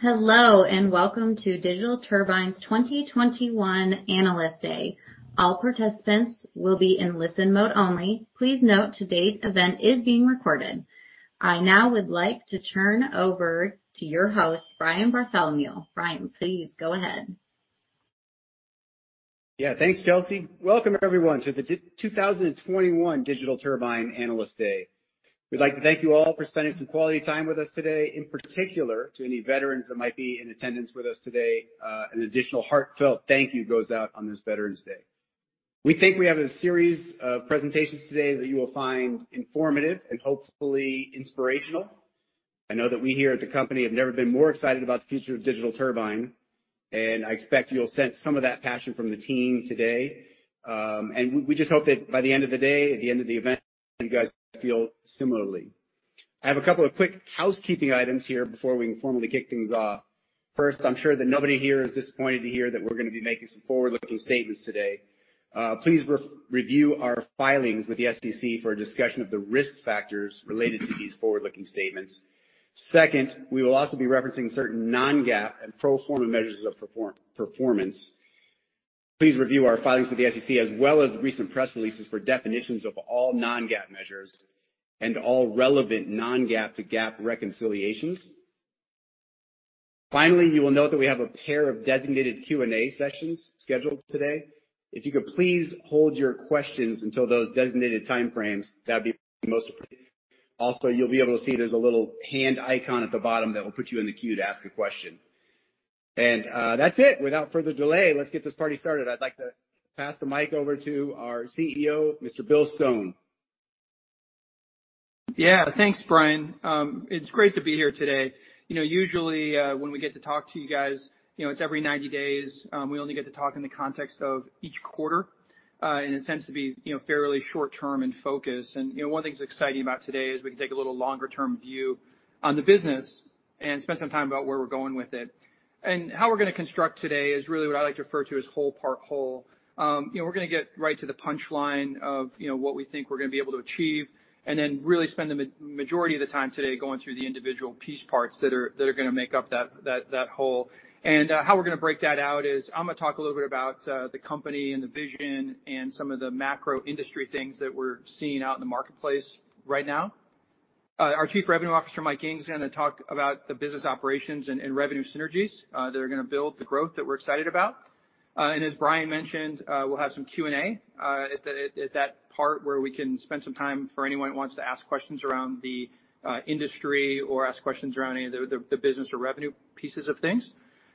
Hello, and welcome to Digital Turbine's 2021 Analyst Day. All participants will be in listen mode only. Please note today's event is being recorded. I now would like to turn over to your host, Brian Bartholomew. Brian, please go ahead. Yeah. Thanks, Chelsea. Welcome, everyone, to 2021 Digital Turbine Analyst Day. We'd like to thank you all for spending some quality time with us today, in particular to any veterans that might be in attendance with us today, an additional heartfelt thank you goes out on this Veterans Day. We think we have a series of presentations today that you will find informative and hopefully inspirational. I know that we here at the company have never been more excited about the future of Digital Turbine, and I expect you'll sense some of that passion from the team today. We just hope that by the end of the day, at the end of the event, you guys feel similarly. I have a couple of quick housekeeping items here before we formally kick things off. First, I'm sure that nobody here is disappointed to hear that we're gonna be making some forward-looking statements today. Please re-review our filings with the SEC for a discussion of the risk factors related to these forward-looking statements. Second, we will also be referencing certain Non-GAAP and pro forma measures of performance. Please review our filings with the SEC as well as recent press releases for definitions of all Non-GAAP measures and all relevant Non-GAAP to GAAP reconciliations. Finally, you will note that we have a pair of designated Q&A sessions scheduled today. If you could please hold your questions until those designated time frames, that'd be most appreciated. Also, you'll be able to see there's a little hand icon at the bottom that will put you in the queue to ask a question. That's it. Without further delay, let's get this party started. I'd like to pass the mic over to our Chief Executive Officer, Mr. Bill Stone. Yeah. Thanks, Brian. It's great to be here today. You know, usually, when we get to talk to you guys, you know, it's every 90 days, we only get to talk in the context of each quarter, and it tends to be, you know, fairly short-term in focus. You know, one thing that's exciting about today is we can take a little longer-term view on the business and spend some time about where we're going with it. How we're gonna construct today is really what I like to refer to as whole, part, whole. You know, we're gonna get right to the punch line of, you know, what we think we're gonna be able to achieve, and then really spend the majority of the time today going through the individual piece parts that are gonna make up that whole. How we're gonna break that out is I'm gonna talk a little bit about the company and the vision and some of the macro industry things that we're seeing out in the marketplace right now. Our Chief Revenue Officer, Mike Ng, is gonna talk about the business operations and revenue synergies that are gonna build the growth that we're excited about. As Brian mentioned, we'll have some Q&A at that part where we can spend some time for anyone that wants to ask questions around the industry or ask questions around any of the business or revenue pieces of things.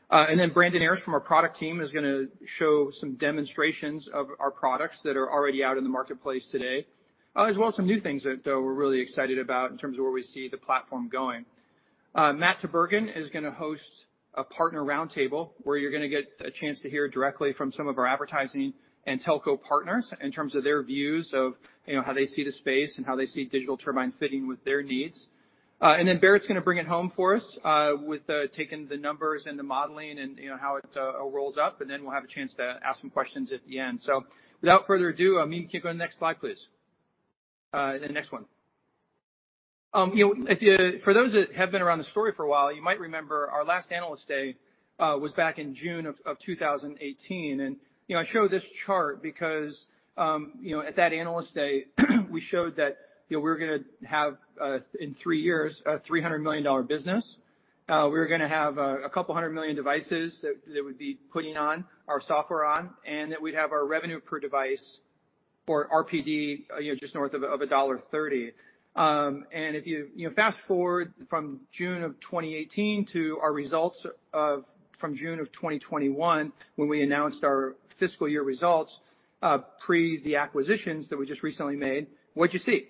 Brandon Ayers from our product team is gonna show some demonstrations of our products that are already out in the marketplace today, as well as some new things that we're really excited about in terms of where we see the platform going. Matt Tubergen is gonna host a partner roundtable where you're gonna get a chance to hear directly from some of our advertising and telco partners in terms of their views of, you know, how they see the space and how they see Digital Turbine fitting with their needs. Barrett's gonna bring it home for us with taking the numbers and the modeling and, you know, how it rolls up, and then we'll have a chance to ask some questions at the end. Without further ado, Mimi, can you go to the next slide, please? The next one. You know, for those that have been around the story for a while, you might remember our last Analyst Day was back in June of 2018. I show this chart because, you know, at that Analyst Day, we showed that, you know, we're gonna have, in three years a $300 million business, we were gonna have a couple hundred million devices that would be putting our software on, and that we'd have our revenue per device or RPD, you know, just north of a $1.30. If you know, fast-forward from June of 2018 to our results from June of 2021 when we announced our fiscal year results, pre the acquisitions that we just recently made, what'd you see?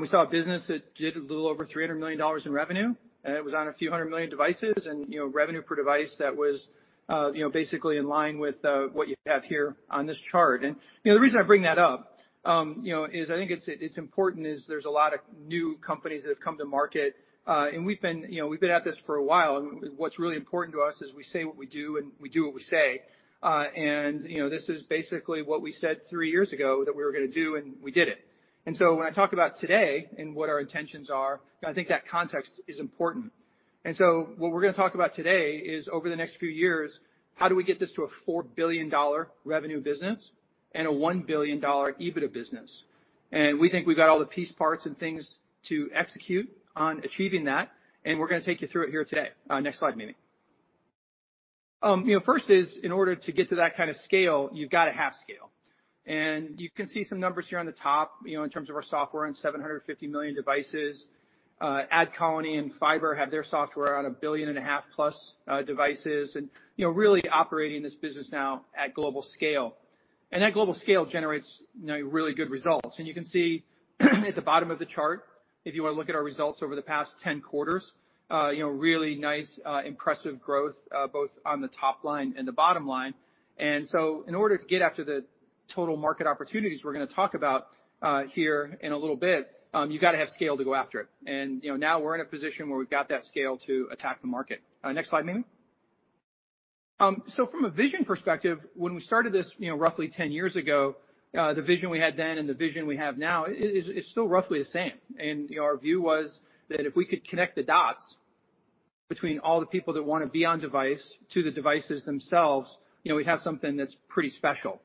We saw a business that did a little over $300 million in revenue, and it was on a few hundred million devices and, you know, revenue per device that was, you know, basically in line with what you have here on this chart. You know, the reason I bring that up, you know, is I think it's important is there's a lot of new companies that have come to market, and we've been, you know, we've been at this for a while. What's really important to us is we say what we do and we do what we say. You know, this is basically what we said three years ago that we were gonna do, and we did it. When I talk about today and what our intentions are, you know, I think that context is important. What we're gonna talk about today is over the next few years, how do we get this to a $4 billion revenue business and a $1 billion EBITDA business? We think we've got all the piece parts and things to execute on achieving that, and we're gonna take you through it here today. Next slide, Mimi. You know, first is in order to get to that kind of scale, you've gotta have scale. You can see some numbers here on the top, you know, in terms of our software and 750 million devices. AdColony and Fyber have their software on 1.5 billion+ devices and, you know, really operating this business now at global scale. That global scale generates, you know, really good results. You can see at the bottom of the chart, if you wanna look at our results over the past 10 quarters, you know, really nice, impressive growth, both on the top line and the bottom line. In order to get after the total market opportunities we're gonna talk about here in a little bit, you gotta have scale to go after it. You know, now we're in a position where we've got that scale to attack the market. Next slide, Mimi. From a vision perspective, when we started this, you know, roughly 10 years ago, the vision we had then and the vision we have now is still roughly the same. Our view was that if we could connect the dots between all the people that wanna be on device to the devices themselves, you know, we'd have something that's pretty special.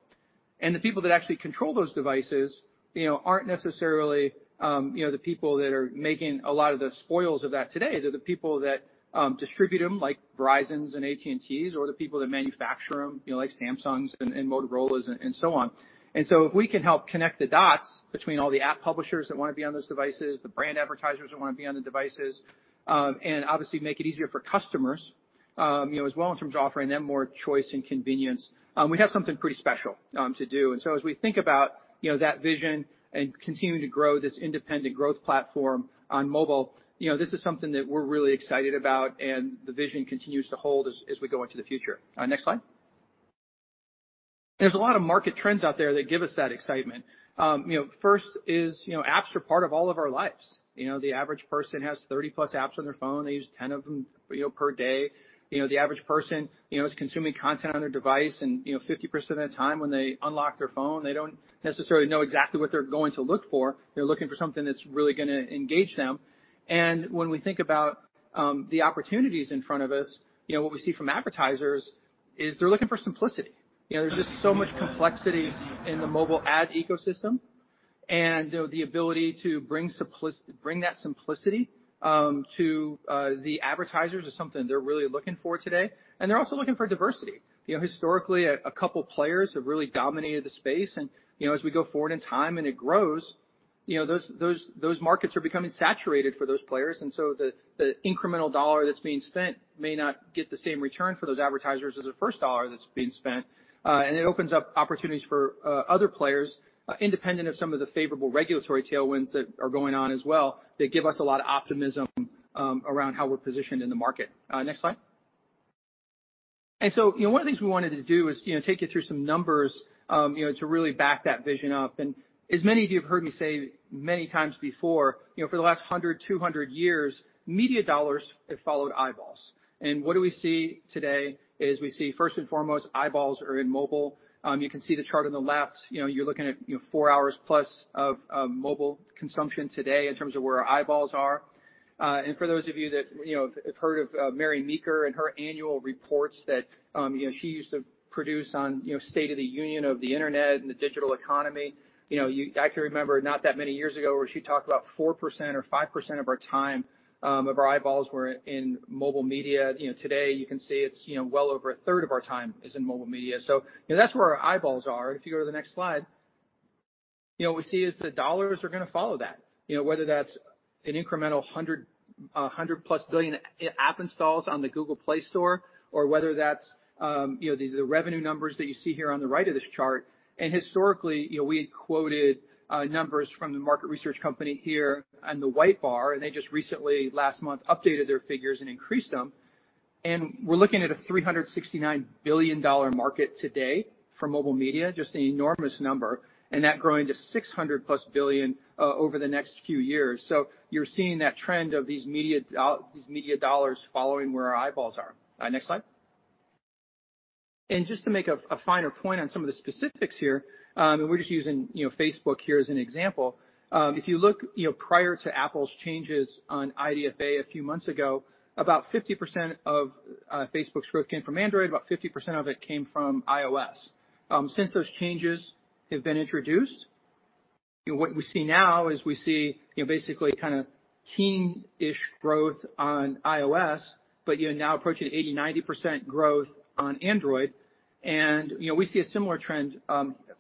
The people that actually control those devices, you know, aren't necessarily, you know, the people that are making a lot of the spoils of that today. They're the people that distribute them, like Verizons and AT&Ts or the people that manufacture them, you know, like Samsungs and Motorolas and so on. If we can help connect the dots between all the app publishers that wanna be on those devices, the brand advertisers that wanna be on the devices, and obviously make it easier for customers, you know, as well in terms of offering them more choice and convenience, we'd have something pretty special, to do. As we think about, you know, that vision and continuing to grow this independent growth platform on mobile, you know, this is something that we're really excited about, and the vision continues to hold as we go into the future. Next slide. There's a lot of market trends out there that give us that excitement. Apps are part of all of our lives. The average person has 30+ apps on their phone. They use 10 apps of them, you know, per day. You know, the average person, you know, is consuming content on their device and, you know, 50% of the time when they unlock their phone, they don't necessarily know exactly what they're going to look for. They're looking for something that's really gonna engage them. When we think about the opportunities in front of us, you know, what we see from advertisers is they're looking for simplicity. You know, there's just so much complexities in the mobile ad ecosystem, and, you know, the ability to bring that simplicity to the advertisers is something they're really looking for today. They're also looking for diversity. You know, historically a couple players have really dominated the space and, you know, as we go forward in time and it grows, you know, those markets are becoming saturated for those players. The incremental dollar that's being spent may not get the same return for those advertisers as the first dollar that's being spent. It opens up opportunities for other players independent of some of the favorable regulatory tailwinds that are going on as well that give us a lot of optimism around how we're positioned in the market. Next slide. You know, one of the things we wanted to do is, you know, take you through some numbers, you know, to really back that vision up. As many of you have heard me say many times before, you know, for the last 100 years, 200 years, media dollars have followed eyeballs. What we see today is we see first and foremost, eyeballs are in mobile. You can see the chart on the left. You know, you're looking at, you know, four hours+ of mobile consumption today in terms of where our eyeballs are. For those of you that, you know, have heard of Mary Meeker and her annual reports that, you know, she used to produce on, you know, state of the union of the Internet and the digital economy. You know, I can remember not that many years ago, where she talked about 4% or 5% of our time of our eyeballs were in mobile media. You know, today, you can see it's, you know, well over a 1/3 of our time is in mobile media. You know, that's where our eyeballs are. If you go to the next slide, you know, what we see is the dollars are gonna follow that. You know, whether that's an incremental 100+ billion app installs on the Google Play Store or whether that's, you know, the revenue numbers that you see here on the right of this chart. Historically, you know, we had quoted numbers from the market research company here on the white bar, and they just recently last month updated their figures and increased them. We're looking at a $369 billion market today for mobile media, just an enormous number, and that growing to $600+ billion over the next few years. You're seeing that trend of these media dollars following where our eyeballs are. Next slide. Just to make a finer point on some of the specifics here, we're just using, you know, Facebook here as an example. If you look, you know, prior to Apple's changes on IDFA a few months ago, about 50% of Facebook's growth came from Android, about 50% of it came from iOS. Since those changes have been introduced, what we see now is basically kinda teen-ish growth on iOS, but you're now approaching 80%-90% growth on Android. We see a similar trend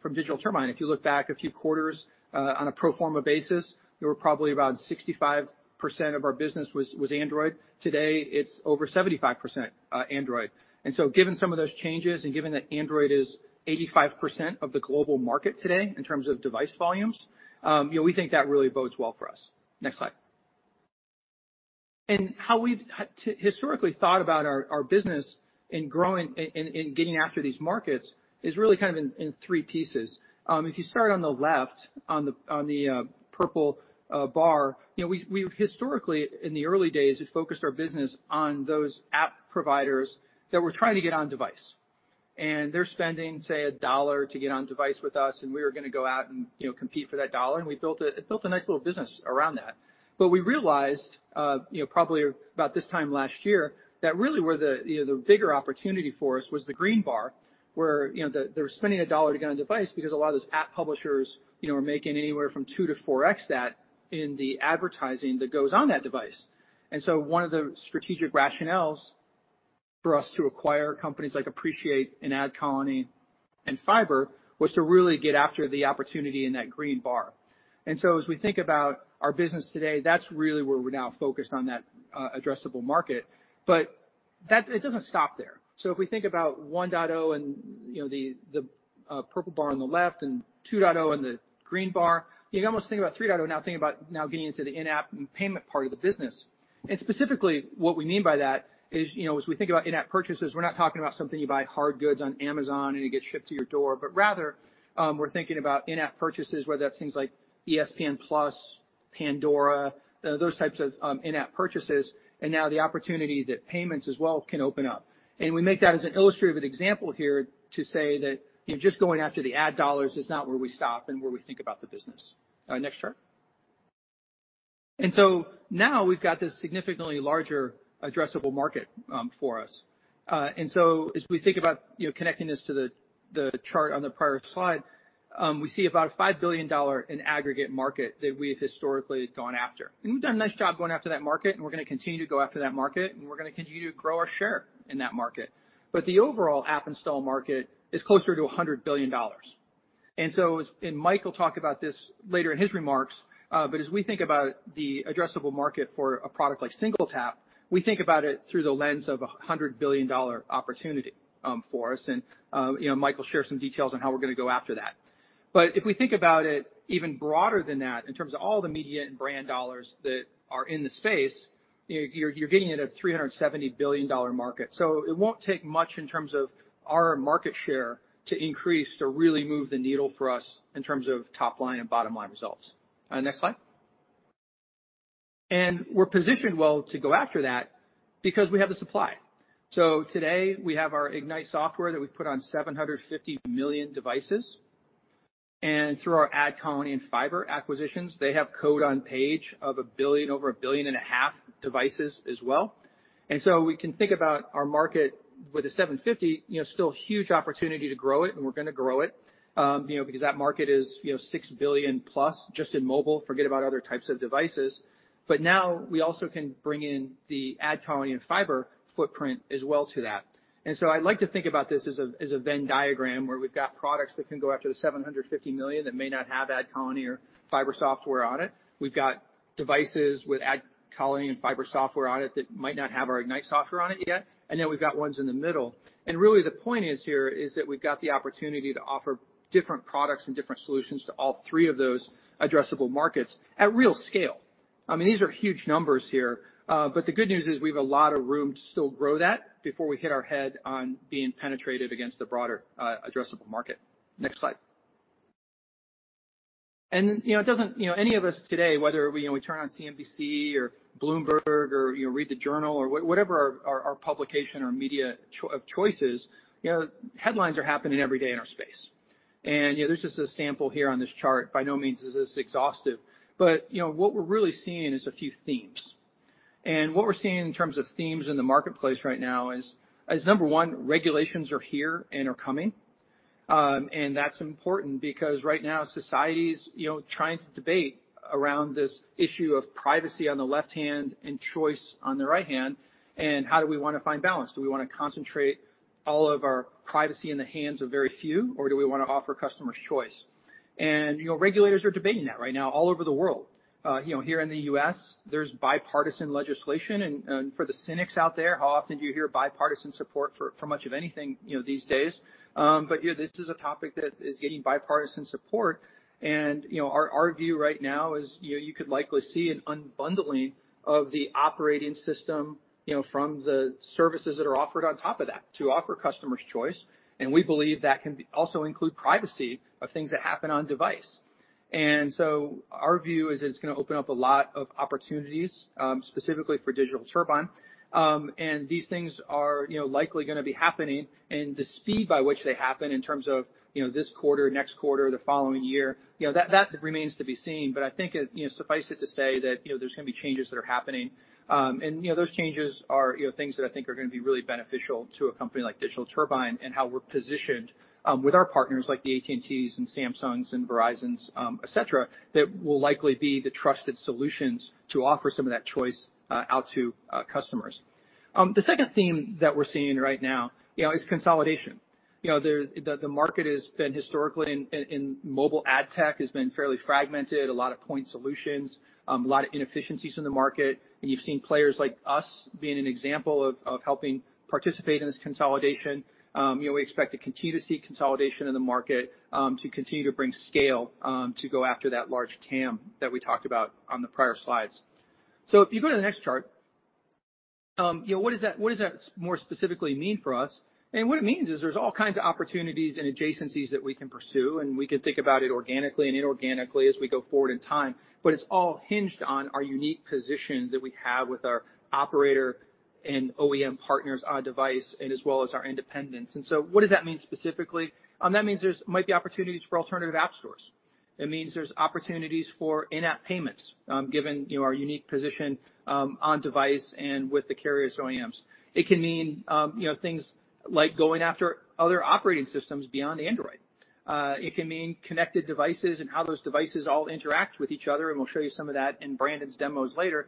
from Digital Turbine. If you look back a few quarters, on a pro forma basis, there were probably about 65% of our business was Android. Today, it's over 75%, Android. Given some of those changes and given that Android is 85% of the global market today in terms of device volumes, you know, we think that really bodes well for us. Next slide. How we've historically thought about our business in growing and getting after these markets is really kind of in three pieces. If you start on the left on the purple bar, you know, we've historically, in the early days, had focused our business on those app providers that were trying to get on device. They're spending, say, $1 to get on device with us, and we were gonna go out and, you know, compete for that dollar, and we built a nice little business around that. We realized, probably about this time last year, that really where the bigger opportunity for us was the green bar, where they're spending $1 to get on device because a lot of those app publishers are making anywhere from 2x-4x that in the advertising that goes on that device. One of the strategic rationales for us to acquire companies like Appreciate and AdColony and Fyber was to really get after the opportunity in that green bar. As we think about our business today, that's really where we're now focused on that addressable market. That doesn't stop there. If we think about 1.0 and, you know, the purple bar on the left and 2.0 and the green bar, you can almost think about 3.0 now. Think about now getting into the in-app payment part of the business. Specifically, what we mean by that is, you know, as we think about in-app purchases, we're not talking about something you buy hard goods on Amazon and it gets shipped to your door, but rather, we're thinking about in-app purchases, whether that's things like ESPN+ and Pandora, those types of in-app purchases, and now the opportunity that payments as well can open up. We make that as an illustrative example here to say that just going after the ad dollars is not where we stop and where we think about the business. Next chart. Now we've got this significantly larger addressable market for us. As we think about, you know, connecting this to the chart on the prior slide, we see about a $5 billion in aggregate market that we have historically gone after. We've done a nice job going after that market, and we're gonna continue to go after that market, and we're gonna continue to grow our share in that market. The overall app install market is closer to a $100 billion. Mike will talk about this later in his remarks, but as we think about the addressable market for a product like SingleTap, we think about it through the lens of a $100 billion opportunity for us. You know, Mike will share some details on how we're gonna go after that. If we think about it even broader than that, in terms of all the media and brand dollars that are in the space, you're getting at a $370 billion market. It won't take much in terms of our market share to increase to really move the needle for us in terms of top line and bottom line results. Next slide. We're positioned well to go after that because we have the supply. Today, we have our Ignite software that we've put on 750 million devices. Through our AdColony and Fyber acquisitions, they have code on page of 1 billion, over 1.5 billion devices as well. We can think about our market with the 750 million devices, still huge opportunity to grow it, and we're gonna grow it, because that market is $6 billion+ just in mobile, forget about other types of devices. Now we also can bring in the AdColony and Fyber footprint as well to that. I'd like to think about this as a Venn diagram where we've got products that can go after the 750 million devices that may not have AdColony or Fyber software on it. We've got devices with AdColony and Fyber software on it that might not have our Ignite software on it yet. Then we've got ones in the middle. Really the point is here is that we've got the opportunity to offer different products and different solutions to all three of those addressable markets at real scale. I mean, these are huge numbers here. But the good news is we have a lot of room to still grow that before we hit our head on being penetrated against the broader addressable market. Next slide. You know, any of us today, whether we, you know, we turn on CNBC or Bloomberg or, you know, read The Journal or whatever our publication or media choices, you know, headlines are happening every day in our space. You know, there's just a sample here on this chart. By no means is this exhaustive. But, you know, what we're really seeing is a few themes. What we're seeing in terms of themes in the marketplace right now is number one, regulations are here and are coming. That's important because right now society's, you know, trying to debate around this issue of privacy on the left hand and choice on the right hand, and how do we wanna find balance? Do we wanna concentrate all of our privacy in the hands of very few, or do we wanna offer customers choice? You know, regulators are debating that right now all over the world. You know, here in the U.S., there's bipartisan legislation. For the cynics out there, how often do you hear bipartisan support for much of anything, you know, these days? Yeah, this is a topic that is getting bipartisan support. You know, our view right now is, you know, you could likely see an unbundling of the operating system, you know, from the services that are offered on top of that to offer customers choice, and we believe that can also include privacy of things that happen on device. Our view is it's gonna open up a lot of opportunities, specifically for Digital Turbine. These things are, you know, likely gonna be happening. The speed by which they happen in terms of, you know, this quarter, next quarter, the following year, you know, that remains to be seen. I think, you know, suffice it to say that, you know, there's gonna be changes that are happening. You know, those changes are, you know, things that I think are gonna be really beneficial to a company like Digital Turbine and how we're positioned with our partners, like the AT&Ts and Samsungs and Verizons, et cetera, that will likely be the trusted solutions to offer some of that choice out to customers. The second theme that we're seeing right now, you know, is consolidation. You know, the market has been historically in mobile ad tech fairly fragmented, a lot of point solutions, a lot of inefficiencies in the market. You've seen players like us being an example of helping participate in this consolidation. You know, we expect to continue to see consolidation in the market, to continue to bring scale, to go after that large TAM that we talked about on the prior slides. If you go to the next chart, you know, what does that more specifically mean for us? What it means is there are all kinds of opportunities and adjacencies that we can pursue, and we can think about it organically and inorganically as we go forward in time, but it's all hinged on our unique position that we have with our operator and OEM partners on device and as well as our independents. What does that mean specifically? That means there might be opportunities for alternative app stores. It means there's opportunities for in-app payments, given, you know, our unique position on device and with the carrier's OEMs. It can mean, you know, things like going after other operating systems beyond Android. It can mean connected devices and how those devices all interact with each other, and we'll show you some of that in Brandon's demos later.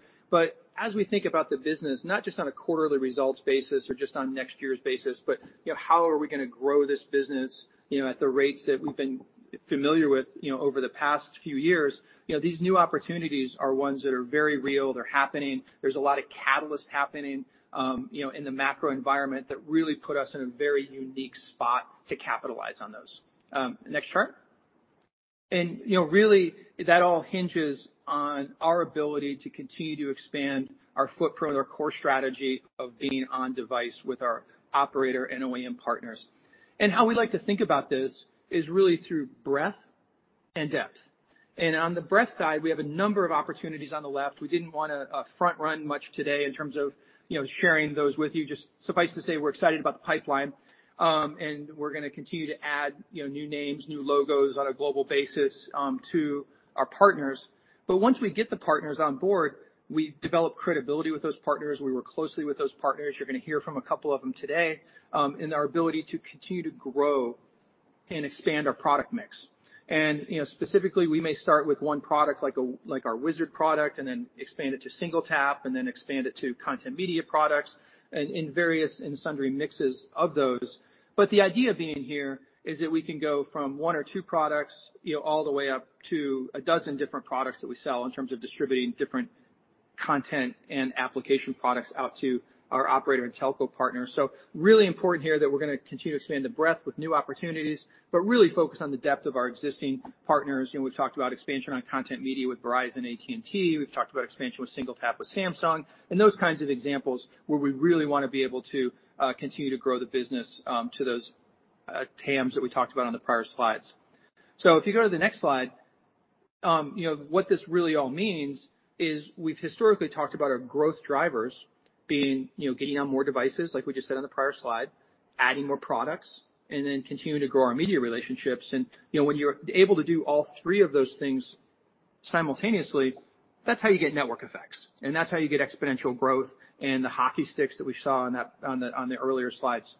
As we think about the business, not just on a quarterly results basis or just on next year's basis, but, you know, how are we gonna grow this business, you know, at the rates that we've been familiar with, you know, over the past few years? You know, these new opportunities are ones that are very real. They're happening. There's a lot of catalyst happening, you know, in the macro environment that really put us in a very unique spot to capitalize on those. Next chart. You know, really that all hinges on our ability to continue to expand our footprint, our core strategy of being on device with our operator and OEM partners. How we like to think about this is really through breadth and depth. On the breadth side, we have a number of opportunities on the left. We didn't wanna front-run much today in terms of, you know, sharing those with you. Just suffice to say, we're excited about the pipeline, and we're gonna continue to add, you know, new names, new logos on a global basis, to our partners. Once we get the partners on board, we develop credibility with those partners. We work closely with those partners. You're gonna hear from a couple of them today, in our ability to continue to grow and expand our product mix. You know, specifically, we may start with one product like our Wizard product and then expand it to SingleTap, and then expand it to Content Media products in various and sundry mixes of those. But the idea being here is that we can go from one or two products, you know, all the way up to a dozen different products that we sell in terms of distributing different content and application products out to our operator and telco partners. Really important here that we're gonna continue to expand the breadth with new opportunities, but really focus on the depth of our existing partners. You know, we've talked about expansion on Content Media with Verizon, AT&T. We've talked about expansion with SingleTap with Samsung, and those kinds of examples where we really wanna be able to continue to grow the business to those TAMs that we talked about on the prior slides. If you go to the next slide, you know, what this really all means is we've historically talked about our growth drivers being, you know, getting on more devices, like we just said on the prior slide, adding more products and then continuing to grow our media relationships. You know, when you're able to do all three of those things simultaneously, that's how you get network effects, and that's how you get exponential growth and the hockey sticks that we saw on the earlier slides.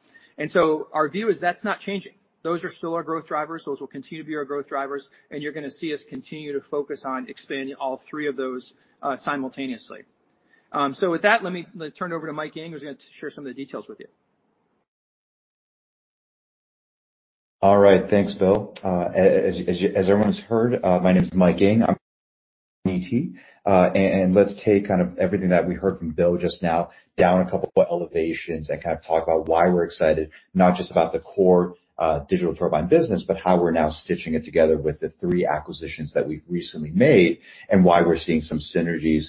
Our view is that's not changing. Those are still our growth drivers. Those will continue to be our growth drivers, and you're gonna see us continue to focus on expanding all three of those, simultaneously. With that, let me turn it over to Mike Ng, who's gonna share some of the details with you. All right. Thanks, Bill. As everyone has heard, my name is Mike Ng. And let's take kind of everything that we heard from Bill just now down a couple of elevations and kind of talk about why we're excited, not just about the core Digital Turbine business, but how we're now stitching it together with the three acquisitions that we've recently made and why we're seeing some synergies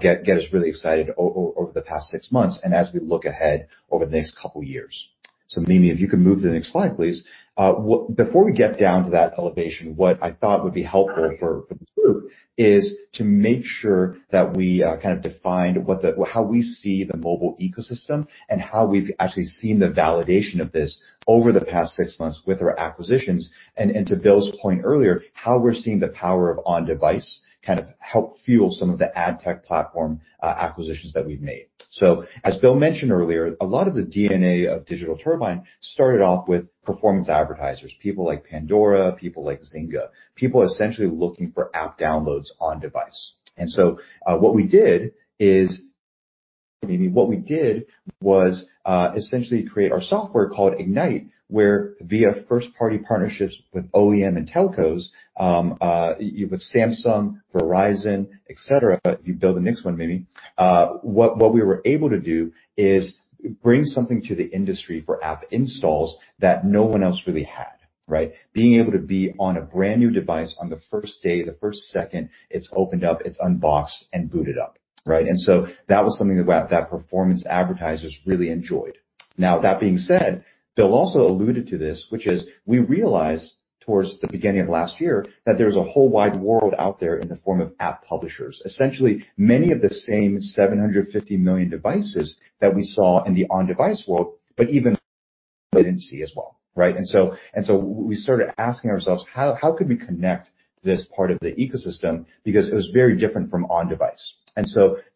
get us really excited over the past six months and as we look ahead over the next couple years. Mimi, if you can move to the next slide, please. Before we get down to that elevation, what I thought would be helpful for the group is to make sure that we kind of defined what the... How we see the mobile ecosystem and how we've actually seen the validation of this over the past six months with our acquisitions. To Bill's point earlier, how we're seeing the power of on-device kind of help fuel some of the ad tech platform acquisitions that we've made. As Bill mentioned earlier, a lot of the DNA of Digital Turbine started off with performance advertisers, people like Pandora, people like Zynga, people essentially looking for app downloads on device. What we did was essentially create our software called Ignite, where via first-party partnerships with OEMs and telcos with Samsung, Verizon, et cetera. If you go the next one, Mimi. What we were able to do is bring something to the industry for app installs that no one else really had, right? Being able to be on a brand new device on the first day, the first second, it's opened up, it's unboxed and booted up, right? That was something that performance advertisers really enjoyed. Now, that being said, Bill also alluded to this, which is we realized towards the beginning of last year that there's a whole wide world out there in the form of app publishers. Essentially many of the same 750 million devices that we saw in the on-device world, but even latency as well, right? We started asking ourselves, how could we connect this part of the ecosystem? Because it was very different from on-device.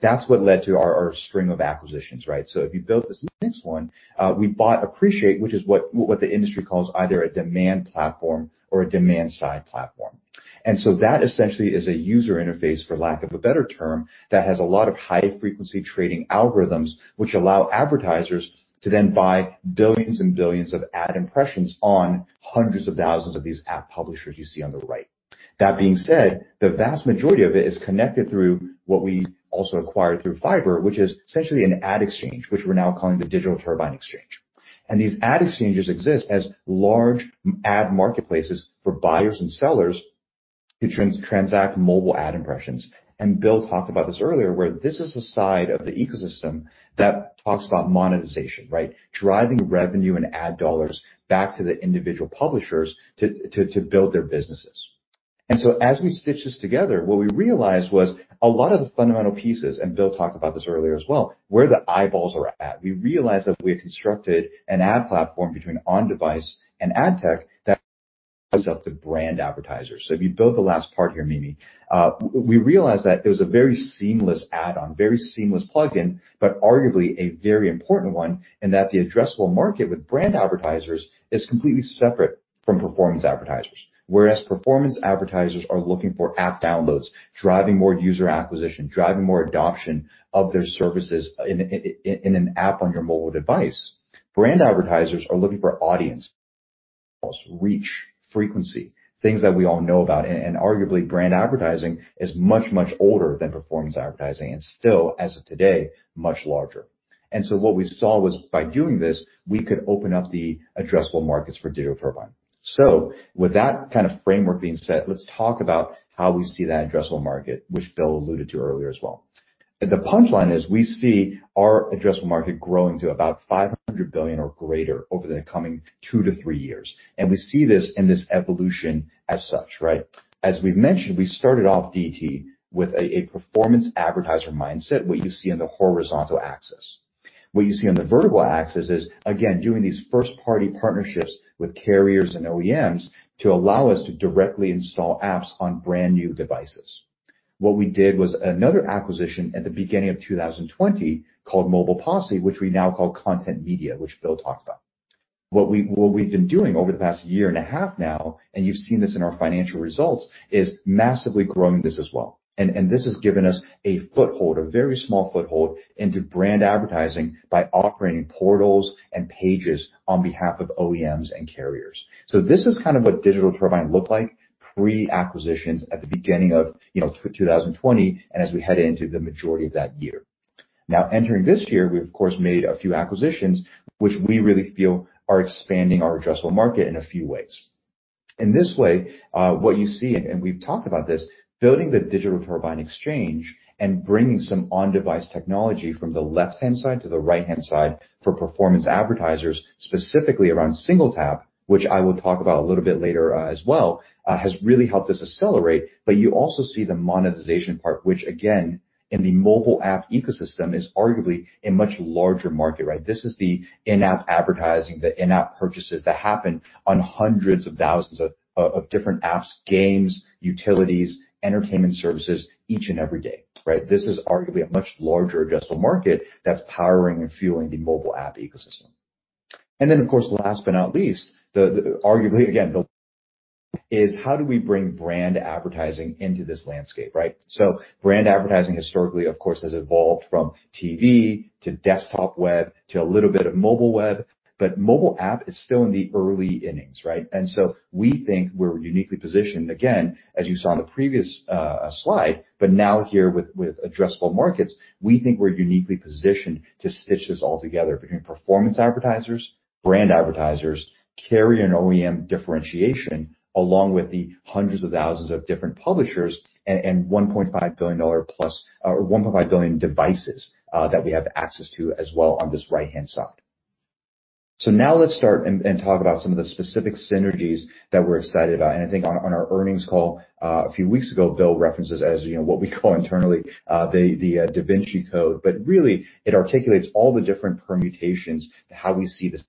That's what led to our string of acquisitions, right? If you go to the next one. We bought Appreciate, which is what the industry calls either a demand platform or a demand-side platform. That essentially is a user interface, for lack of a better term, that has a lot of high-frequency trading algorithms, which allow advertisers to then buy billions and billions of ad impressions on hundreds of thousands of these app publishers you see on the right. That being said, the vast majority of it is connected through what we also acquired through Fyber, which is essentially an ad exchange, which we're now calling the Digital Turbine Exchange. These ad exchanges exist as large ad marketplaces for buyers and sellers to transact mobile ad impressions. Bill talked about this earlier, where this is the side of the ecosystem that talks about monetization, right? Driving revenue and ad dollars back to the individual publishers to build their businesses. As we stitch this together, what we realized was a lot of the fundamental pieces, and Bill talked about this earlier as well, where the eyeballs are at. We realized that we had constructed an ad platform between on-device and ad tech that lends itself to brand advertisers. If you go to the last part here, Mimi. We realized that it was a very seamless add-on, very seamless plugin, but arguably a very important one, and that the addressable market with brand advertisers is completely separate from performance advertisers. Whereas performance advertisers are looking for app downloads, driving more user acquisition, driving more adoption of their services in an app on your mobile device. Brand advertisers are looking for audience. Reach, frequency, things that we all know about. Arguably brand advertising is much, much older than performance advertising, and still, as of today, much larger. What we saw was by doing this, we could open up the addressable markets for Digital Turbine. With that kind of framework being set, let's talk about how we see that addressable market, which Bill alluded to earlier as well. The punchline is we see our addressable market growing to about $500 billion or greater over the coming two to three years. We see this in this evolution as such, right? As we've mentioned, we started off DT with a performance advertiser mindset, what you see in the horizontal axis. What you see on the vertical axis is, again, doing these first-party partnerships with carriers and OEMs to allow us to directly install apps on brand-new devices. What we did was another acquisition at the beginning of 2020 called Mobile Posse, which we now call Content Media, which Bill talked about. What we've been doing over the past year and a half now, and you've seen this in our financial results, is massively growing this as well. This has given us a foothold, a very small foothold into brand advertising by operating portals and pages on behalf of OEMs and carriers. This is kind of what Digital Turbine looked like pre-acquisitions at the beginning of, you know, 2020, and as we head into the majority of that year. Now, entering this year, we've of course made a few acquisitions, which we really feel are expanding our addressable market in a few ways. In this way, what you see, and we've talked about this, building the Digital Turbine Exchange and bringing some on-device technology from the left-hand side to the right-hand side for performance advertisers, specifically around SingleTap, which I will talk about a little bit later, as well, has really helped us accelerate. You also see the monetization part, which again, in the mobile app ecosystem, is arguably a much larger market, right? This is the in-app advertising, the in-app purchases that happen on hundreds of thousands of different apps, games, utilities, entertainment services each and every day, right? This is arguably a much larger addressable market that's powering and fueling the mobile app ecosystem. Of course, last but not least, arguably again, this is how do we bring brand advertising into this landscape, right? Brand advertising historically, of course, has evolved from TV to desktop web to a little bit of mobile web, but mobile app is still in the early innings, right? We think we're uniquely positioned, again, as you saw in the previous slide, but now here with addressable markets. We think we're uniquely positioned to stitch this all together between performance advertisers, brand advertisers, carrier and OEM differentiation, along with the hundreds of thousands of different publishers and 1.5 billion devices that we have access to as well on this right-hand side. Now let's start and talk about some of the specific synergies that we're excited about. I think on our earnings call a few weeks ago, Bill references, you know, what we call internally the Da Vinci code. Really, it articulates all the different permutations to how we see this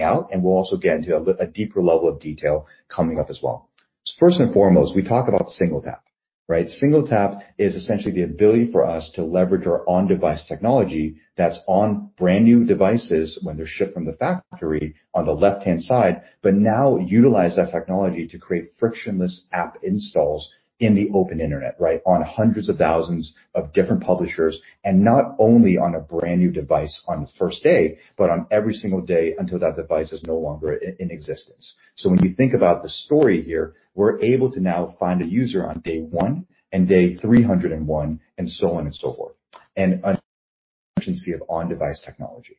out, and we'll also get into a deeper level of detail coming up as well. First and foremost, we talk about SingleTap, right? SingleTap is essentially the ability for us to leverage our on-device technology that's on brand-new devices when they're shipped from the factory on the left-hand side, but now utilize that technology to create frictionless app installs in the open internet, right? On hundreds of thousands of different publishers, and not only on a brand-new device on the first day, but on every single day until that device is no longer in existence. When you think about the story here, we're able to now find a user on day 1 and day 301 and so on and so forth. Efficiency of on-device technology.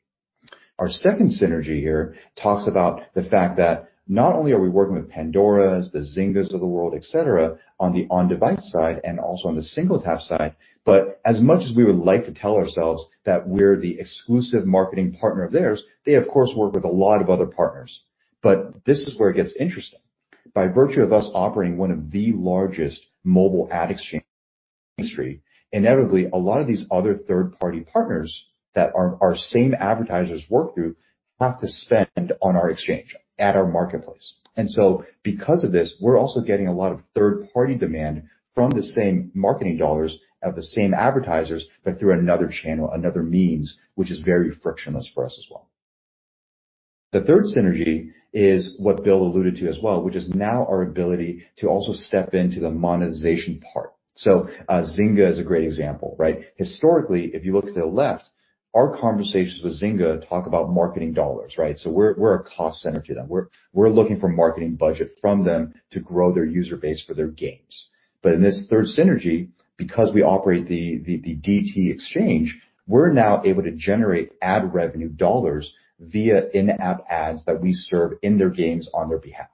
Our second synergy here talks about the fact that not only are we working with Pandora, the Zyngas of the world, et cetera, on the on-device side and also on the SingleTap side, but as much as we would like to tell ourselves that we're the exclusive marketing partner of theirs, they of course work with a lot of other partners. This is where it gets interesting. By virtue of us operating one of the largest mobile ad exchange industry, inevitably, a lot of these other third-party partners that our same advertisers work through have to spend on our exchange at our marketplace. Because of this, we're also getting a lot of third-party demand from the same marketing dollars of the same advertisers, but through another channel, another means, which is very frictionless for us as well. The third synergy is what Bill alluded to as well, which is now our ability to also step into the monetization part. Zynga is a great example, right? Historically, if you look to the left, our conversations with Zynga talk about marketing dollars, right? We're a cost center to them. We're looking for marketing budget from them to grow their user base for their games. In this third synergy, because we operate the DT Exchange, we're now able to generate ad revenue dollars via in-app ads that we serve in their games on their behalf.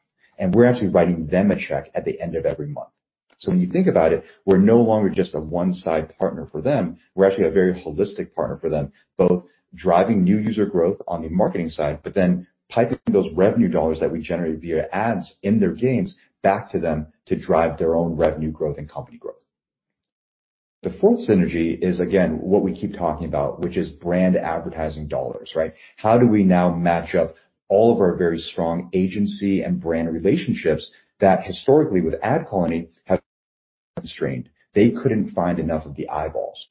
We're actually writing them a check at the end of every month. When you think about it, we're no longer just a one-side partner for them. We're actually a very holistic partner for them, both driving new user growth on the marketing side, but then piping those revenue dollars that we generate via ads in their games back to them to drive their own revenue growth and company growth. The fourth synergy is again, what we keep talking about, which is brand advertising dollars, right? How do we now match up all of our very strong agency and brand relationships that historically with AdColony have been constrained. They couldn't find enough of the eyeballs.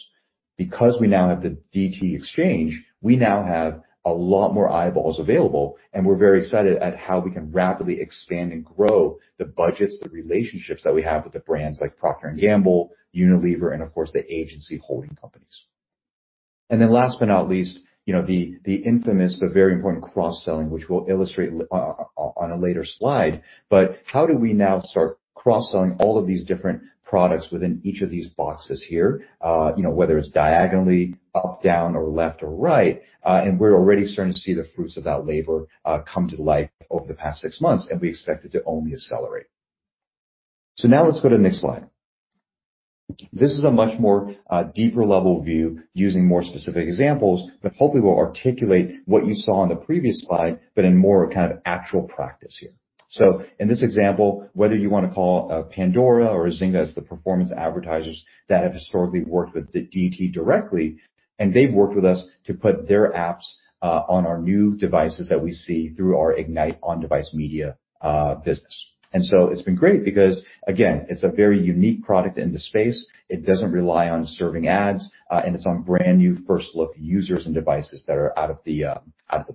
Because we now have the DT Exchange, we now have a lot more eyeballs available, and we're very excited at how we can rapidly expand and grow the budgets, the relationships that we have with the brands like Procter & Gamble, Unilever, and of course, the agency holding companies. Then last but not least, you know, the infamous but very important cross-selling, which we'll illustrate on a later slide. How do we now start cross-selling all of these different products within each of these boxes here, whether it's diagonally, up, down, or left or right, and we're already starting to see the fruits of that labor come to life over the past six months, and we expect it to only accelerate. Now let's go to the next slide. This is a much more deeper level view using more specific examples, but hopefully will articulate what you saw on the previous slide, but in more kind of actual practice here. In this example, whether you wanna call a Pandora or a Zynga as the performance advertisers that have historically worked with DT directly, and they've worked with us to put their apps on our new devices that we see through our Ignite on-device media business. It's been great because, again, it's a very unique product in the space. It doesn't rely on serving ads, and it's on brand-new first look users and devices that are out of the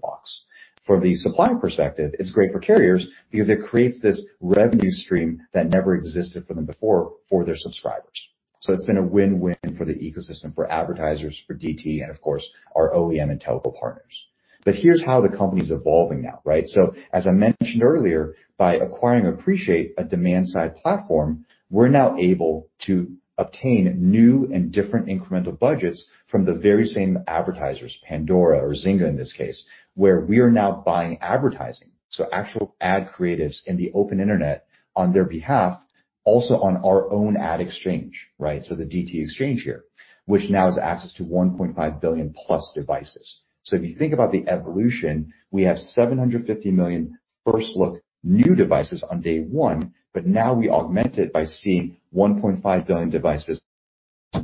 box. For the supplier perspective, it's great for carriers because it creates this revenue stream that never existed for them before for their subscribers. It's been a win-win for the ecosystem, for advertisers, for DT, and of course our OEM and telco partners. Here's how the company's evolving now, right? As I mentioned earlier, by acquiring Appreciate, a demand-side platform, we're now able to obtain new and different incremental budgets from the very same advertisers, Pandora or Zynga in this case, where we are now buying advertising, so actual ad creatives in the open internet on their behalf, also on our own ad exchange, right? The DT Exchange here, which now has access to 1.5 billion-plus devices. If you think about the evolution, we have 750 million first look new devices on day one, but now we augment it by seeing 1.5 billion devices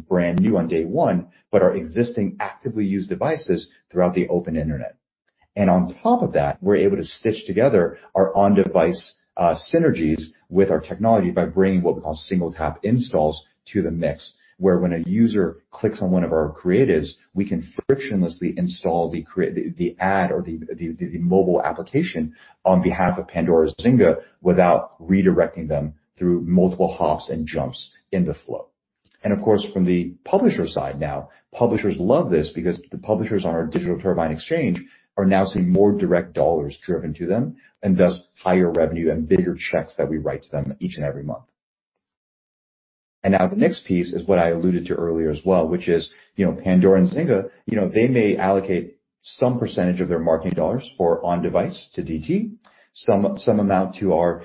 brand new on day one, but our existing, actively used devices throughout the open internet. On top of that, we're able to stitch together our on-device synergies with our technology by bringing what we call SingleTap installs to the mix, where when a user clicks on one of our creatives, we can frictionlessly install the mobile application on behalf of Pandora or Zynga without redirecting them through multiple hops and jumps in the flow. Of course, from the publisher side now, publishers love this because the publishers on our Digital Turbine Exchange are now seeing more direct dollars driven to them and thus higher revenue and bigger checks that we write to them each and every month. Now the next piece is what I alluded to earlier as well, which is, you know, Pandora and Zynga, you know, they may allocate some percentage of their marketing dollars for on device to DT, some amount to our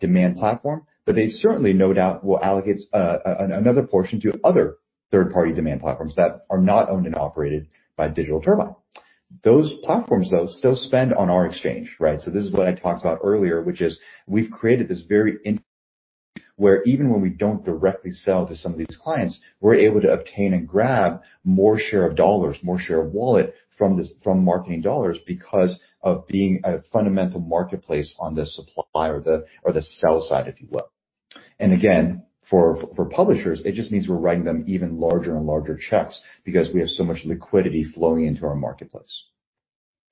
demand platform, but they certainly no doubt will allocate another portion to other third-party demand platforms that are not owned and operated by Digital Turbine. Those platforms, though, still spend on our exchange, right? This is what I talked about earlier, which is we've created this very integrated where even when we don't directly sell to some of these clients, we're able to obtain and grab more share of dollars, more share of wallet from this, from marketing dollars because of being a fundamental marketplace on the supply or the sell side, if you will. For publishers, it just means we're writing them even larger and larger checks because we have so much liquidity flowing into our marketplace.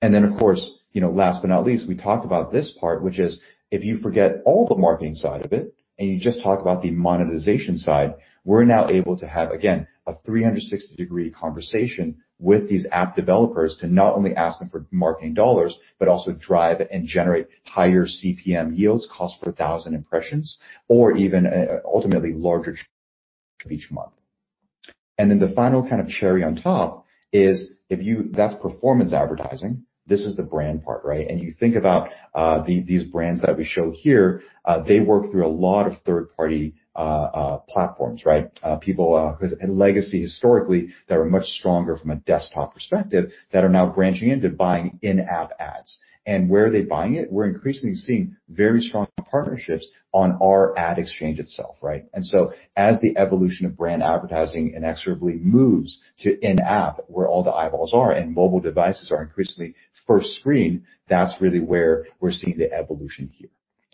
Of course, you know, last but not least, we talked about this part, which is if you forget all the marketing side of it and you just talk about the monetization side, we're now able to have again a 360-degree conversation with these app developers to not only ask them for marketing dollars, but also drive and generate higher CPM yields, cost per 1000 impressions or even ultimately larger each month. The final kind of cherry on top is that's performance advertising. This is the brand part, right? You think about these brands that we show here, they work through a lot of third-party platforms, right? People, 'cause legacy historically, that are much stronger from a desktop perspective that are now branching into buying in-app ads. Where are they buying it? We're increasingly seeing very strong partnerships on our ad exchange itself, right? As the evolution of brand advertising inexorably moves to in-app, where all the eyeballs are and mobile devices are increasingly first screen, that's really where we're seeing the evolution here.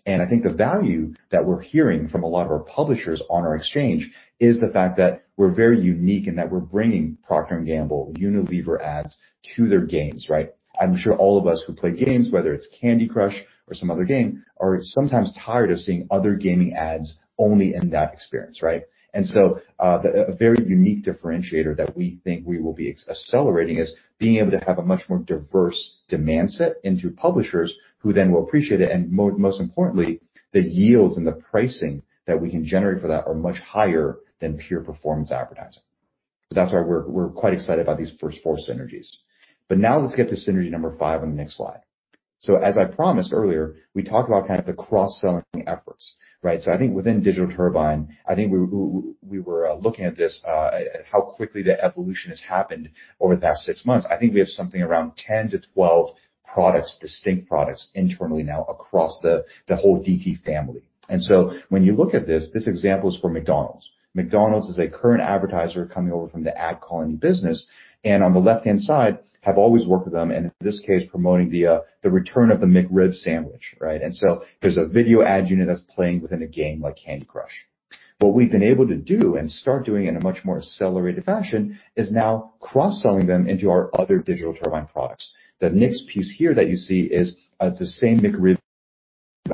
I think the value that we're hearing from a lot of our publishers on our exchange is the fact that we're very unique and that we're bringing Procter & Gamble, Unilever ads to their games, right? I'm sure all of us who play games, whether it's Candy Crush or some other game, are sometimes tired of seeing other gaming ads only in that experience, right? A very unique differentiator that we think we will be accelerating is being able to have a much more diverse demand set into publishers who then will appreciate it, and most importantly, the yields and the pricing that we can generate for that are much higher than pure performance advertising. That's why we're quite excited about these first four synergies. Now let's get to synergy number five on the next slide. As I promised earlier, we talked about kind of the cross-selling efforts, right? I think within Digital Turbine, I think we were looking at this at how quickly the evolution has happened over the past six months. I think we have something around 10-12 products, distinct products internally now across the whole DT family. When you look at this example is for McDonald's. McDonald's is a current advertiser coming over from the AdColony business, and on the left-hand side, have always worked with them, and in this case promoting the return of the McRib sandwich, right? There's a video ad unit that's playing within a game like Candy Crush. What we've been able to do and start doing in a much more accelerated fashion is now cross-selling them into our other Digital Turbine products. The next piece here that you see is the same McRib.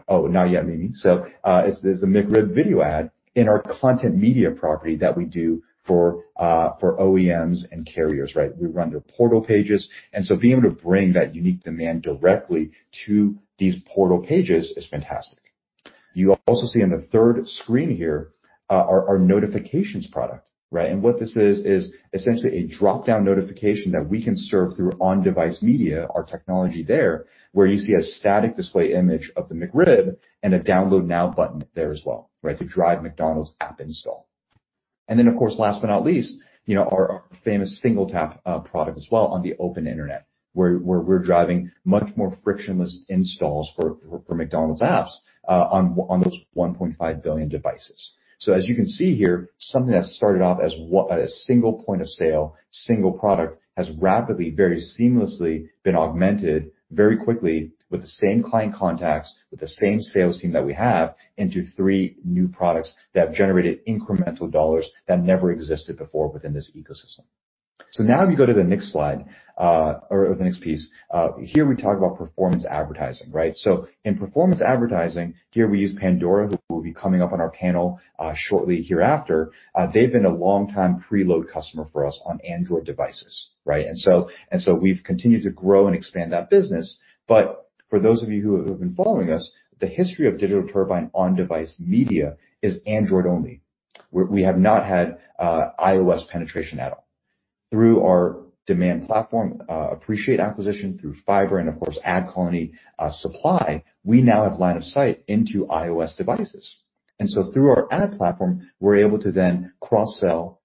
Oh, not yet, Mimi. It's the McRib video ad in our Content Media property that we do for OEMs and carriers, right? We run their portal pages, being able to bring that unique demand directly to these portal pages is fantastic. You also see in the third screen here, our notifications product, right? What this is essentially a drop-down notification that we can serve through on-device media, our technology there, where you see a static display image of the McRib, and a Download Now button there as well, right? To drive McDonald's app install. Then, of course, last but not least, you know, our famous SingleTap product as well on the open internet, where we're driving much more frictionless installs for McDonald's apps on those 1.5 billion devices. As you can see here, something that started off as what. A single point of sale, single product, has rapidly, very seamlessly been augmented very quickly with the same client contacts, with the same sales team that we have into three new products that have generated incremental dollars that never existed before within this ecosystem. Now if you go to the next slide, or the next piece. Here we talk about performance advertising, right? In performance advertising, here we use Pandora, who will be coming up on our panel, shortly hereafter. They've been a long-time preload customer for us on Android devices, right? We've continued to grow and expand that business. For those of you who have been following us, the history of Digital Turbine on device media is Android only. We have not had iOS penetration at all. Through our demand platform, Appreciate acquisition through Fyber and of course, AdColony, supply, we now have line of sight into iOS devices. Through our ad platform, we're able to then cross-sell,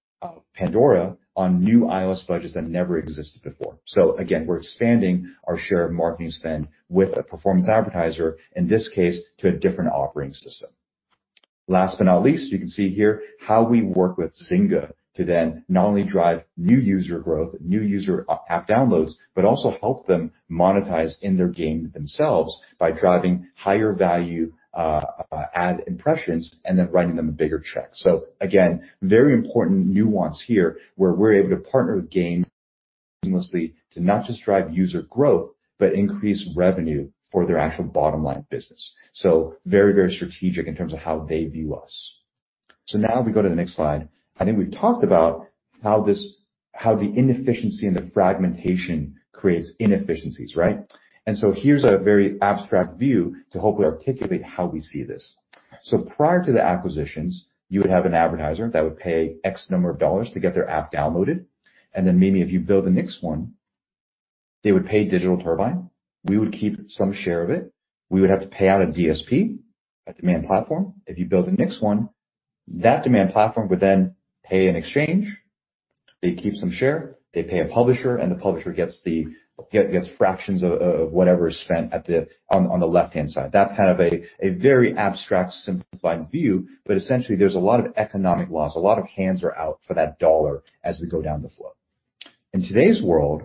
Pandora on new iOS budgets that never existed before. Again, we're expanding our share of marketing spend with a performance advertiser, in this case, to a different operating system. Last but not least, you can see here how we work with Zynga to then not only drive new user growth, new user app downloads, but also help them monetize in their game themselves by driving higher value, ad impressions and then writing them a bigger check. Again, very important nuance here, where we're able to partner with game seamlessly to not just drive user growth, but increase revenue for their actual bottom line business. Very, very strategic in terms of how they view us. Now we go to the next slide. I think we've talked about how the inefficiency and the fragmentation creates inefficiencies, right? Here's a very abstract view to hopefully articulate how we see this. Prior to the acquisitions, you would have an advertiser that would pay X number of dollars to get their app downloaded. Then Mimi, if you go to the next one. They would pay Digital Turbine. We would keep some share of it. We would have to pay out a DSP, a demand platform. If you go to the next one, that demand platform would then pay an exchange. They keep some share, they pay a publisher, and the publisher gets fractions of whatever is spent on the left-hand side. That's kind of a very abstract, simplified view, but essentially there's a lot of economic loss. A lot of hands are out for that dollar as we go down the flow. In today's world,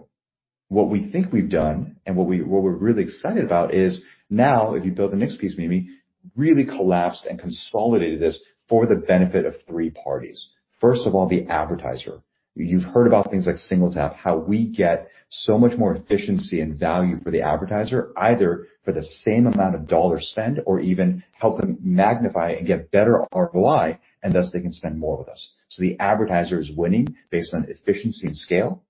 what we think we've done and what we're really excited about is now if you go to the next piece, Mimi, really collapsed and consolidated this for the benefit of three parties. First of all, the advertiser. You've heard about things like SingleTap, how we get so much more efficiency and value for the advertiser, either for the same amount of dollar spend or even help them magnify and get better ROI, and thus they can spend more with us. The advertiser is winning based on efficiency and scale.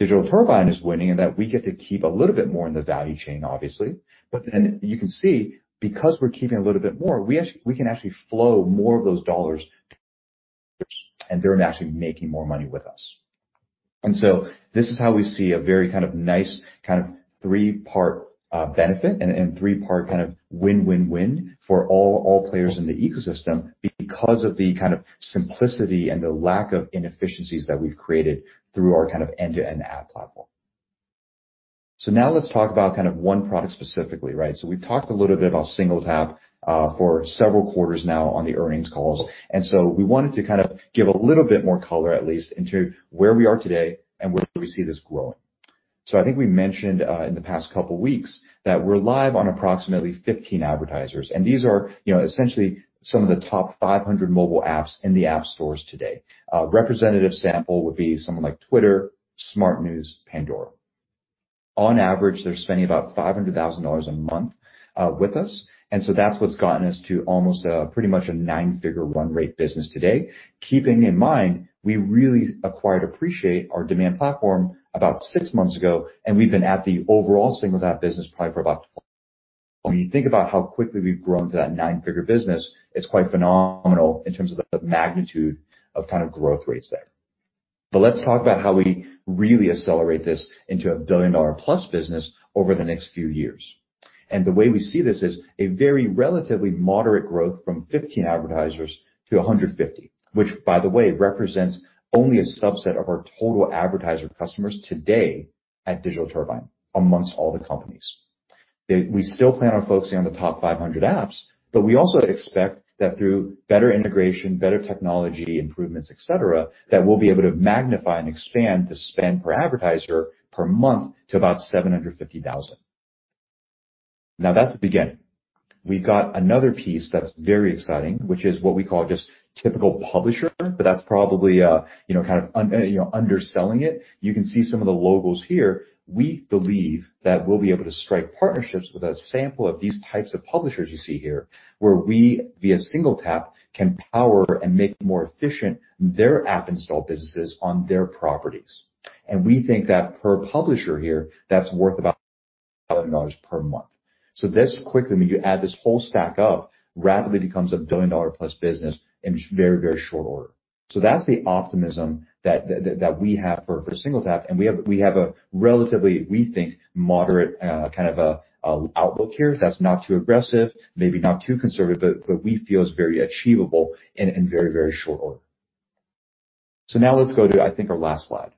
Digital Turbine is winning in that we get to keep a little bit more in the value chain, obviously. You can see, because we're keeping a little bit more, we actually, we can actually flow more of those dollars and they're actually making more money with us. This is how we see a very kind of nice kind of three-part benefit and three-part kind of win-win-win for all players in the ecosystem because of the kind of simplicity and the lack of inefficiencies that we've created through our kind of end-to-end ad platform. Now let's talk about kind of one product specifically, right? We've talked a little bit about SingleTap for several quarters now on the earnings calls. We wanted to kind of give a little bit more color at least into where we are today and where do we see this growing? I think we mentioned in the past couple weeks that we're live on approximately 15 advertisers, and these are, you know, essentially some of the top 500 mobile apps in the App Stores today. A representative sample would be someone like Twitter, SmartNews, Pandora. On average, they're spending about $500,000 a month with us, and so that's what's gotten us to almost a pretty much a nine-figure run rate business today. Keeping in mind, we really acquired Appreciate, our demand platform, about six months ago, and we've been at the overall SingleTap business probably for about. When you think about how quickly we've grown to that nine-figure business, it's quite phenomenal in terms of the magnitude of kind of growth rates there. Let's talk about how we really accelerate this into a billion-dollar-plus business over the next few years. The way we see this is a very relatively moderate growth from 15 advertisers to 150 advertisers, which by the way, represents only a subset of our total advertiser customers today at Digital Turbine amongst all the companies. We still plan on focusing on the top 500 apps, but we also expect that through better integration, better technology improvements, et cetera, that we'll be able to magnify and expand the spend per advertiser per month to about $750,000. Now that's the beginning. We've got another piece that's very exciting, which is what we call just typical publisher, but that's probably, you know, kind of underselling it. You can see some of the logos here. We believe that we'll be able to strike partnerships with a sample of these types of publishers you see here, where we, via SingleTap, can power and make more efficient their app install businesses on their properties. We think that per publisher here, that's worth about $1 million per month. This quickly, when you add this whole stack up, rapidly becomes a billion-dollar-plus business in very, very short order. That's the optimism that we have for SingleTap, and we have a relatively, we think, moderate kind of a outlook here that's not too aggressive, maybe not too conservative, but we feel is very achievable in very, very short order. Now let's go to, I think, our last slide.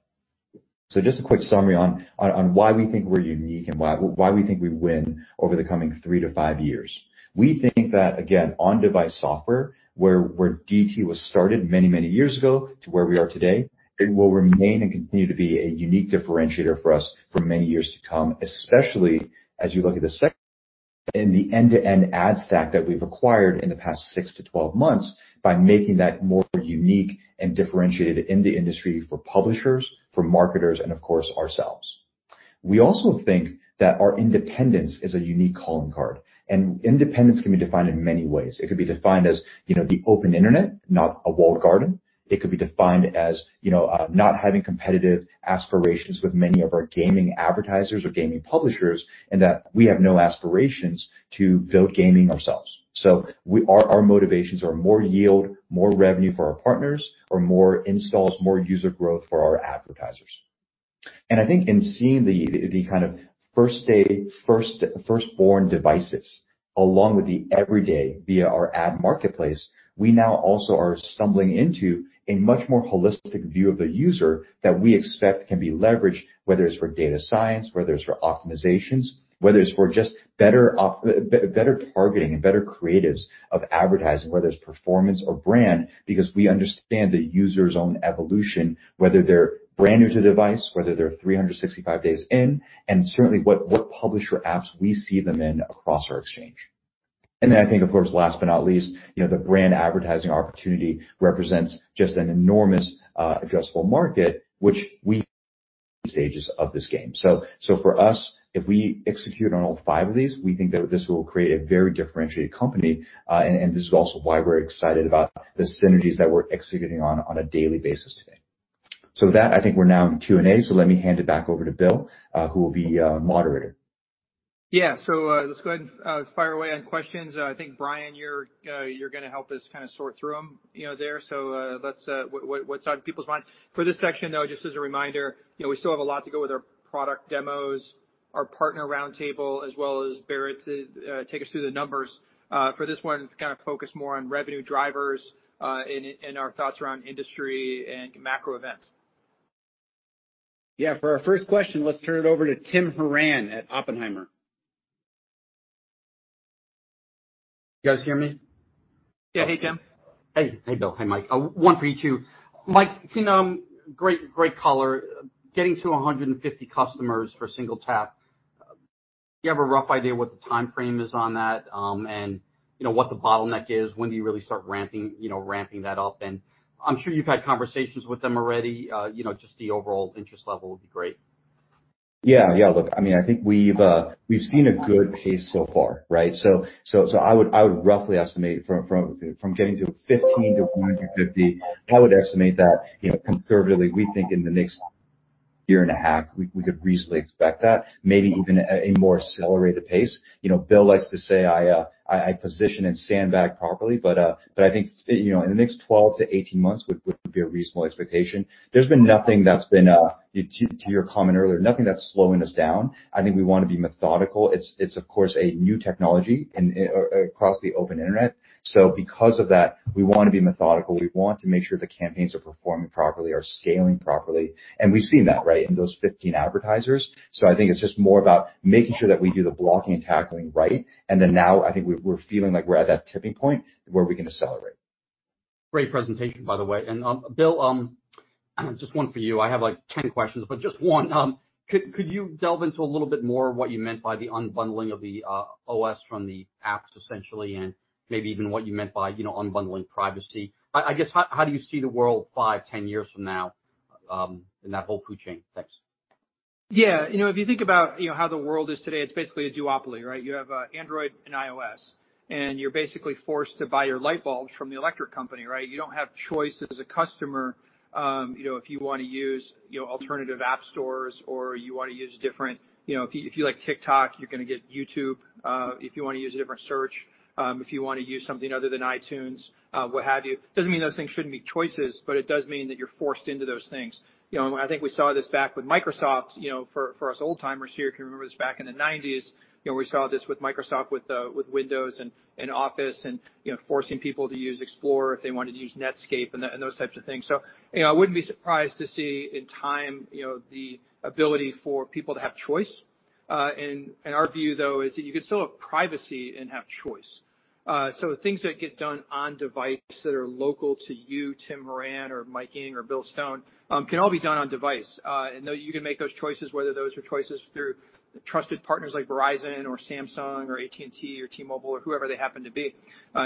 Just a quick summary on why we think we're unique and why we think we win over the coming three to five years. We think that, again, on-device software, where DT was started many years ago to where we are today, it will remain and continue to be a unique differentiator for us for many years to come, especially as you look at the end-to-end ad stack that we've acquired in the past six months to 12 months by making that more unique and differentiated in the industry for publishers, for marketers, and of course, ourselves. We also think that our independence is a unique calling card, and independence can be defined in many ways. It could be defined as, you know, the open internet, not a walled garden. It could be defined as, you know, not having competitive aspirations with many of our gaming advertisers or gaming publishers, and that we have no aspirations to build gaming ourselves. Our motivations are more yield, more revenue for our partners or more installs, more user growth for our advertisers. I think in seeing the kind of first day, firstborn devices, along with the everyday via our ad marketplace, we now also are assembling into a much more holistic view of the user that we expect can be leveraged, whether it's for data science, whether it's for optimizations, whether it's for just better better targeting and better creatives of advertising, whether it's performance or brand, because we understand the user's own evolution, whether they're brand new to device, whether they're 365 days in, and certainly what publisher apps we see them in across our exchange. I think, of course, last but not least, you know, the brand advertising opportunity represents just an enormous addressable market, which stages of this game. For us, if we execute on all five of these, we think that this will create a very differentiated company, and this is also why we're excited about the synergies that we're executing on a daily basis today. With that, I think we're now in Q&A. Let me hand it back over to Bill, who will be our moderator. Yeah. Let's go ahead and fire away on questions. I think, Brian, you're gonna help us kinda sort through them, you know, there. What's on people's mind? For this section, though, just as a reminder, you know, we still have a lot to go with our product demos, our partner roundtable, as well as Barrett to take us through the numbers. For this one, kind of focus more on revenue drivers, and our thoughts around industry and macro events. Yeah. For our first question, let's turn it over to Tim Horan at Oppenheimer. You guys hear me? Yeah. Hey, Tim. Hey. Hey, Bill. Hi, Mike. One for each of you. Mike, you know, great color. Getting to 150 customers for SingleTap, do you have a rough idea what the timeframe is on that, and, you know, what the bottleneck is? When do you really start ramping, you know, ramping that up? I'm sure you've had conversations with them already. You know, just the overall interest level would be great. Yeah. Look, I mean, I think we've seen a good pace so far, right? I would roughly estimate from getting to 15-150, I would estimate that, you know, conservatively, we think in the next year and a half we could reasonably expect that. Maybe even at a more accelerated pace. You know, Bill likes to say I position and sandbag properly, but I think, you know, in the next 12 months-18 months would be a reasonable expectation. There's been nothing, to your comment earlier, that's slowing us down. I think we wanna be methodical. It's of course a new technology and across the open internet. Because of that, we wanna be methodical. We want to make sure the campaigns are performing properly, are scaling properly, and we've seen that, right, in those 15 advertisers. I think it's just more about making sure that we do the blocking and tackling right, and then now I think we're feeling like we're at that tipping point where we can accelerate. Great presentation, by the way. Bill, just one for you. I have like 10 questions, but just one. Could you delve into a little bit more what you meant by the unbundling of the OS from the apps essentially, and maybe even what you meant by, you know, unbundling privacy? I guess, how do you see the world 5, 10 years from now, in that whole food chain? Thanks. Yeah. You know, if you think about, you know, how the world is today, it's basically a duopoly, right? You have Android and iOS, and you're basically forced to buy your light bulbs from the electric company, right? You don't have choice as a customer, you know, if you wanna use, you know, alternative app stores. You know, if you like TikTok, you're gonna get YouTube, if you wanna use a different search, if you wanna use something other than iTunes, what have you. It doesn't mean those things shouldn't be choices, but it does mean that you're forced into those things. You know, I think we saw this back with Microsoft. You know, for us old-timers here can remember this back in the nineties, you know, we saw this with Microsoft with Windows and Office and, you know, forcing people to use Explorer if they wanted to use Netscape and those types of things. You know, I wouldn't be surprised to see in time, you know, the ability for people to have choice. Our view, though, is that you can still have privacy and have choice. Things that get done on device that are local to you, Tim Horan or Mike Ng or Bill Stone, can all be done on device. You know you can make those choices, whether those are choices through trusted partners like Verizon or Samsung or AT&T or T-Mobile or whoever they happen to be.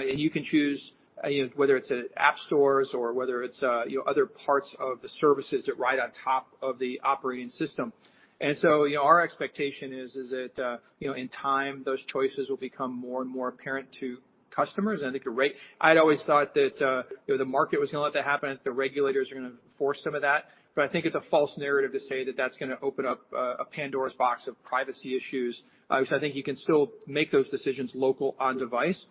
You can choose, you know, whether it's app stores or whether it's, you know, other parts of the services that ride on top of the operating system. You know, our expectation is that, you know, in time, those choices will become more and more apparent to customers. I think you're right. I'd always thought that, you know, the market was gonna let that happen, the regulators are gonna force some of that. I think it's a false narrative to say that that's gonna open up a Pandora's box of privacy issues. I think you can still make those decisions local on device.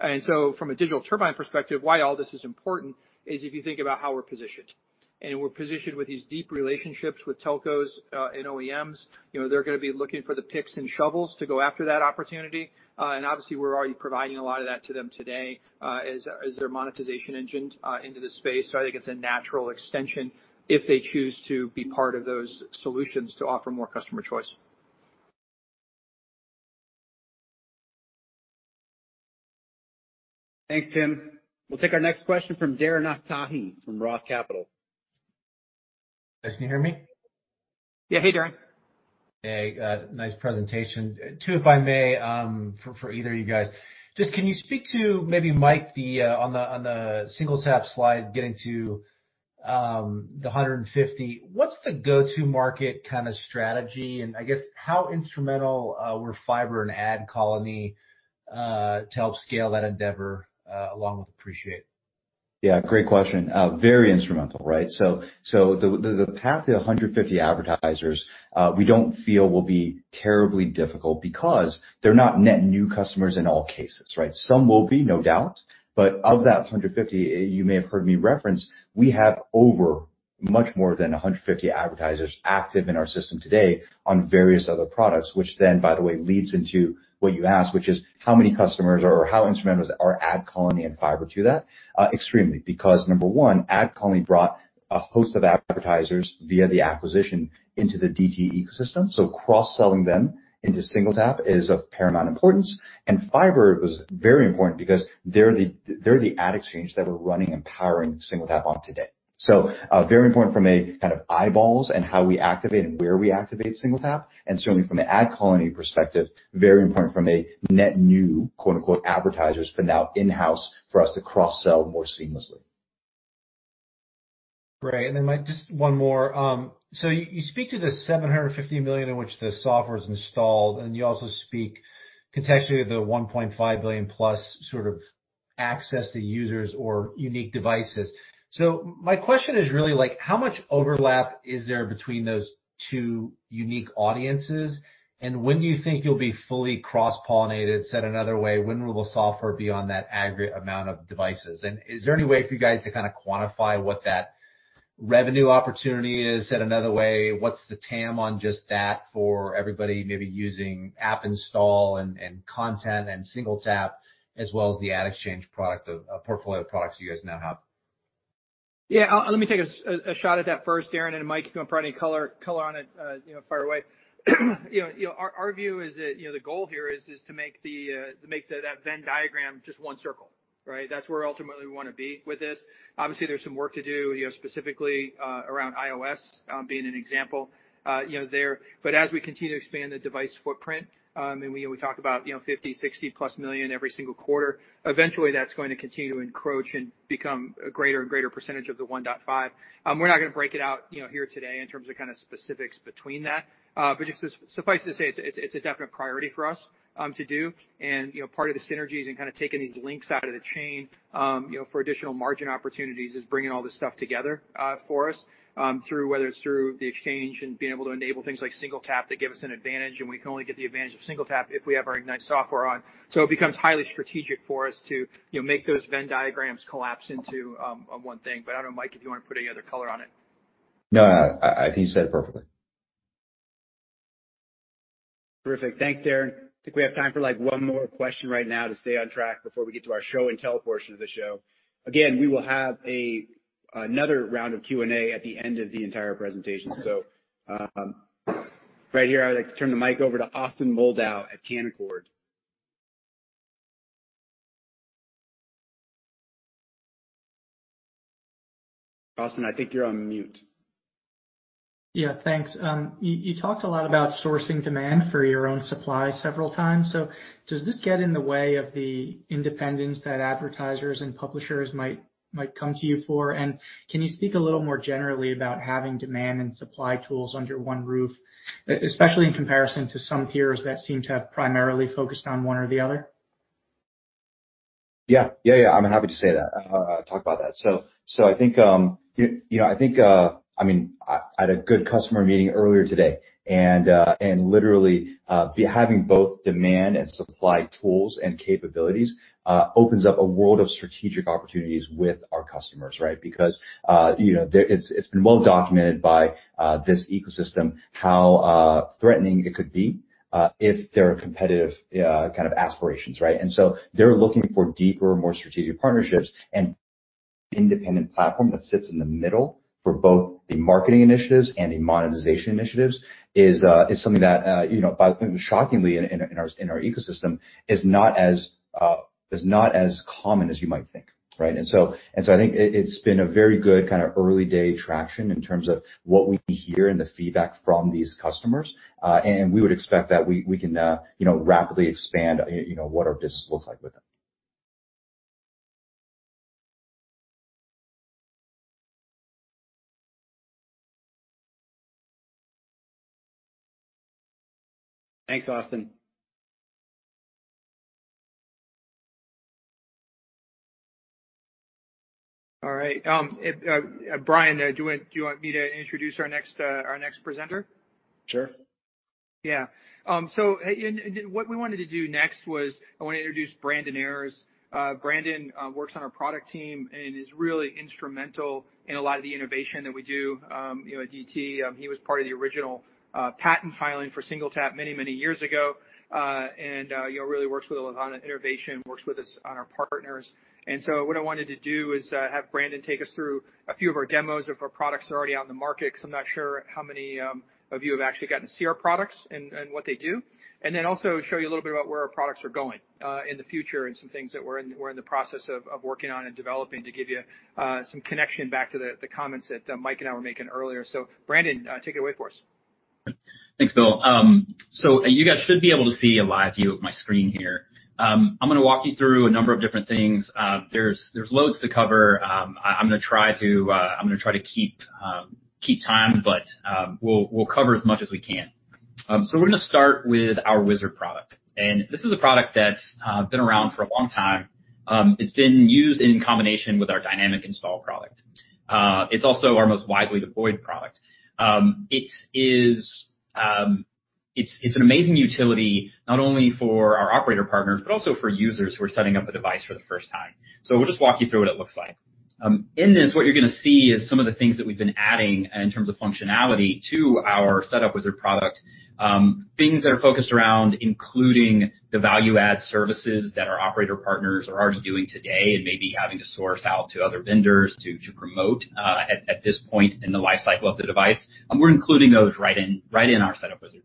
From a Digital Turbine perspective, why all this is important is if you think about how we're positioned, and we're positioned with these deep relationships with telcos and OEMs. You know, they're gonna be looking for the picks and shovels to go after that opportunity. Obviously, we're already providing a lot of that to them today, as their monetization engine into the space. I think it's a natural extension if they choose to be part of those solutions to offer more customer choice. Thanks, Tim. We'll take our next question from Darren Aftahi from Roth Capital Partners. Yes. Can you hear me? Yeah. Hey, Darren. Hey, nice presentation. Two, if I may, for either of you guys. Just can you speak to, maybe Mike, on the SingleTap slide, getting to the 150 advertisers, what's the go-to market kind of strategy? I guess how instrumental were Fyber and AdColony to help scale that endeavor along with Appreciate? Yeah, great question. Very instrumental, right? The path to 150 advertisers, we don't feel will be terribly difficult because they're not net new customers in all cases, right? Some will be, no doubt, but of that 150, you may have heard me reference, we have over much more than 150 advertisers active in our system today on various other products, which then by the way leads into what you asked, which is how many customers or how instrumental is our AdColony and Fyber to that? Extremely. Because number one, AdColony brought a host of advertisers via the acquisition into the DT ecosystem, so cross-selling them into SingleTap is of paramount importance. Fyber was very important because they're the ad exchange that we're running and powering SingleTap on today. Very important from a kind of eyeballs and how we activate and where we activate SingleTap. Certainly from an AdColony perspective, very important from a net new quote unquote advertisers, but now in-house for us to cross-sell more seamlessly. Great. Then, Mike, just one more. You speak to the 750 million in which the software is installed, and you also speak contextually to the 1.5 billion plus sort of access to users or unique devices. My question is really like, how much overlap is there between those two unique audiences? And when do you think you'll be fully cross-pollinated? Said another way, when will software be on that aggregate amount of devices? And is there any way for you guys to kinda quantify what that revenue opportunity is? Said another way, what's the TAM on just that for everybody maybe using app install and content and SingleTap as well as the ad exchange product of portfolio of products you guys now have? Let me take a shot at that first, Darren, and Mike, if you wanna provide any color on it, you know, fire away. You know, our view is that, you know, the goal here is to make that Venn diagram just one circle, right? That's where ultimately we wanna be with this. Obviously, there's some work to do, you know, specifically around iOS being an example, you know, there. As we continue to expand the device footprint, and we talk about, you know, 50 million, 60+ million every single quarter, eventually that's going to continue to encroach and become a greater and greater percentage of the 1.5. We're not gonna break it out, you know, here today in terms of kinda specifics between that. Just suffice to say, it's a definite priority for us to do. You know, part of the synergies and kinda taking these links out of the chain, you know, for additional margin opportunities is bringing all this stuff together for us through whether it's through the exchange and being able to enable things like SingleTap that give us an advantage. We can only get the advantage of SingleTap if we have our Ignite software on. It becomes highly strategic for us to, you know, make those Venn diagrams collapse into one thing. I don't know, Mike, if you wanna put any other color on it. No, I think you said it perfectly. Terrific. Thanks, Darren. I think we have time for, like, one more question right now to stay on track before we get to our show and tell portion of the show. Again, we will have a, another round of Q&A at the end of the entire presentation. right here, I'd like to turn the mic over to Austin Moldow at Canaccord Genuity. Austin, I think you're on mute. Yeah, thanks. You talked a lot about sourcing demand for your own supply several times. Does this get in the way of the independence that advertisers and publishers might come to you for? Can you speak a little more generally about having demand and supply tools under one roof, especially in comparison to some peers that seem to have primarily focused on one or the other? Yeah. I'm happy to say that. Talk about that. I think you know. I mean, I had a good customer meeting earlier today, and literally, the having both demand and supply tools and capabilities opens up a world of strategic opportunities with our customers, right? Because you know. It's been well documented by this ecosystem how threatening it could be if there are competitive kind of aspirations, right? They're looking for deeper, more strategic partnerships and- Independent platform that sits in the middle for both the marketing initiatives and the monetization initiatives is something that, you know, by the way, shockingly in our ecosystem is not as common as you might think. Right? I think it's been a very good kinda early day traction in terms of what we hear and the feedback from these customers. We would expect that we can, you know, rapidly expand, you know, what our business looks like with them. Thanks, Austin. All right. Brian, do you want me to introduce our next presenter? Sure. Yeah, what we wanted to do next was I wanna introduce Brandon Ayers. Brandon works on our product team and is really instrumental in a lot of the innovation that we do, you know, at DT. He was part of the original patent filing for SingleTap many, many years ago, and you know, really works with a lot on innovation, works with us on our partners. What I wanted to do is have Brandon take us through a few of our demos of our products that are already out in the market, 'cause I'm not sure how many of you have actually gotten to see our products and what they do. Also show you a little bit about where our products are going, in the future and some things that we're in the process of working on and developing to give you, some connection back to the comments that Mike and I were making earlier. Brandon, take it away for us. Thanks, Bill. So you guys should be able to see a live view of my screen here. I'm gonna walk you through a number of different things. There's loads to cover. I'm gonna try to keep time, but we'll cover as much as we can. So we're gonna start with our Wizard product. This is a product that's been around for a long time. It's been used in combination with our Dynamic Install product. It's also our most widely deployed product. It is an amazing utility, not only for our operator partners, but also for users who are setting up a device for the first time. We'll just walk you through what it looks like. In this, what you're gonna see is some of the things that we've been adding in terms of functionality to our Setup Wizard product, things that are focused around including the value-add services that our operator partners are already doing today and maybe having to source out to other vendors to promote, at this point in the lifecycle of the device. We're including those right in our Setup Wizard.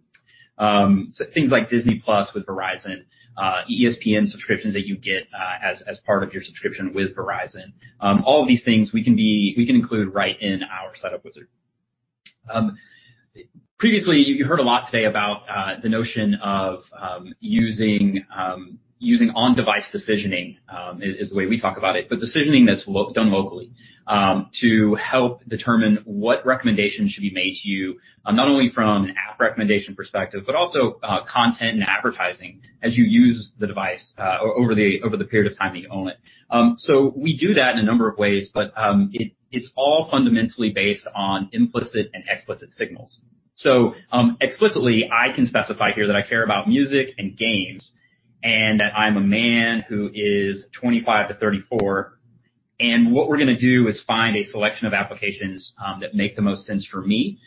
Things like Disney+ with Verizon, ESPN subscriptions that you get, as part of your subscription with Verizon. All of these things we can include right in our Setup Wizard. Previously, you heard a lot today about the notion of using on-device decisioning, is the way we talk about it, but decisioning that's done locally to help determine what recommendations should be made to you, not only from an app recommendation perspective, but also content and advertising as you use the device, over the period of time that you own it. We do that in a number of ways, but it's all fundamentally based on implicit and explicit signals. Explicitly, I can specify here that I care about music and games and that I'm a man who is 25 years-34 years, and what we're gonna do is find a selection of applications that make the most sense for me.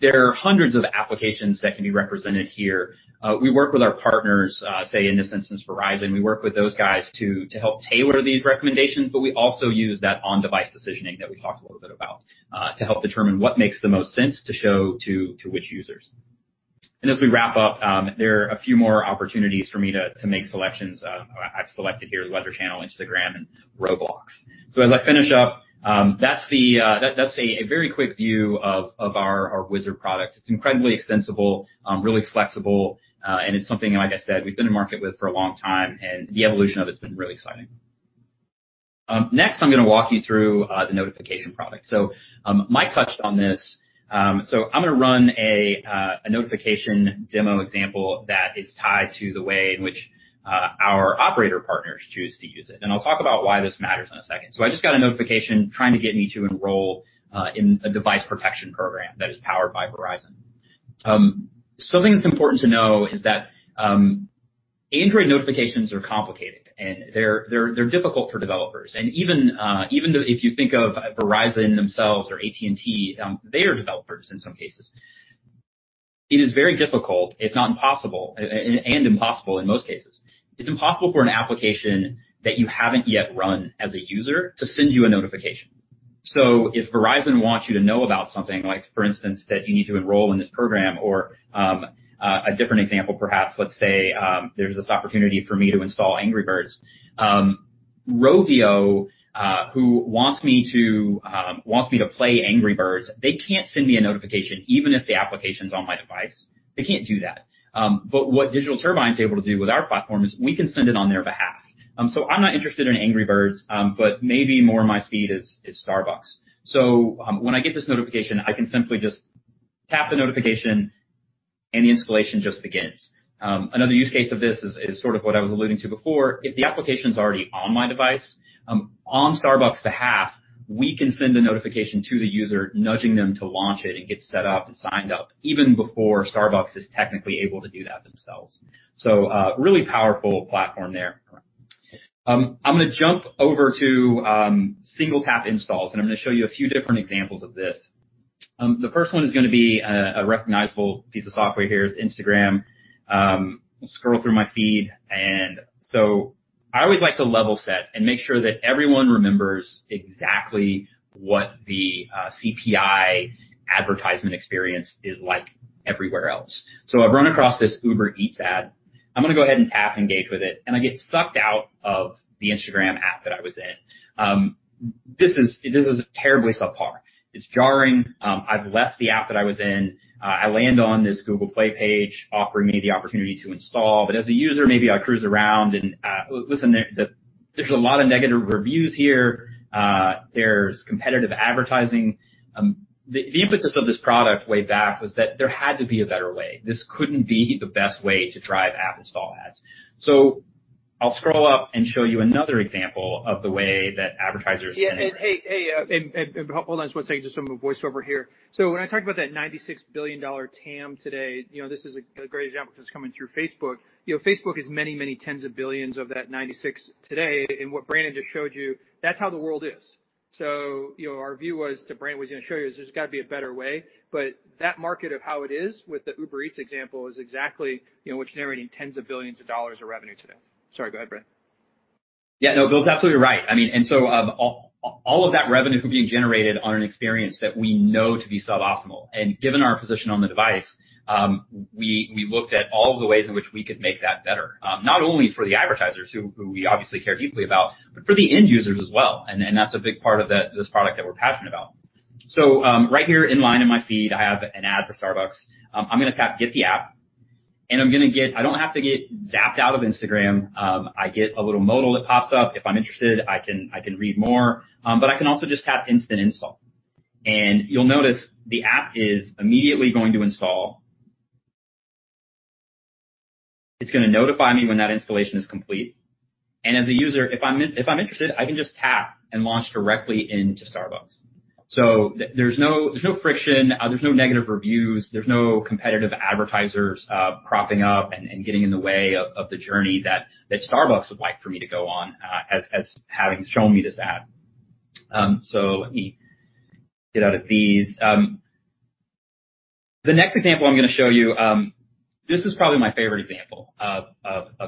There are hundreds of applications that can be represented here. We work with our partners, say in this instance, Verizon. We work with those guys to help tailor these recommendations, but we also use that on-device decisioning that we talked a little bit about, to help determine what makes the most sense to show to which users. As we wrap up, there are a few more opportunities for me to make selections. I've selected here Weather Channel, Instagram, and Roblox. As I finish up, that's a very quick view of our Wizard product. It's incredibly extensible, really flexible, and it's something, like I said, we've been in market with for a long time, and the evolution of it has been really exciting. Next I'm gonna walk you through the notification product. Mike touched on this. I'm gonna run a notification demo example that is tied to the way in which our operator partners choose to use it. I'll talk about why this matters in a second. I just got a notification trying to get me to enroll in a device protection program that is powered by Verizon. Something that's important to know is that Android notifications are complicated and they're difficult for developers. Even though if you think of Verizon themselves or AT&T, they are developers in some cases. It is very difficult, if not impossible, and impossible in most cases. It's impossible for an application that you haven't yet run as a user to send you a notification. If Verizon wants you to know about something, like for instance, that you need to enroll in this program or a different example, perhaps, let's say, there's this opportunity for me to install Angry Birds, Rovio, who wants me to play Angry Birds, they can't send me a notification, even if the application's on my device. They can't do that. What Digital Turbine is able to do with our platform is we can send it on their behalf. I'm not interested in Angry Birds, but maybe more my speed is Starbucks. When I get this notification, I can simply just tap the notification and the installation just begins. Another use case of this is sort of what I was alluding to before. If the application's already on my device, on Starbucks' behalf, we can send a notification to the user, nudging them to launch it and get set up and signed up even before Starbucks is technically able to do that themselves. Really powerful platform there. I'm gonna jump over to SingleTap installs, and I'm gonna show you a few different examples of this. The first one is gonna be a recognizable piece of software here. It's Instagram. Scroll through my feed and so I always like to level set and make sure that everyone remembers exactly what the CPI advertisement experience is like everywhere else. I've run across this Uber Eats ad. I'm gonna go ahead and tap Engage with it, and I get sucked out of the Instagram app that I was in. This is terribly subpar. It's jarring. I've left the app that I was in. I land on this Google Play page offering me the opportunity to install. But as a user, maybe I cruise around and, listen, there's a lot of negative reviews here. There's competitive advertising. The impetus of this product way back was that there had to be a better way. This couldn't be the best way to drive app install ads. I'll scroll up and show you another example of the way that advertisers- Yeah. Hold on just one second, just some voiceover here. When I talk about that $96 billion TAM today, you know, this is a great example 'cause it's coming through Facebook. You know, Facebook is many, many tens of billions of that $96 billion today, and what Brandon just showed you, that's how the world is. Our view was what Brandon was gonna show you is there's gotta be a better way. That market of how it is with the Uber Eats example is exactly, you know, what's generating tens of billions of dollars of revenue today. Sorry, go ahead, Brandon. Yeah, no, Bill's absolutely right. I mean, all of that revenue from being generated on an experience that we know to be suboptimal. Given our position on the device, we looked at all the ways in which we could make that better, not only for the advertisers who we obviously care deeply about, but for the end users as well. That's a big part of this product that we're passionate about. Right here in line in my feed, I have an ad for Starbucks. I'm gonna tap Get the app, and I'm gonna get. I don't have to get zapped out of Instagram. I get a little modal that pops up. If I'm interested, I can read more, but I can also just tap Instant install. You'll notice the app is immediately going to install. It's gonna notify me when that installation is complete. As a user, if I'm interested, I can just tap and launch directly into Starbucks. There's no friction, there's no negative reviews, there's no competitive advertisers propping up and getting in the way of the journey that Starbucks would like for me to go on as having shown me this ad. Let me get out of these. The next example I'm gonna show you, this is probably my favorite example of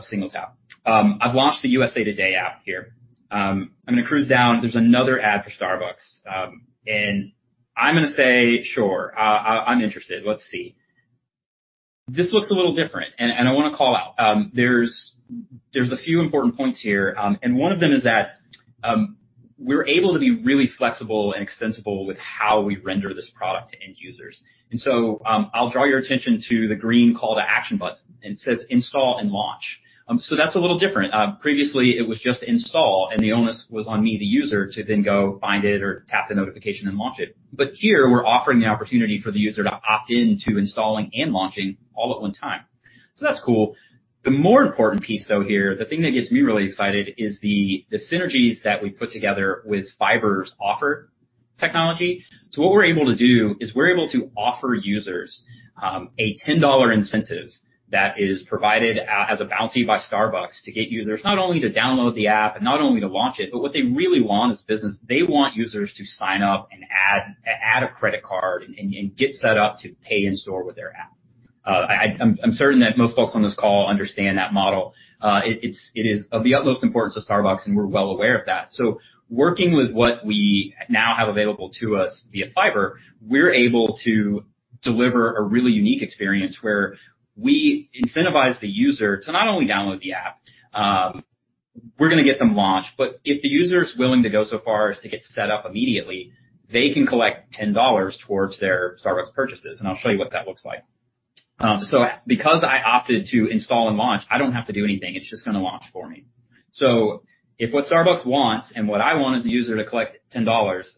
Single Tap. I've launched the USA Today app here. I'm gonna cruise down. There's another ad for Starbucks, and I'm gonna say, sure, I'm interested. Let's see. This looks a little different, and I wanna call out. There's a few important points here. One of them is that we're able to be really flexible and extensible with how we render this product to end users. I'll draw your attention to the green call to action button. It says, "Install and launch." That's a little different. Previously, it was just install, and the onus was on me, the user, to then go find it or tap the notification and launch it. Here, we're offering the opportunity for the user to opt in to installing and launching all at one time. That's cool. The more important piece, though, here, the thing that gets me really excited is the synergies that we put together with Fyber's offer technology. What we're able to do is we're able to offer users a $10 incentive that is provided as a bounty by Starbucks to get users not only to download the app and not only to launch it, but what they really want is business. They want users to sign up and add a credit card and get set up to pay in-store with their app. I'm certain that most folks on this call understand that model. It's of the utmost importance to Starbucks, and we're well aware of that. Working with what we now have available to us via Fyber, we're able to deliver a really unique experience where we incentivize the user to not only download the app, we're gonna get them launched, but if the user is willing to go so far as to get set up immediately, they can collect $10 towards their Starbucks purchases. I'll show you what that looks like. Because I opted to install and launch, I don't have to do anything. It's just gonna launch for me. If what Starbucks wants, and what I want is the user to collect $10,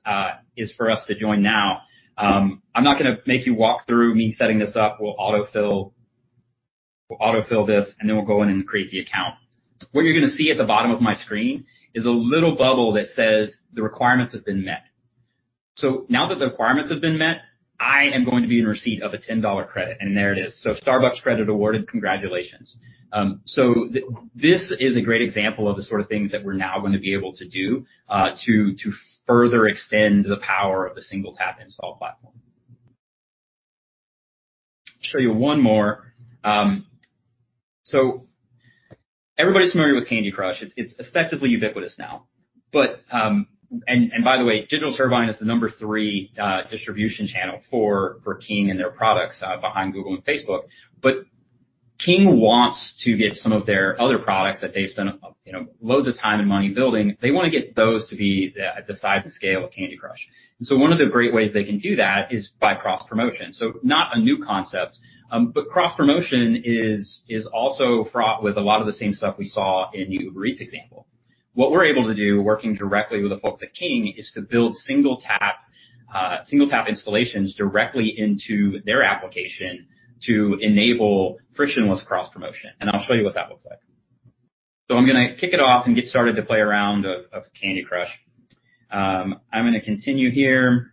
is for us to join now, I'm not gonna make you walk through me setting this up. We'll autofill this, and then we'll go in and create the account. What you're gonna see at the bottom of my screen is a little bubble that says, "The requirements have been met." Now that the requirements have been met, I am going to be in receipt of a $10 credit. There it is. Starbucks credit awarded. Congratulations. This is a great example of the sort of things that we're now gonna be able to do to further extend the power of the Single Tap Install platform. Show you one more. Everybody's familiar with Candy Crush. It's effectively ubiquitous now. Digital Turbine is the number three distribution channel for King and their products behind Google and Facebook. King wants to get some of their other products that they've spent, you know, loads of time and money building, they wanna get those to be the size and scale of Candy Crush. One of the great ways they can do that is by cross-promotion. Not a new concept, but cross-promotion is also fraught with a lot of the same stuff we saw in the Uber Eats example. What we're able to do, working directly with the folks at King, is to build Single Tap installations directly into their application to enable frictionless cross-promotion. I'll show you what that looks like. I'm gonna kick it off and get started to play a round of Candy Crush. I'm gonna continue here.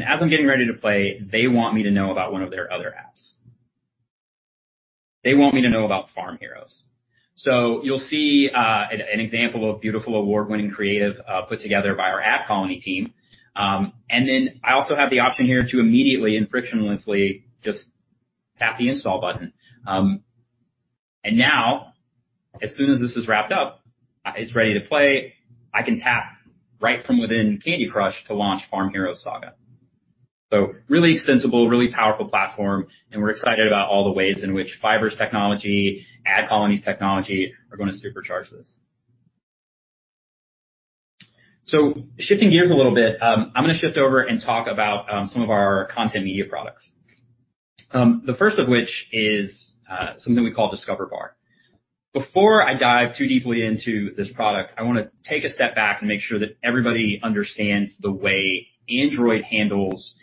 As I'm getting ready to play, they want me to know about one of their other apps. They want me to know about Farm Heroes Saga. You'll see an example of beautiful award-winning creative put together by our AdColony team. Then I also have the option here to immediately and frictionlessly just tap the install button. Now as soon as this is wrapped up, it's ready to play. I can tap right from within Candy Crush to launch Farm Heroes Saga. Really extensible, really powerful platform, and we're excited about all the ways in which Fyber's technology, AdColony's technology are gonna supercharge this. Shifting gears a little bit, I'm gonna shift over and talk about some of our Content Media products. The first of which is something we call Discover Bar. Before I dive too deeply into this product, I wanna take a step back and make sure that everybody understands the way Android handles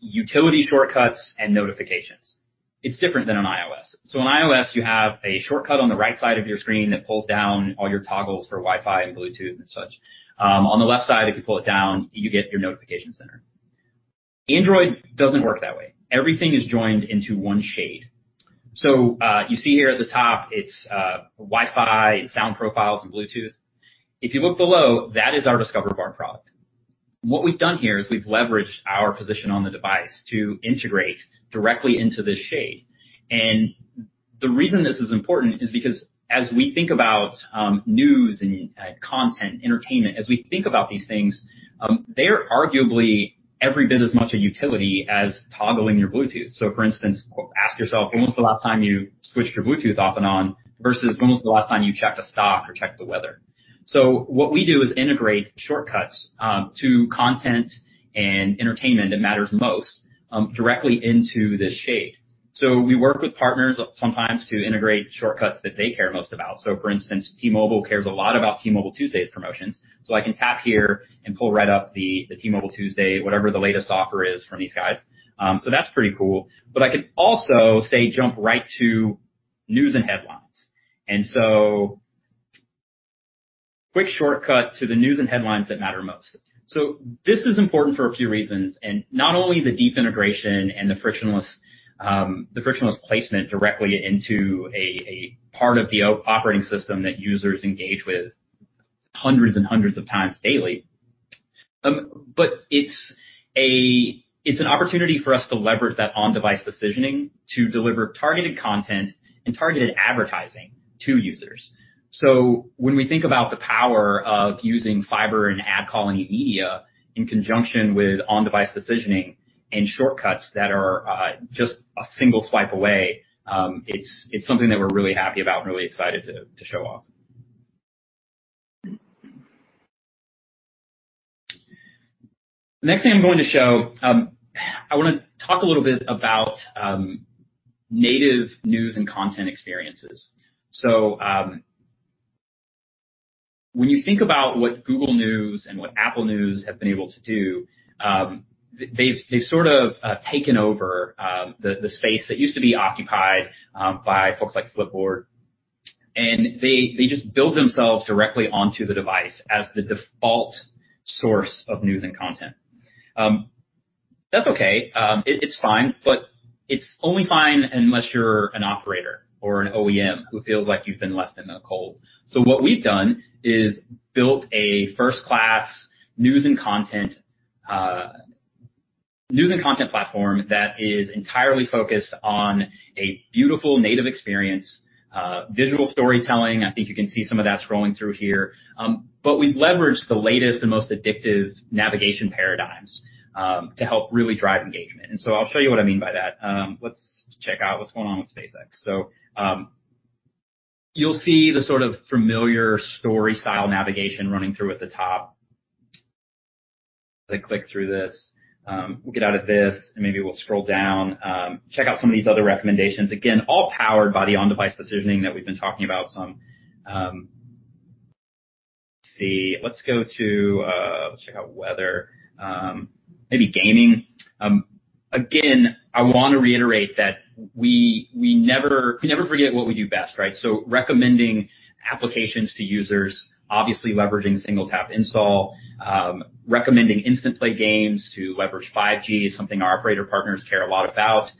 utility shortcuts and notifications. It's different than iOS. On iOS, you have a shortcut on the right side of your screen that pulls down all your toggles for Wi-Fi and Bluetooth and such. On the left side, if you pull it down, you get your notification center. Android doesn't work that way. Everything is joined into one shade. You see here at the top, it's Wi-Fi, sound profiles and Bluetooth. If you look below, that is our Discover Bar product. What we've done here is we've leveraged our position on the device to integrate directly into this shade. The reason this is important is because as we think about news and content, entertainment, as we think about these things, they are arguably every bit as much a utility as toggling your Bluetooth. For instance, ask yourself, when was the last time you switched your Bluetooth off and on, versus when was the last time you checked a stock or checked the weather? What we do is integrate shortcuts to content and entertainment that matters most directly into this shade. We work with partners sometimes to integrate shortcuts that they care most about. For instance, T-Mobile cares a lot about T-Mobile Tuesdays promotions. I can tap here and pull right up the T-Mobile Tuesdays, whatever the latest offer is from these guys. That's pretty cool. I can also say jump right to news and headlines. Quick shortcut to the news and headlines that matter most. This is important for a few reasons, and not only the deep integration and the frictionless placement directly into a part of the operating system that users engage with hundreds and hundreds of times daily. It's an opportunity for us to leverage that on-device decisioning to deliver targeted content and targeted advertising to users. When we think about the power of using Fyber and AdColony media in conjunction with on-device decisioning and shortcuts that are just a single swipe away, it's something that we're really happy about and really excited to show off. The next thing I'm going to show, I wanna talk a little bit about native news and content experiences. When you think about what Google News and what Apple News have been able to do, they've sort of taken over the space that used to be occupied by folks like Flipboard, and they just build themselves directly onto the device as the default source of news and content. That's okay. It's fine, but it's only fine unless you're an operator or an OEM who feels like you've been left in the cold. What we've done is built a first-class news and content platform that is entirely focused on a beautiful native experience, visual storytelling. I think you can see some of that scrolling through here. But we've leveraged the latest and most addictive navigation paradigms to help really drive engagement. I'll show you what I mean by that. Let's check out what's going on with SpaceX. You'll see the sort of familiar story style navigation running through at the top. As I click through this, we'll get out of this, and maybe we'll scroll down, check out some of these other recommendations. Again, all powered by the on-device decisioning that we've been talking about some. Let's see. Let's go to, let's check out weather, maybe gaming. Again, I want to reiterate that we never forget what we do best, right? Recommending applications to users, obviously leveraging single-tap install, recommending instant play games to leverage 5G is something our operator partners care a lot about.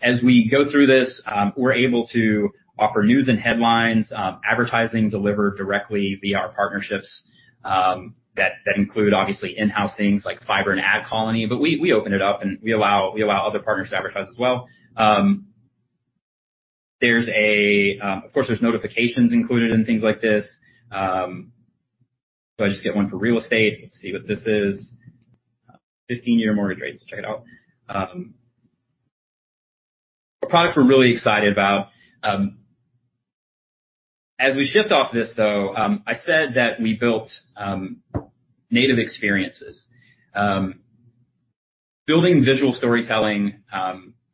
As we go through this, we're able to offer news and headlines, advertising delivered directly via our partnerships that include obviously in-house things like Fyber and AdColony, but we open it up, and we allow other partners to advertise as well. Of course, there's notifications included and things like this. So I just get one for real estate. Let's see what this is. 15-year mortgage rates. Let's check it out. A product we're really excited about. As we shift off this, though, I said that we built native experiences. Building visual storytelling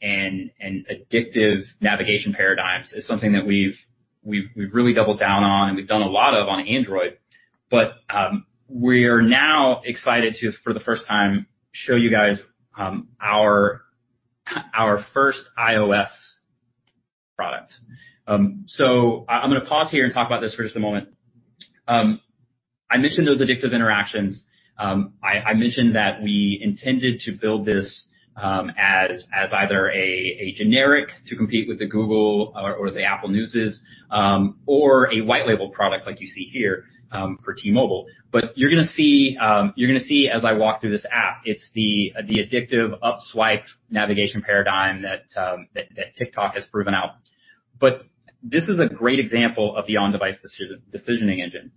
and addictive navigation paradigms is something that we've really doubled down on and we've done a lot of on Android. We're now excited to, for the first time, show you guys our first iOS product. I'm gonna pause here and talk about this for just a moment. I mentioned those addictive interactions. I mentioned that we intended to build this as either a generic to compete with Google News or Apple News, or a white label product like you see here for T-Mobile. You're gonna see as I walk through this app, it's the addictive up swipe navigation paradigm that TikTok has proven out. This is a great example of the on-device decisioning engine.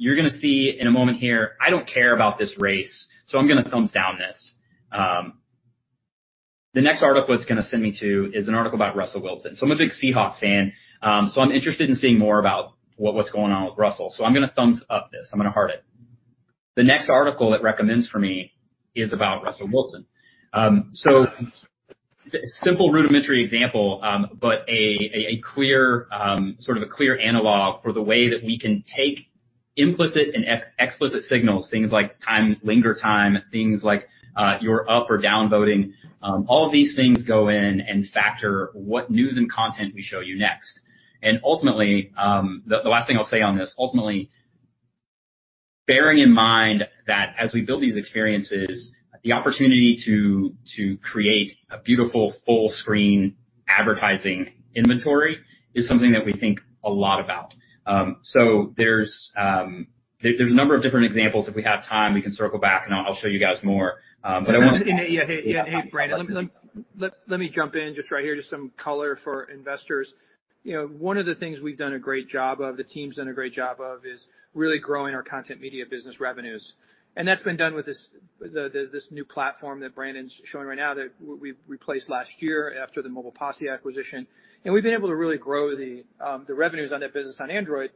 You're gonna see in a moment here, I don't care about this race, so I'm gonna thumbs down this. The next article it's gonna send me to is an article about Russell Wilson. I'm a big Seahawks fan, so I'm interested in seeing more about what's going on with Russell. I'm gonna thumbs up this. I'm gonna heart it. The next article it recommends for me is about Russell Wilson. Simple rudimentary example, but a clear sort of clear analog for the way that we can take implicit and explicit signals, things like time, linger time, things like your up or down voting, all of these things go in and factor what news and content we show you next. Ultimately, the last thing I'll say on this, ultimately bearing in mind that as we build these experiences, the opportunity to create a beautiful full screen advertising inventory is something that we think a lot about. So there's a number of different examples. If we have time, we can circle back, and I'll show you guys more. But I wanna- Hey, Brandon, let me jump in just right here. Just some color for investors. You know, one of the things we've done a great job of, the team's done a great job of is really growing our Content Media business revenues. That's been done with this new platform that Brandon's showing right now that we've replaced last year after the Mobile Posse acquisition. We've been able to really grow the revenues on that business on Android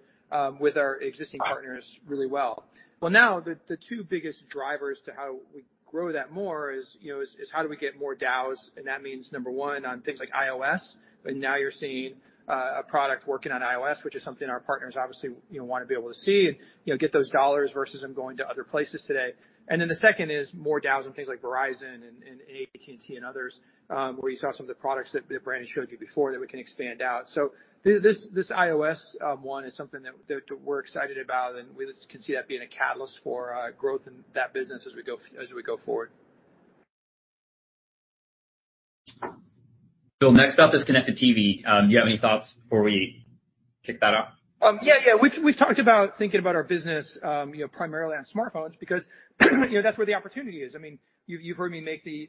with our existing partners really well. Well, now, the two biggest drivers to how we grow that more is, you know, is how do we get more DAOs, and that means, number one, on things like iOS. Now you're seeing a product working on iOS, which is something our partners obviously, you know, wanna be able to see and, you know, get those dollars versus them going to other places today. The second is more OEMs and things like Verizon and AT&T and others, where you saw some of the products that Brandon showed you before that we can expand out. This iOS one is something that we're excited about, and we can see that being a catalyst for growth in that business as we go forward. Bill, next up is connected TV. Do you have any thoughts before we kick that off? Yeah. We've talked about thinking about our business, you know, primarily on smartphones because, you know, that's where the opportunity is. I mean, you've heard me make the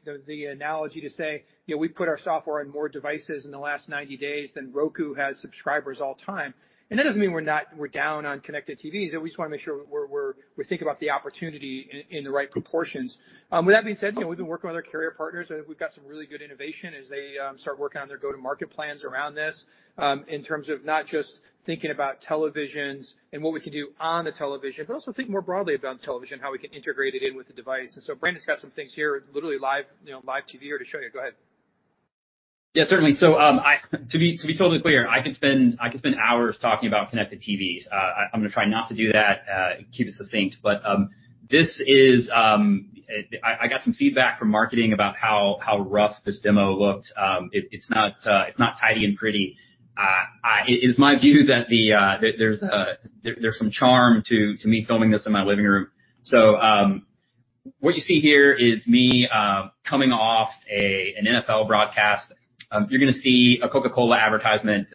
analogy to say, you know, we put our software on more devices in the last 90 days than Roku has subscribers all time. That doesn't mean we're not down on connected TVs. We just wanna make sure we think about the opportunity in the right proportions. With that being said, you know, we've been working with our carrier partners, and we've got some really good innovation as they start working on their go-to-market plans around this, in terms of not just thinking about televisions and what we can do on the television, but also think more broadly about television, how we can integrate it in with the device. Brandon's got some things here, literally live, you know, live TV here to show you. Go ahead. Certainly. To be totally clear, I could spend hours talking about connected TVs. I'm gonna try not to do that, keep it succinct. I got some feedback from marketing about how rough this demo looked. It's not tidy and pretty. It is my view that there's some charm to me filming this in my living room. What you see here is me coming off an NFL broadcast. You're gonna see a Coca-Cola advertisement,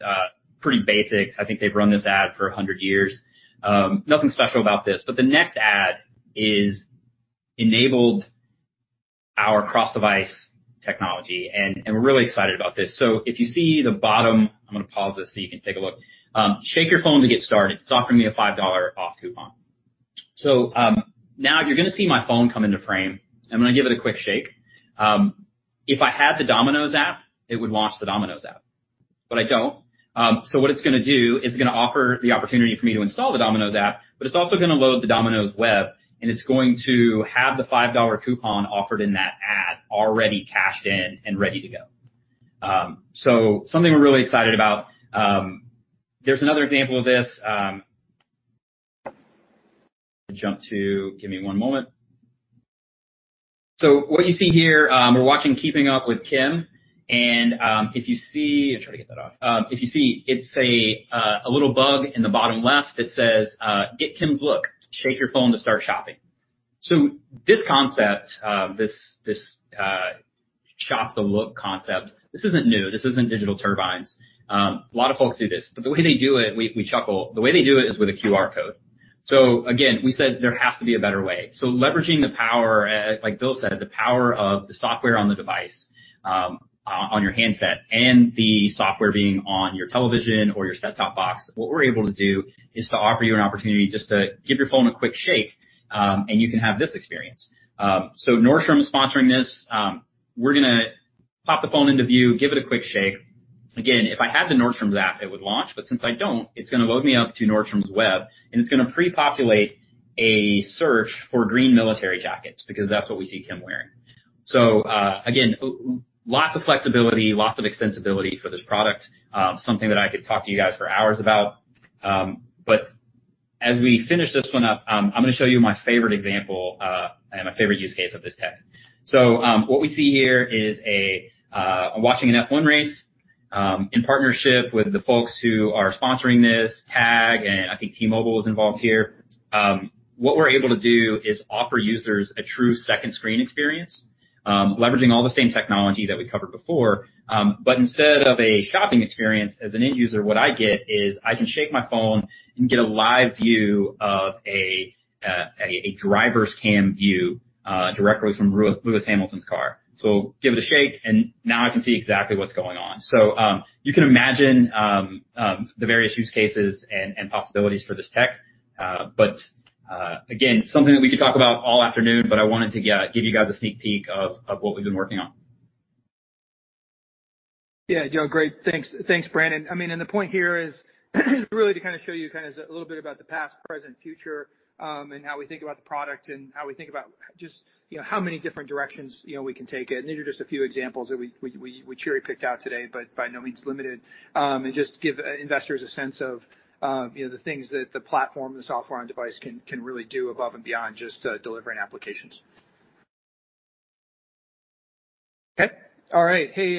pretty basic. I think they've run this ad for 100 years. Nothing special about this. The next ad is enabled by our cross-device technology, and we're really excited about this. If you see the bottom... I'm gonna pause this so you can take a look. Shake your phone to get started. It's offering me a $5 off coupon. Now you're gonna see my phone come into frame. I'm gonna give it a quick shake. If I had the Domino's app, it would launch the Domino's app, but I don't. What it's gonna do is it's gonna offer the opportunity for me to install the Domino's app, but it's also gonna load the Domino's web, and it's going to have the $5 coupon offered in that ad already cashed in and ready to go. Something we're really excited about. There's another example of this. Give me one moment. What you see here, we're watching Keeping Up with the Kardashians, and, if you see... I'll try to get that off. If you see, it's a little bug in the bottom left that says, "Get Kim's look. Shake your phone to start shopping." This concept, this shop the look concept, this isn't new. This isn't Digital Turbine. A lot of folks do this, but the way they do it, we chuckle. The way they do it is with a QR code. Again, we said there has to be a better way. Leveraging the power, like Bill said, the power of the software on the device, on your handset and the software being on your television or your set-top box, what we're able to do is to offer you an opportunity just to give your phone a quick shake, and you can have this experience. Nordstrom's sponsoring this. We're gonna pop the phone into view, give it a quick shake. Again, if I had the Nordstrom's app, it would launch, but since I don't, it's gonna load me up to Nordstrom's web, and it's gonna pre-populate a search for green military jackets because that's what we see Kim wearing. Again, lots of flexibility, lots of extensibility for this product. Something that I could talk to you guys for hours about. As we finish this one up, I'm gonna show you my favorite example, and my favorite use case of this tech. What we see here is I'm watching an F1 race, in partnership with the folks who are sponsoring this tag, and I think T-Mobile is involved here. What we're able to do is offer users a true second screen experience, leveraging all the same technology that we covered before. Instead of a shopping experience, as an end user, what I get is I can shake my phone and get a live view of a driver's cam view directly from Lewis Hamilton's car. Give it a shake, and now I can see exactly what's going on. You can imagine the various use cases and possibilities for this tech. Again, something that we can talk about all afternoon, but I wanted to give you guys a sneak peek of what we've been working on. Yeah, Joe. Great. Thanks. Thanks, Brandon. I mean, the point here is really to kinda show you kinda a little bit about the past, present, future, and how we think about the product and how we think about just, you know, how many different directions, you know, we can take it. These are just a few examples that we cherry-picked out today, but by no means limited. Just give investors a sense of, you know, the things that the platform, the software on device can really do above and beyond just delivering applications. Okay. All right. Hey,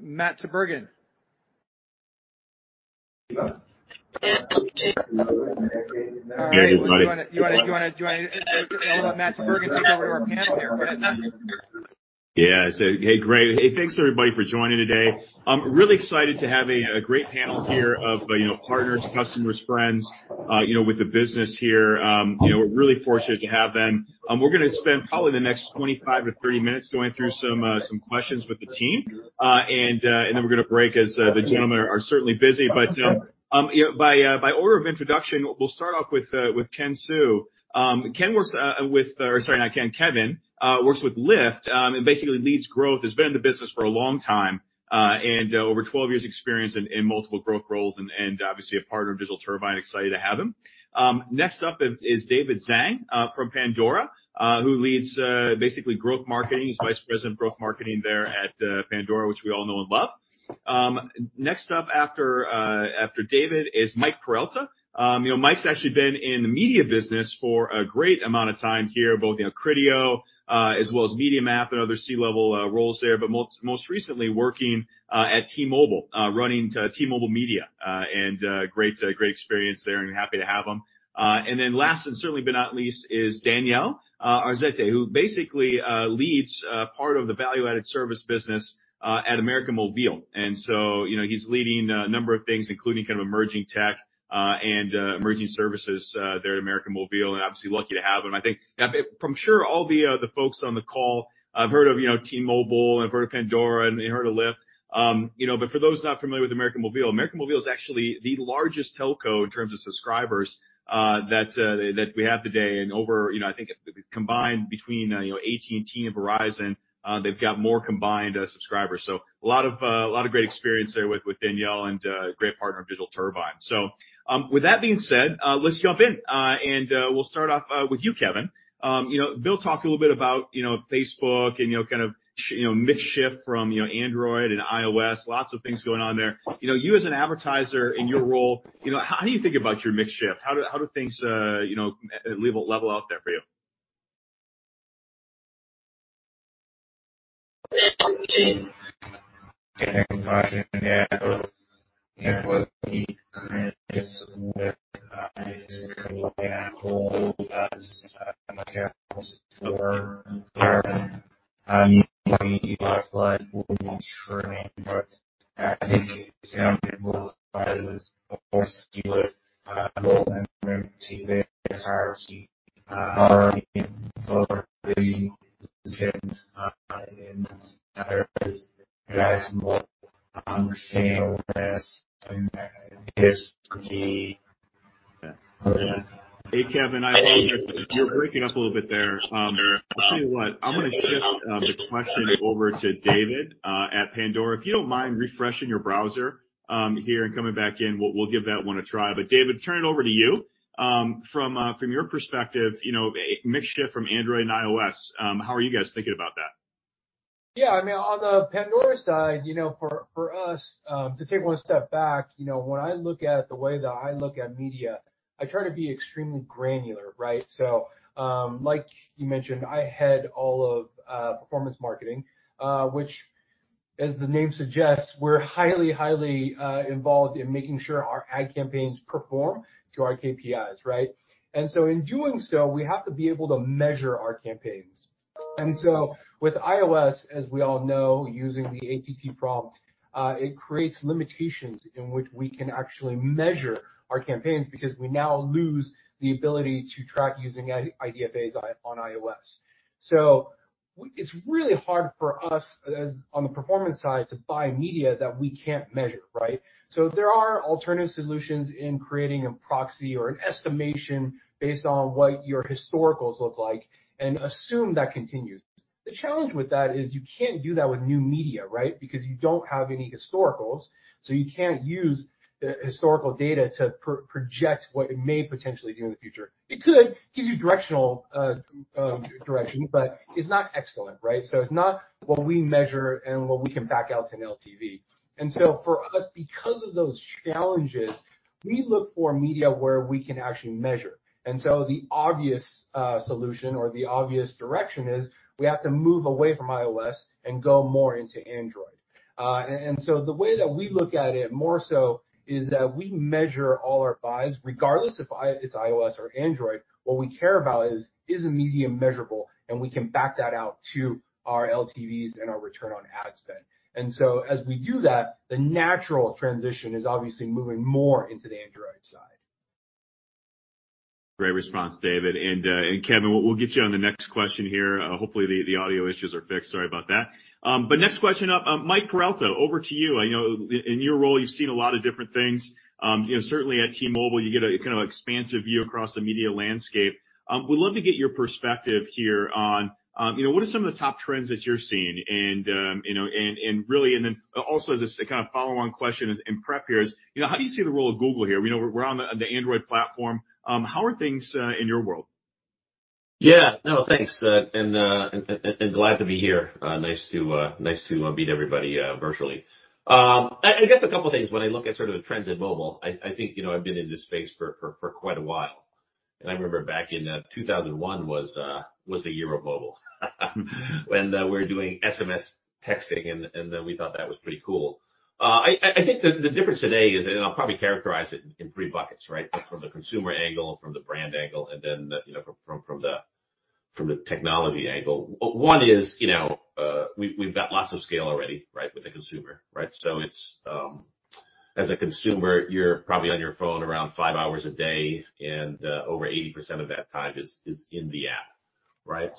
Matt Tubergen. All right. Do you wanna? I'll let Matt Tubergen take over our panel here. Go ahead. Hey, great. Hey, thanks, everybody, for joining today. I'm really excited to have a great panel here of, you know, partners, customers, friends, you know, with the business here. You know, we're really fortunate to have them. We're gonna spend probably the next 25 minutes-30 minutes going through some questions with the team. Then we're gonna break as the gentlemen are certainly busy. You know, by order of introduction, we'll start off with Ken Su. Sorry, not Ken. Kevin works with Lyft and basically leads growth. He's been in the business for a long time and over 12 years experience in multiple growth roles and obviously a partner of Digital Turbine. Excited to have him. Next up is David Zhang from Pandora who leads basically growth marketing. He's Vice President of growth marketing there at Pandora, which we all know and love. Next up after David is Mike Peralta. You know, Mike's actually been in the media business for a great amount of time here, both you know Criteo as well as MediaMath and other C-level roles there, but most recently working at T-Mobile running T-Mobile Media. Great experience there, and happy to have him. Then last, and certainly but not least, is Daniel Arzate who basically leads part of the value-added service business at América Móvil. You know, he's leading a number of things, including kind of emerging tech, and emerging services there at América Móvil, and obviously lucky to have him. I think I'm sure all the folks on the call have heard of, you know, T-Mobile, have heard of Pandora, and heard of Lyft. You know, but for those not familiar with América Móvil, América Móvil is actually the largest telco in terms of subscribers that we have today. You know, I think combined between, you know, AT&T and Verizon, they've got more combined subscribers. A lot of great experience there with Daniel Arzate and great partner of Digital Turbine. With that being said, let's jump in. We'll start off with you, Kevin. You know, Bill talked a little bit about, you know, Facebook and, you know, kind of mix-shift from, you know, Android and iOS, lots of things going on there. You know, you as an advertiser in your role, you know, how do you think about your mix-shift? How do things, you know, level out there for you? Yeah. Hey, Kevin. I apologize. You're breaking up a little bit there. I'll tell you what. I'm gonna shift the question over to David Zhang at Pandora. If you don't mind refreshing your browser here and coming back in, we'll give that one a try. David, turn it over to you. From your perspective, you know, a mix-shift from Android and iOS, how are you guys thinking about that? Yeah. I mean, on the Pandora side, you know, for us, to take one step back, you know, when I look at the way that I look at media, I try to be extremely granular, right? Like you mentioned, I head all of performance marketing, which, as the name suggests, we're highly involved in making sure our ad campaigns perform to our KPIs, right? In doing so, we have to be able to measure our campaigns. With iOS, as we all know, using the ATT prompt, it creates limitations in which we can actually measure our campaigns because we now lose the ability to track using IDFAs on iOS. It's really hard for us on the performance side to buy media that we can't measure, right? There are alternative solutions in creating a proxy or an estimation based on what your historicals look like and assume that continues. The challenge with that is you can't do that with new media, right? Because you don't have any historicals, so you can't use historical data to project what it may potentially do in the future. Gives you directional direction, but it's not excellent, right? It's not what we measure and what we can back out to an LTV. For us, because of those challenges, we look for media where we can actually measure. The obvious solution or the obvious direction is we have to move away from iOS and go more into Android. The way that we look at it more so is that we measure all our buys, regardless if it's iOS or Android. What we care about is the medium measurable, and we can back that out to our LTVs and our return on ad spend. As we do that, the natural transition is obviously moving more into the Android side. Great response, David. Kevin, we'll get you on the next question here. Hopefully, the audio issues are fixed. Sorry about that. Next question up. Mike Peralta, over to you. I know in your role, you've seen a lot of different things. You know, certainly at T-Mobile, you get a kind of expansive view across the media landscape. Would love to get your perspective here on you know, what are some of the top trends that you're seeing? You know, and really and then also as a kind of follow-on question is, in prep here is, you know, how do you see the role of Google here? You know, we're on the Android platform. How are things in your world? Yeah. No, thanks. Glad to be here. Nice to meet everybody virtually. I guess a couple things when I look at sort of the trends at mobile. I think, you know, I've been in this space for quite a while. I remember back in 2001 was the year of mobile. When we were doing SMS texting and we thought that was pretty cool. I think the difference today is, and I'll probably characterize it in three buckets, right? From the consumer angle, from the brand angle, and then, you know, from the technology angle. One is, you know, we've got lots of scale already, right? With the consumer, right? It's as a consumer, you're probably on your phone around five hours a day, and over 80% of that time is in the app, right?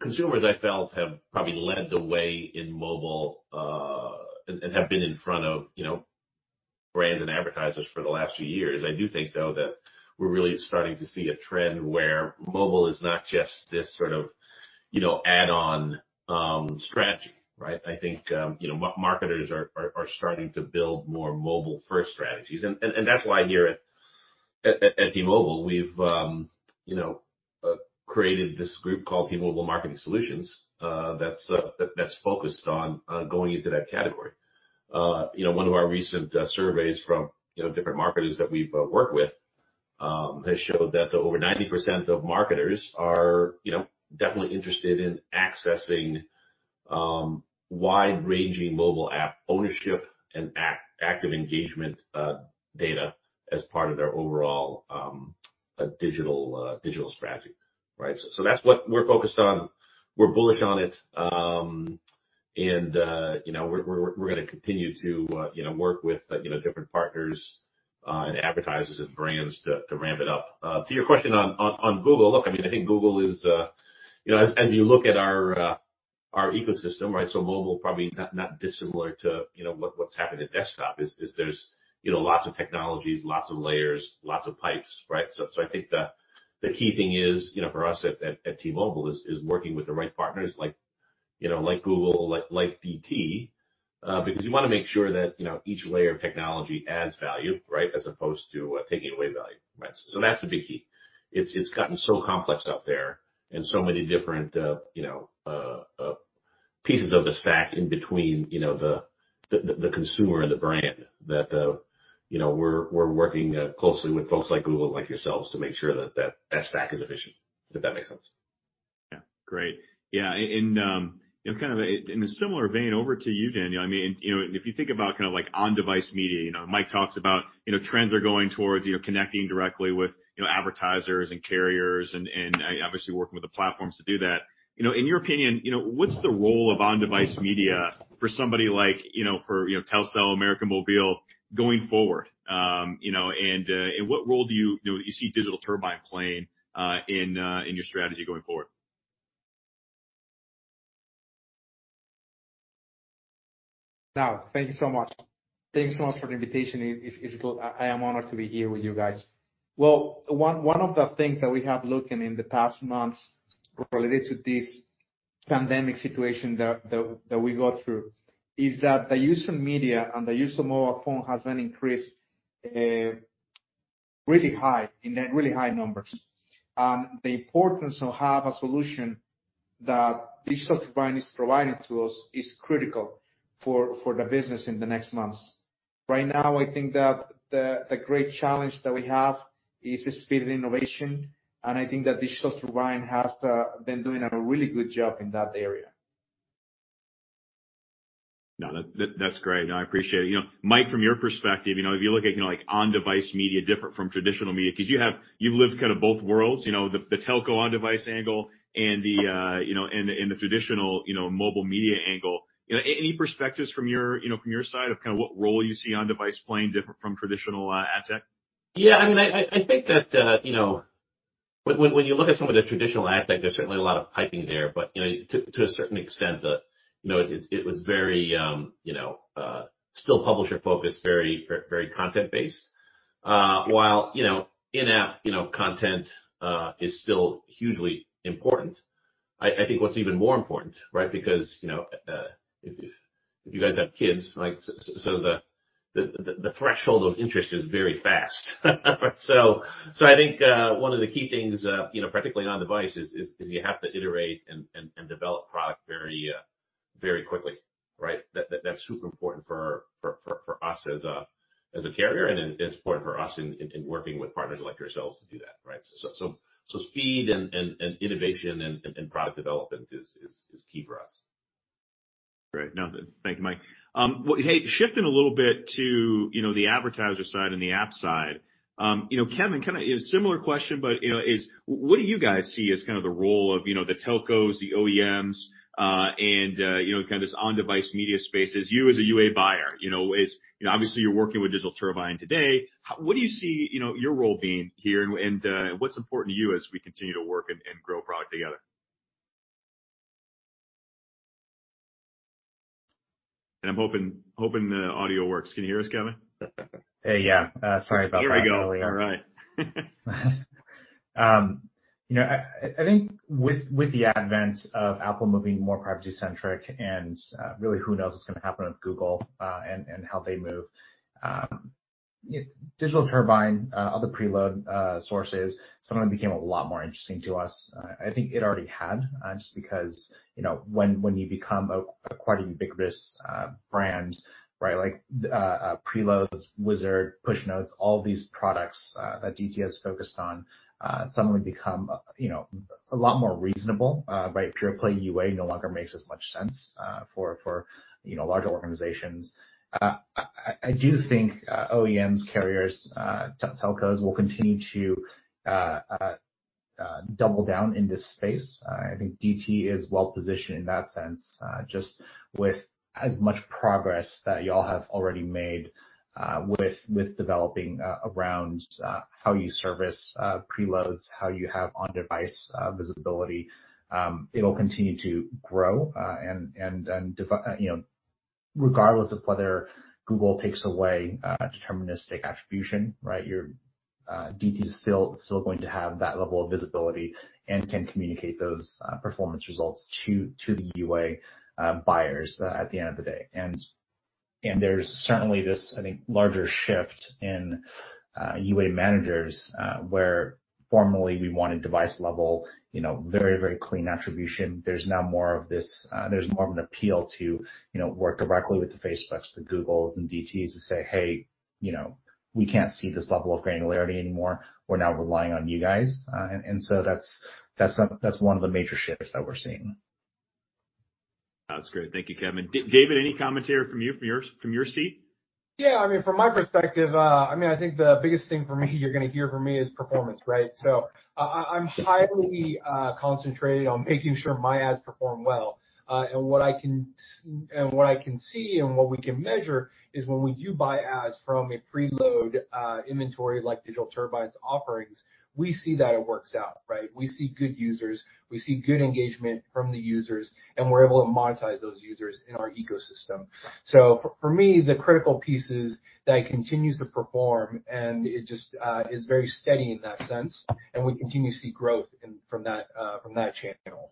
Consumers I feel have probably led the way in mobile, and have been in front of, you know, brands and advertisers for the last few years. I do think, though, that we're really starting to see a trend where mobile is not just this sort of, you know, add-on strategy, right? I think, you know, marketers are starting to build more mobile-first strategies. That's why here at T-Mobile, we've, you know, created this group called T-Mobile Marketing Solutions, that's focused on going into that category. You know, one of our recent surveys from different marketers that we've worked with has showed that over 90% of marketers are, you know, definitely interested in accessing wide-ranging mobile app ownership and active engagement data as part of their overall digital strategy, right? That's what we're focused on. We're bullish on it. You know, we're gonna continue to work with different partners and advertisers and brands to ramp it up. To your question on Google. Look, I mean, I think Google is, you know, as you look at our ecosystem, right? Mobile, probably not dissimilar to, you know, what's happened at desktop is there's, you know, lots of technologies, lots of layers, lots of pipes, right? I think the key thing is, you know, for us at T-Mobile is working with the right partners like, you know, like Google, like DT, because you wanna make sure that, you know, each layer of technology adds value, right? As opposed to taking away value, right? That's the big key. It's gotten so complex out there and so many different, you know, pieces of the stack in between, you know, the consumer and the brand that, you know, we're working closely with folks like Google, like yourselves, to make sure that stack is efficient, if that makes sense. Yeah. Great. Yeah, and you know, kind of in a similar vein, over to you, Daniel. I mean, you know, if you think about kind of like on-device media, you know, Mike talks about, you know, trends are going towards, you know, connecting directly with, you know, advertisers and carriers and obviously working with the platforms to do that. You know, in your opinion, you know, what's the role of on-device media for somebody like Telcel, América Móvil going forward? You know, what role do you see Digital Turbine playing in your strategy going forward? Thank you so much. Thank you so much for the invitation. It's cool. I am honored to be here with you guys. One of the things that we have looked into in the past months related to this pandemic situation that we go through is that the use of media and the use of mobile phone has been increased really high in really high numbers. The importance of having a solution that Digital Turbine is providing to us is critical for the business in the next months. Right now, I think that the great challenge that we have is the speed of innovation, and I think that Digital Turbine has been doing a really good job in that area. No, that's great. No, I appreciate it. You know, Mike, from your perspective, you know, if you look at, you know, like on-device media different from traditional media, 'cause you have-- you've lived kind of both worlds, you know, the telco on-device angle and the traditional, you know, mobile media angle. You know, any perspectives from your, you know, from your side of kind of what role you see on-device playing different from traditional ad tech? Yeah. I mean, I think that, you know, when you look at some of the traditional ad tech, there's certainly a lot of piping there. You know, to a certain extent, it was very, you know, still publisher-focused, very content-based. While, you know, in-app, you know, content is still hugely important. I think what's even more important, right? You know, if you guys have kids, like, so the threshold of interest is very fast. I think, one of the key things, you know, particularly on device is you have to iterate and develop product very quickly. Right? That's super important for us as a carrier and it's important for us in working with partners like yourselves to do that, right? Speed and innovation and product development is key for us. Great. No, thank you, Mike. Well, hey, shifting a little bit to, you know, the advertiser side and the app side. You know, Kevin, kinda a similar question, but, you know, is what do you guys see as kind of the role of, you know, the telcos, the OEMs, and, you know, kind of this on-device media space as you as a UA buyer? You know, is, you know, obviously you're working with Digital Turbine today. What do you see, you know, your role being here and, what's important to you as we continue to work and grow product together? I'm hoping the audio works. Can you hear us, Kevin? Hey, yeah. Sorry about that earlier. Here we go. All right. I think with the advent of Apple moving more privacy-centric and really who knows what's gonna happen with Google and how they move, Digital Turbine, other preload sources, suddenly became a lot more interesting to us. I think it already had just because, you know, when you become a quite ubiquitous brand, right, like preloads, wizard, push notes, all these products that DT has focused on suddenly become, you know, a lot more reasonable. Right? Pure play UA no longer makes as much sense for larger organizations. I do think OEMs, carriers, telcos will continue to double down in this space. I think DT is well-positioned in that sense, just with as much progress that y'all have already made, with developing around how you service preloads, how you have on-device visibility, it'll continue to grow, you know, regardless of whether Google takes away deterministic attribution, right? Your DT is still going to have that level of visibility and can communicate those performance results to the UA buyers at the end of the day. There's certainly this, I think, larger shift in UA managers, where formerly we wanted device-level, you know, very clean attribution. There's now more of this. There's more of an appeal to, you know, work directly with the Facebooks, the Googles, and DTs to say, "Hey, you know, we can't see this level of granularity anymore. We're now relying on you guys." That's one of the major shifts that we're seeing. That's great. Thank you, Kevin. David, any commentary from you, from your seat? Yeah. I mean, from my perspective, I mean, I think the biggest thing for me you're gonna hear from me is performance, right? I'm highly concentrated on making sure my ads perform well. What I can see and what we can measure is when we do buy ads from a preload inventory like Digital Turbine's offerings, we see that it works out, right? We see good users, we see good engagement from the users, and we're able to monetize those users in our ecosystem. For me, the critical piece is that it continues to perform and it just is very steady in that sense, and we continue to see growth from that channel.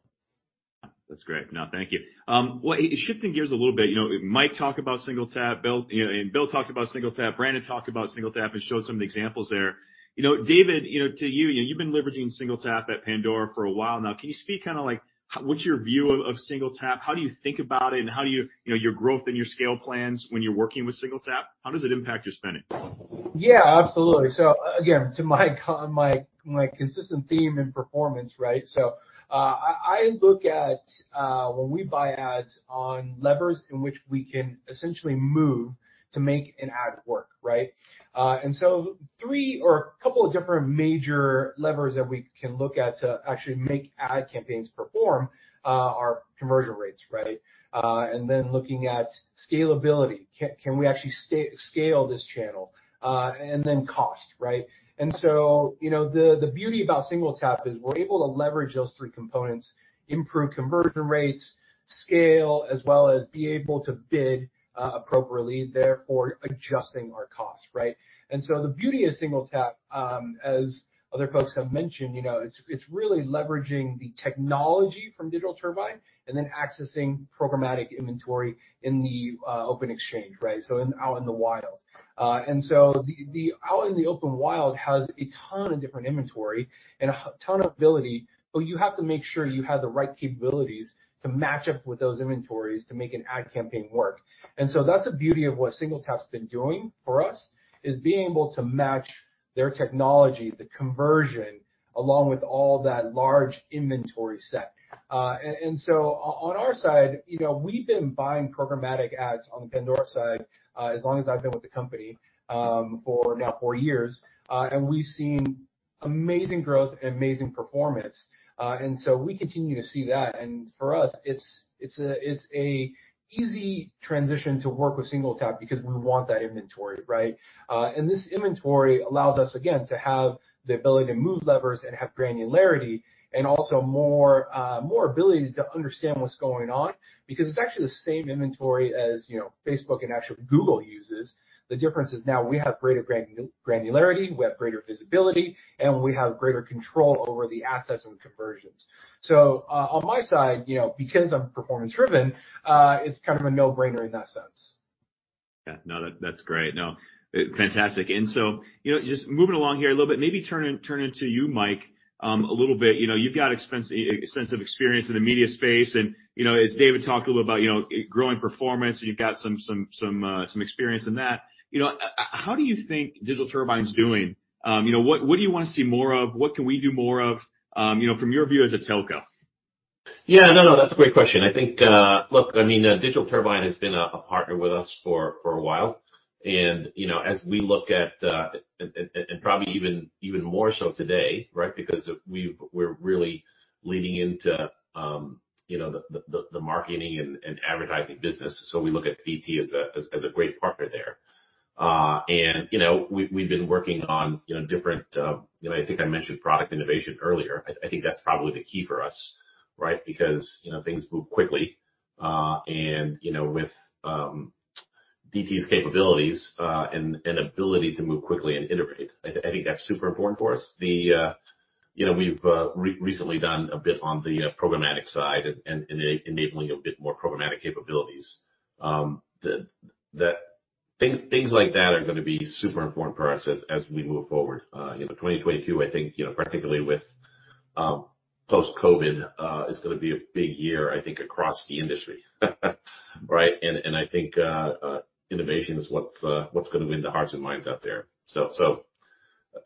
That's great. No, thank you. Well, shifting gears a little bit, you know, Mike talked about SingleTap, Bill, you know, and Bill talked about SingleTap. Brandon talked about SingleTap and showed some of the examples there. You know, David, you know, to you've been leveraging SingleTap at Pandora for a while now. Can you speak kinda, like, what's your view of SingleTap? How do you think about it, and how do you know, your growth and your scale plans when you're working with SingleTap? How does it impact your spending? Yeah, absolutely. Again, to my consistent theme in performance, right? I look at when we buy ads on levers in which we can essentially move to make an ad work, right? Three or a couple of different major levers that we can look at to actually make ad campaigns perform are conversion rates, right? Looking at scalability. Can we actually scale this channel? Cost, right? You know, the beauty about SingleTap is we're able to leverage those three components, improve conversion rates, scale, as well as be able to bid appropriately, therefore adjusting our cost, right? The beauty of SingleTap, as other folks have mentioned, you know, it's really leveraging the technology from Digital Turbine and then accessing programmatic inventory in the open exchange, right? So in out in the wild. Out in the open wild has a ton of different inventory and a ton of ability, but you have to make sure you have the right capabilities to match up with those inventories to make an ad campaign work. That's the beauty of what SingleTap's been doing for us, is being able to match their technology, the conversion, along with all that large inventory set. On our side, you know, we've been buying programmatic ads on the Pandora side, as long as I've been with the company, for now 4 years, and we've seen amazing growth and amazing performance. We continue to see that. For us, it's an easy transition to work with SingleTap because we want that inventory, right? This inventory allows us, again, to have the ability to move levers and have granularity and also more ability to understand what's going on because it's actually the same inventory as, you know, Facebook and actually Google uses. The difference is now we have greater granularity, we have greater visibility, and we have greater control over the assets and conversions. on my side, you know, because I'm performance-driven, it's kind of a no-brainer in that sense. Yeah. No, that's great. No, fantastic. You know, just moving along here a little bit, maybe turn it to you, Mike, a little bit. You know, you've got extensive experience in the media space and, you know, as David talked a little about, you know, growing performance, you've got some experience in that. You know, how do you think Digital Turbine is doing? You know, what do you wanna see more of? What can we do more of, you know, from your view as a telco? Yeah, no, that's a great question. I think, look, I mean, Digital Turbine has been a partner with us for a while. You know, as we look at. Probably even more so today, right? Because we're really leaning into, you know, the marketing and advertising business. We look at DT as a great partner there. You know, we've been working on, you know, different, you know, I think I mentioned product innovation earlier. I think that's probably the key for us, right? Because, you know, things move quickly. You know, with DT's capabilities, and ability to move quickly and integrate, I think that's super important for us. You know, we've recently done a bit on the programmatic side and enabling a bit more programmatic capabilities. Things like that are gonna be super important for us as we move forward. You know, 2022, I think, you know, particularly with post-COVID, is gonna be a big year, I think, across the industry. Right? I think innovation is what's gonna win the hearts and minds out there.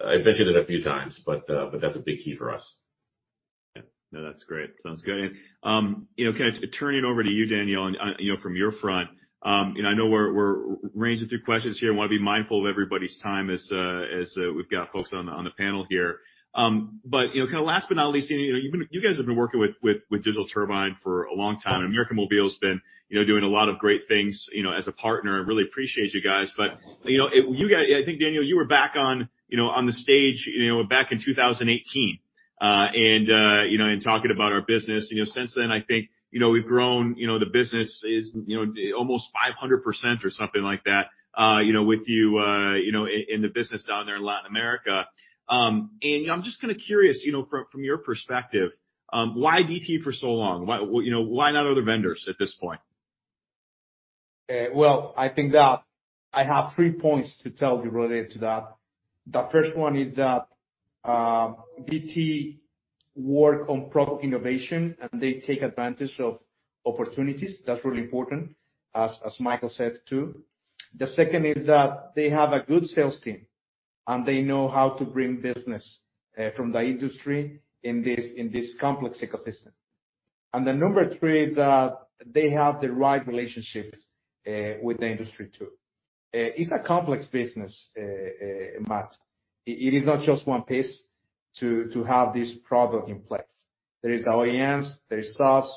I mentioned it a few times, but that's a big key for us. Yeah. No, that's great. Sounds good. You know, kind of turning it over to you, Daniel, and, you know, from your front, and I know we're running through questions here. I wanna be mindful of everybody's time as we've got folks on the panel here. You know, kind of last but not least, you know, you guys have been working with Digital Turbine for a long time, and América Móvil's been doing a lot of great things as a partner. I really appreciate you guys. You know, I think, Daniel, you were back on the stage back in 2018. You know, talking about our business. You know, since then, I think, you know, we've grown, you know, the business is, you know, almost 500% or something like that, you know, with you know, in the business down there in Latin America. I'm just kinda curious, you know, from your perspective, why DT for so long? Why, you know, why not other vendors at this point? Well, I think that I have three points to tell you related to that. The first one is that DT work on product innovation, and they take advantage of opportunities. That's really important, as Michael said, too. The second is that they have a good sales team, and they know how to bring business from the industry in this complex ecosystem. The number three is that they have the right relationships with the industry, too. It's a complex business, Matt. It is not just one piece to have this product in place. There is the OEMs, there is SaaS,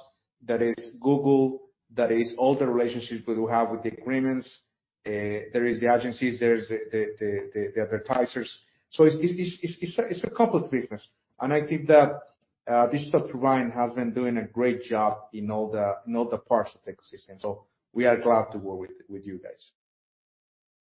there is Google, there is all the relationships that we have with the agreements. There is the agencies. There's the advertisers. So it's a complex business. I think that Digital Turbine has been doing a great job in all the parts of the ecosystem. We are glad to work with you guys.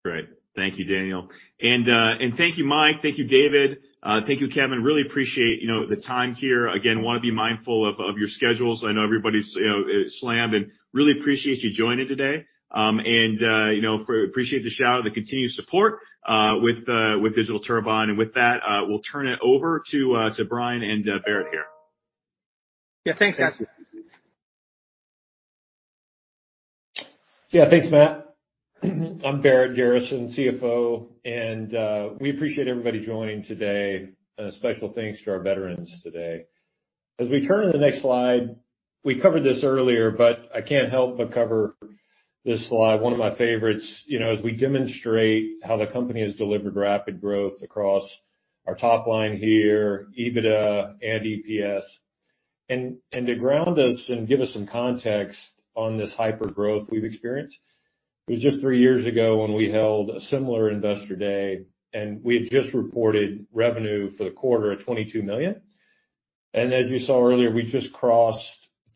Great. Thank you, Daniel. Thank you, Mike. Thank you, David. Thank you, Kevin. Really appreciate, you know, the time here. Again, wanna be mindful of your schedules. I know everybody's, you know, slammed. Really appreciate you joining today. You know, appreciate the shout out, the continued support with Digital Turbine. With that, we'll turn it over to Brian and Barrett here. Yeah, thanks, Matt. Yeah. Thanks, Matt. I'm Barrett Garrison, Chief Financial Officer. We appreciate everybody joining today. A special thanks to our veterans today. As we turn to the next slide, we covered this earlier, but I can't help but cover this slide, one of my favorites, you know, as we demonstrate how the company has delivered rapid growth across our top line here, EBITDA and EPS. To ground us and give us some context on this hyper growth we've experienced, it was just three years ago when we held a similar Investor Day, and we had just reported revenue for the quarter at $22 million. As you saw earlier, we just crossed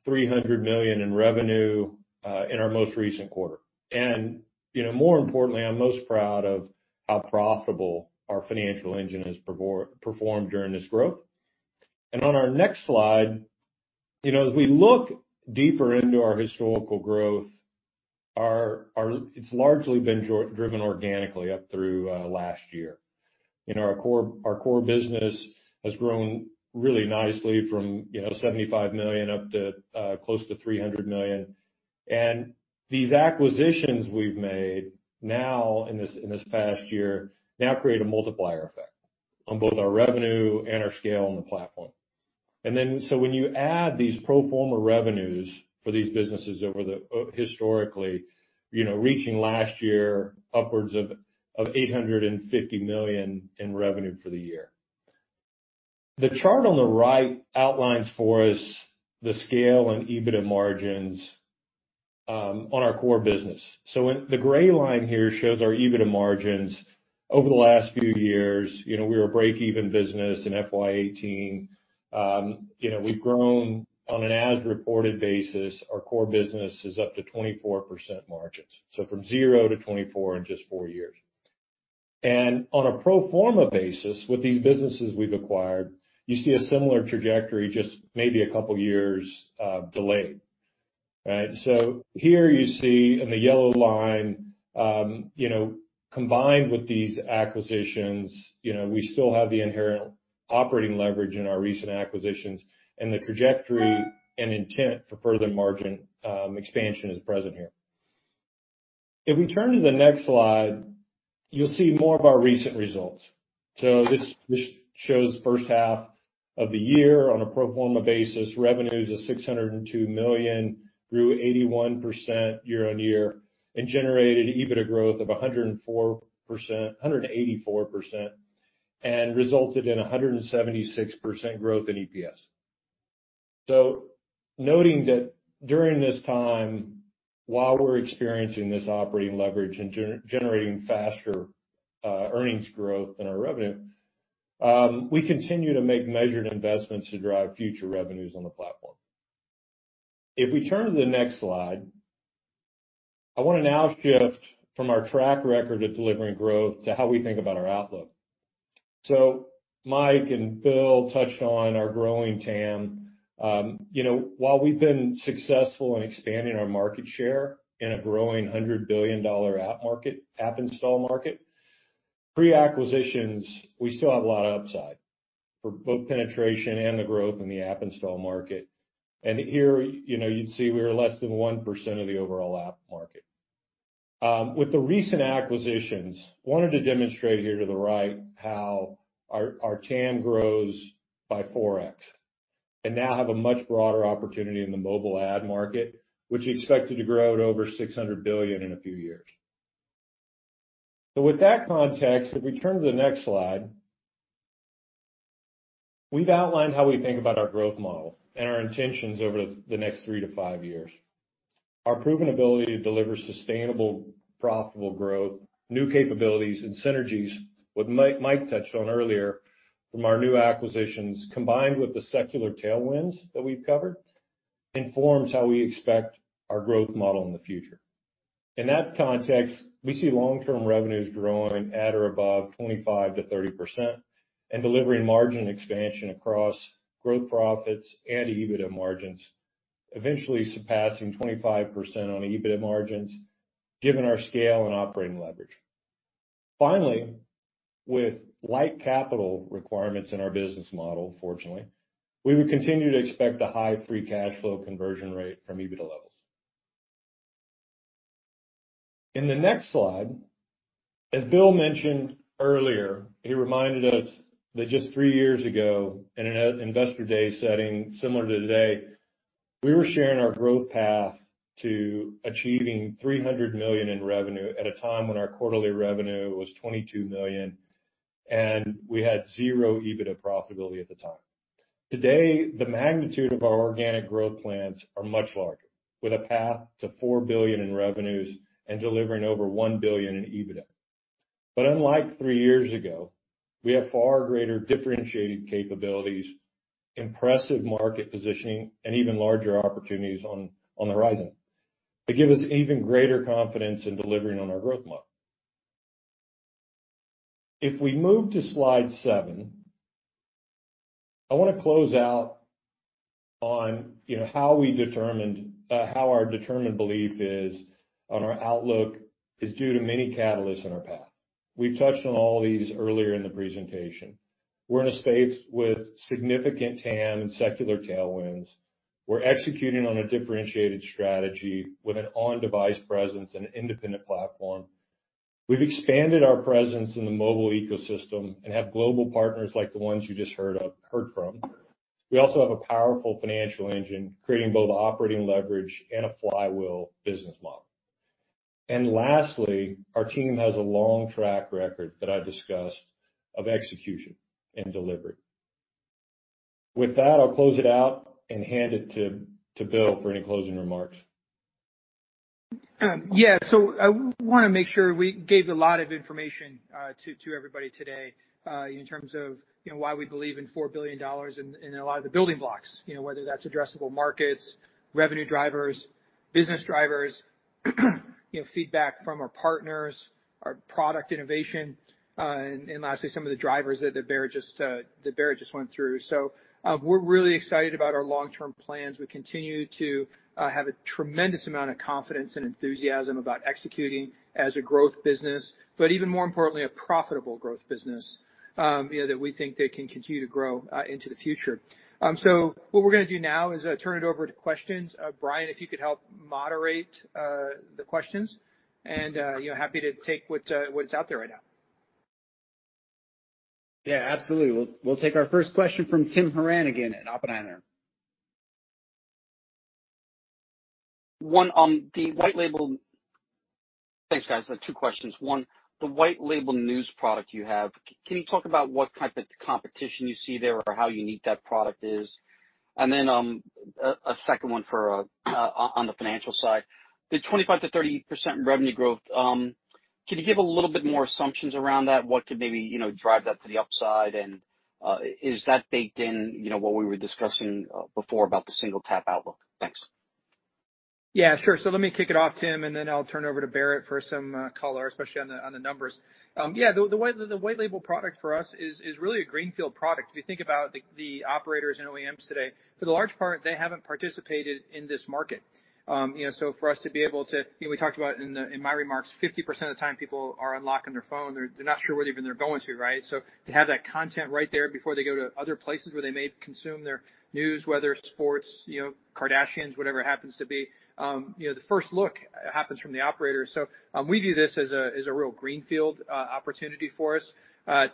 $300 million in revenue in our most recent quarter. You know, more importantly, I'm most proud of how profitable our financial engine has performed during this growth. On our next slide, you know, as we look deeper into our historical growth, it's largely been driven organically up through last year. You know, our core business has grown really nicely from, you know, $75 million up to close to $300 million. These acquisitions we've made now in this past year now create a multiplier effect on both our revenue and our scale on the platform. When you add these pro forma revenues for these businesses over the historically, you know, reaching last year upwards of $850 million in revenue for the year. The chart on the right outlines for us the scale and EBITDA margins on our core business. The gray line here shows our EBITDA margins over the last few years. You know, we were a break-even business in FY 2018. You know, we've grown on an as-reported basis. Our core business is up to 24% margins, so from zero to 24 in just 4 years. On a pro forma basis with these businesses we've acquired, you see a similar trajectory, just maybe a couple years delayed, right? So here you see in the yellow line, you know, combined with these acquisitions, you know, we still have the inherent operating leverage in our recent acquisitions and the trajectory and intent for further margin expansion is present here. If we turn to the next slide, you'll see more of our recent results. This shows first half of the year on a pro forma basis, revenues of $602 million, grew 81% year-on-year, and generated EBITDA growth of 184%, and resulted in 176% growth in EPS. Noting that during this time, while we're experiencing this operating leverage and generating faster earnings growth than our revenue, we continue to make measured investments to drive future revenues on the platform. If we turn to the next slide, I wanna now shift from our track record of delivering growth to how we think about our outlook. Mike and Bill touched on our growing TAM. You know, while we've been successful in expanding our market share in a growing $100 billion app install market pre-acquisitions, we still have a lot of upside for both penetration and the growth in the app install market. Here, you know, you'd see we are less than 1% of the overall app market. With the recent acquisitions, wanted to demonstrate here to the right how our TAM grows by 4x, and now have a much broader opportunity in the mobile ad market, which is expected to grow to over $600 billion in a few years. With that context, if we turn to the next slide, we've outlined how we think about our growth model and our intentions over the next three to five years. Our proven ability to deliver sustainable, profitable growth, new capabilities and synergies, what Mike touched on earlier from our new acquisitions, combined with the secular tailwinds that we've covered, informs how we expect our growth model in the future. In that context, we see long-term revenues growing at or above 25%-30% and delivering margin expansion across growth profits and EBITDA margins, eventually surpassing 25% on EBITDA margins given our scale and operating leverage. Finally, with light capital requirements in our business model, fortunately, we would continue to expect a high free cash flow conversion rate from EBITDA levels. In the next slide, as Bill mentioned earlier, he reminded us that just three years ago in an Investor Day setting similar to today, we were sharing our growth path to achieving $300 million in revenue at a time when our quarterly revenue was $22 million, and we had $0 EBITDA profitability at the time. Today, the magnitude of our organic growth plans are much larger, with a path to $4 billion in revenues and delivering over $1 billion in EBITDA. Unlike three years ago, we have far greater differentiated capabilities, impressive market positioning, and even larger opportunities on the horizon. They give us even greater confidence in delivering on our growth model. If we move to slide seven, I wanna close out on, you know, how our determined belief is on our outlook is due to many catalysts in our path. We've touched on all of these earlier in the presentation. We're in a space with significant TAM and secular tailwinds. We're executing on a differentiated strategy with an on-device presence and independent platform. We've expanded our presence in the mobile ecosystem and have global partners like the ones you just heard of, heard from. We also have a powerful financial engine, creating both operating leverage and a flywheel business model. Lastly, our team has a long track record that I discussed of execution and delivery. With that, I'll close it out and hand it to Bill for any closing remarks. Yeah. I wanna make sure we gave a lot of information to everybody today in terms of you know why we believe in $4 billion and a lot of the building blocks you know whether that's addressable markets revenue drivers business drivers you know feedback from our partners our product innovation and lastly some of the drivers that Barrett just went through. We're really excited about our long-term plans. We continue to have a tremendous amount of confidence and enthusiasm about executing as a growth business but even more importantly a profitable growth business you know that we think that can continue to grow into the future. What we're gonna do now is turn it over to questions. Brian, if you could help moderate the questions and, you know, happy to take what's out there right now. Yeah, absolutely. We'll take our first question from Tim Horan again at Oppenheimer. One on the white label. Thanks, guys. Two questions. One, the white label news product you have, can you talk about what type of competition you see there or how unique that product is? Then, a second one on the financial side. The 25%-30% revenue growth, can you give a little bit more assumptions around that? What could maybe, you know, drive that to the upside? And, is that baked in, you know, what we were discussing before about the SingleTap outlook? Thanks. Yeah, sure. Let me kick it off, Tim, and then I'll turn it over to Barrett for some color, especially on the numbers. Yeah, the white label product for us is really a greenfield product. If you think about the operators and OEMs today, for the large part, they haven't participated in this market. You know, so for us to be able to. You know, we talked about in my remarks, 50% of the time people are unlocking their phone. They're not sure where even they're going to, right? So to have that content right there before they go to other places where they may consume their news, whether it's sports, you know, Kardashians, whatever it happens to be, you know, the first look happens from the operator. We view this as a real greenfield opportunity for us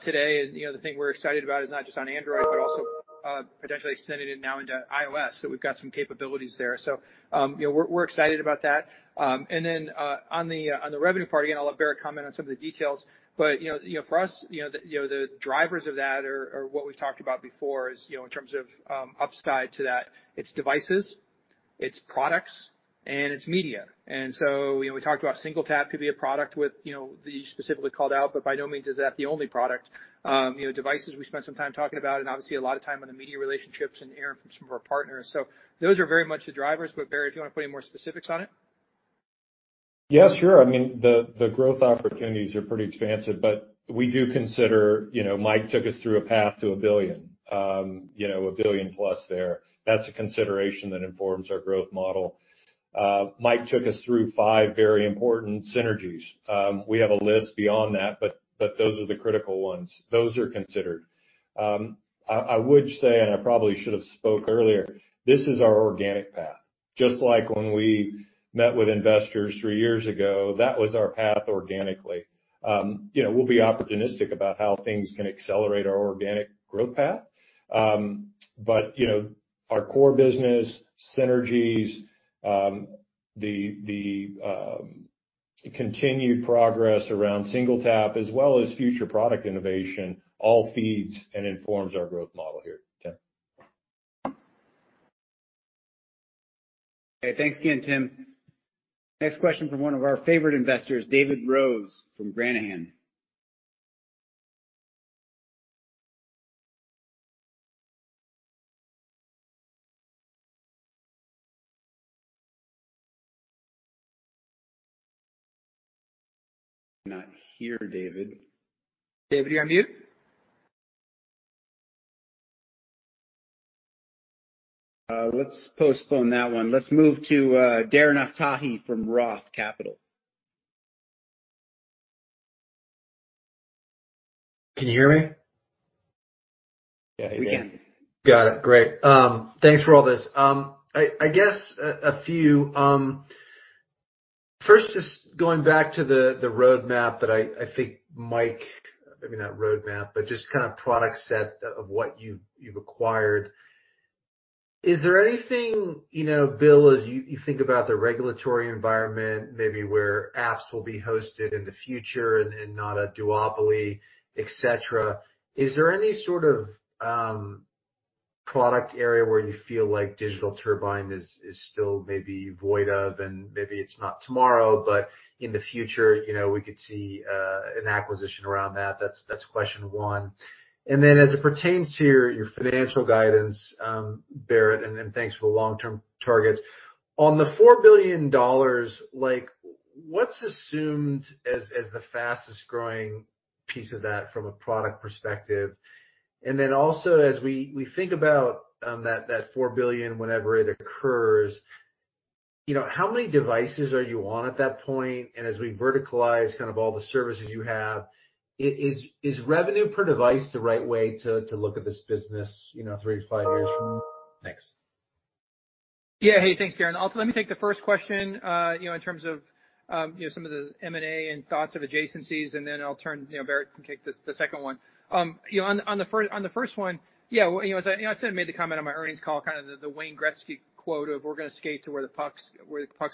today. You know, the thing we're excited about is not just on Android, but also potentially extending it now into iOS. We've got some capabilities there. You know, we're excited about that. On the revenue part, again, I'll let Barrett comment on some of the details. You know, for us, you know, the drivers of that are what we've talked about before is, you know, in terms of upside to that, it's devices, it's products, and it's media. You know, we talked about SingleTap could be a product with, you know, that you specifically called out, but by no means is that the only product. You know, devices we spent some time talking about, and obviously a lot of time on the media relationships and hearing from some of our partners. Those are very much the drivers. Barrett, do you want to put any more specifics on it? Yes, sure. I mean, the growth opportunities are pretty expansive, but we do consider, you know, Mike took us through a path to $1 billion, you know, $1 billion+ there. That's a consideration that informs our growth model. Mike took us through five very important synergies. We have a list beyond that, but those are the critical ones. Those are considered. I would say, and I probably should have spoke earlier, this is our organic path. Just like when we met with investors three years ago, that was our path organically. You know, we'll be opportunistic about how things can accelerate our organic growth path. You know, our core business synergies, the continued progress around SingleTap as well as future product innovation all feeds and informs our growth model here. Tim. Okay, thanks again, Tim. Next question from one of our favorite investors, David Rose from Granahan. Not here, David. David, you on mute? Let's postpone that one. Let's move to Darren Aftahi from Roth Capital. Can you hear me? Yeah. We can. Got it. Great. Thanks for all this. I guess a few. First, just going back to the roadmap that I think Mike. Maybe not roadmap, but just kind of product set of what you've acquired. Is there anything, you know, Bill, as you think about the regulatory environment, maybe where apps will be hosted in the future and not a duopoly, et cetera, is there any sort of product area where you feel like Digital Turbine is still maybe void of, and maybe it's not tomorrow, but in the future, you know, we could see an acquisition around that? That's question one. Then as it pertains to your financial guidance, Barrett, and thanks for the long-term targets. On the $4 billion, like, what's assumed as the fastest-growing piece of that from a product perspective? Then also, as we think about that $4 billion, whenever it occurs, you know, how many devices are you on at that point? As we verticalize kind of all the services you have, is revenue per device the right way to look at this business, you know, three to five years from now? Thanks. Yeah. Hey, thanks, Darren. Let me take the first question, you know, in terms of, you know, some of the M&A and thoughts of adjacencies, and then I'll turn, you know, Barrett can take this, the second one. You know, on the first one, yeah, you know, as I, you know, I said, I made the comment on my earnings call, kinda the Wayne Gretzky quote of, "We're gonna skate to where the puck's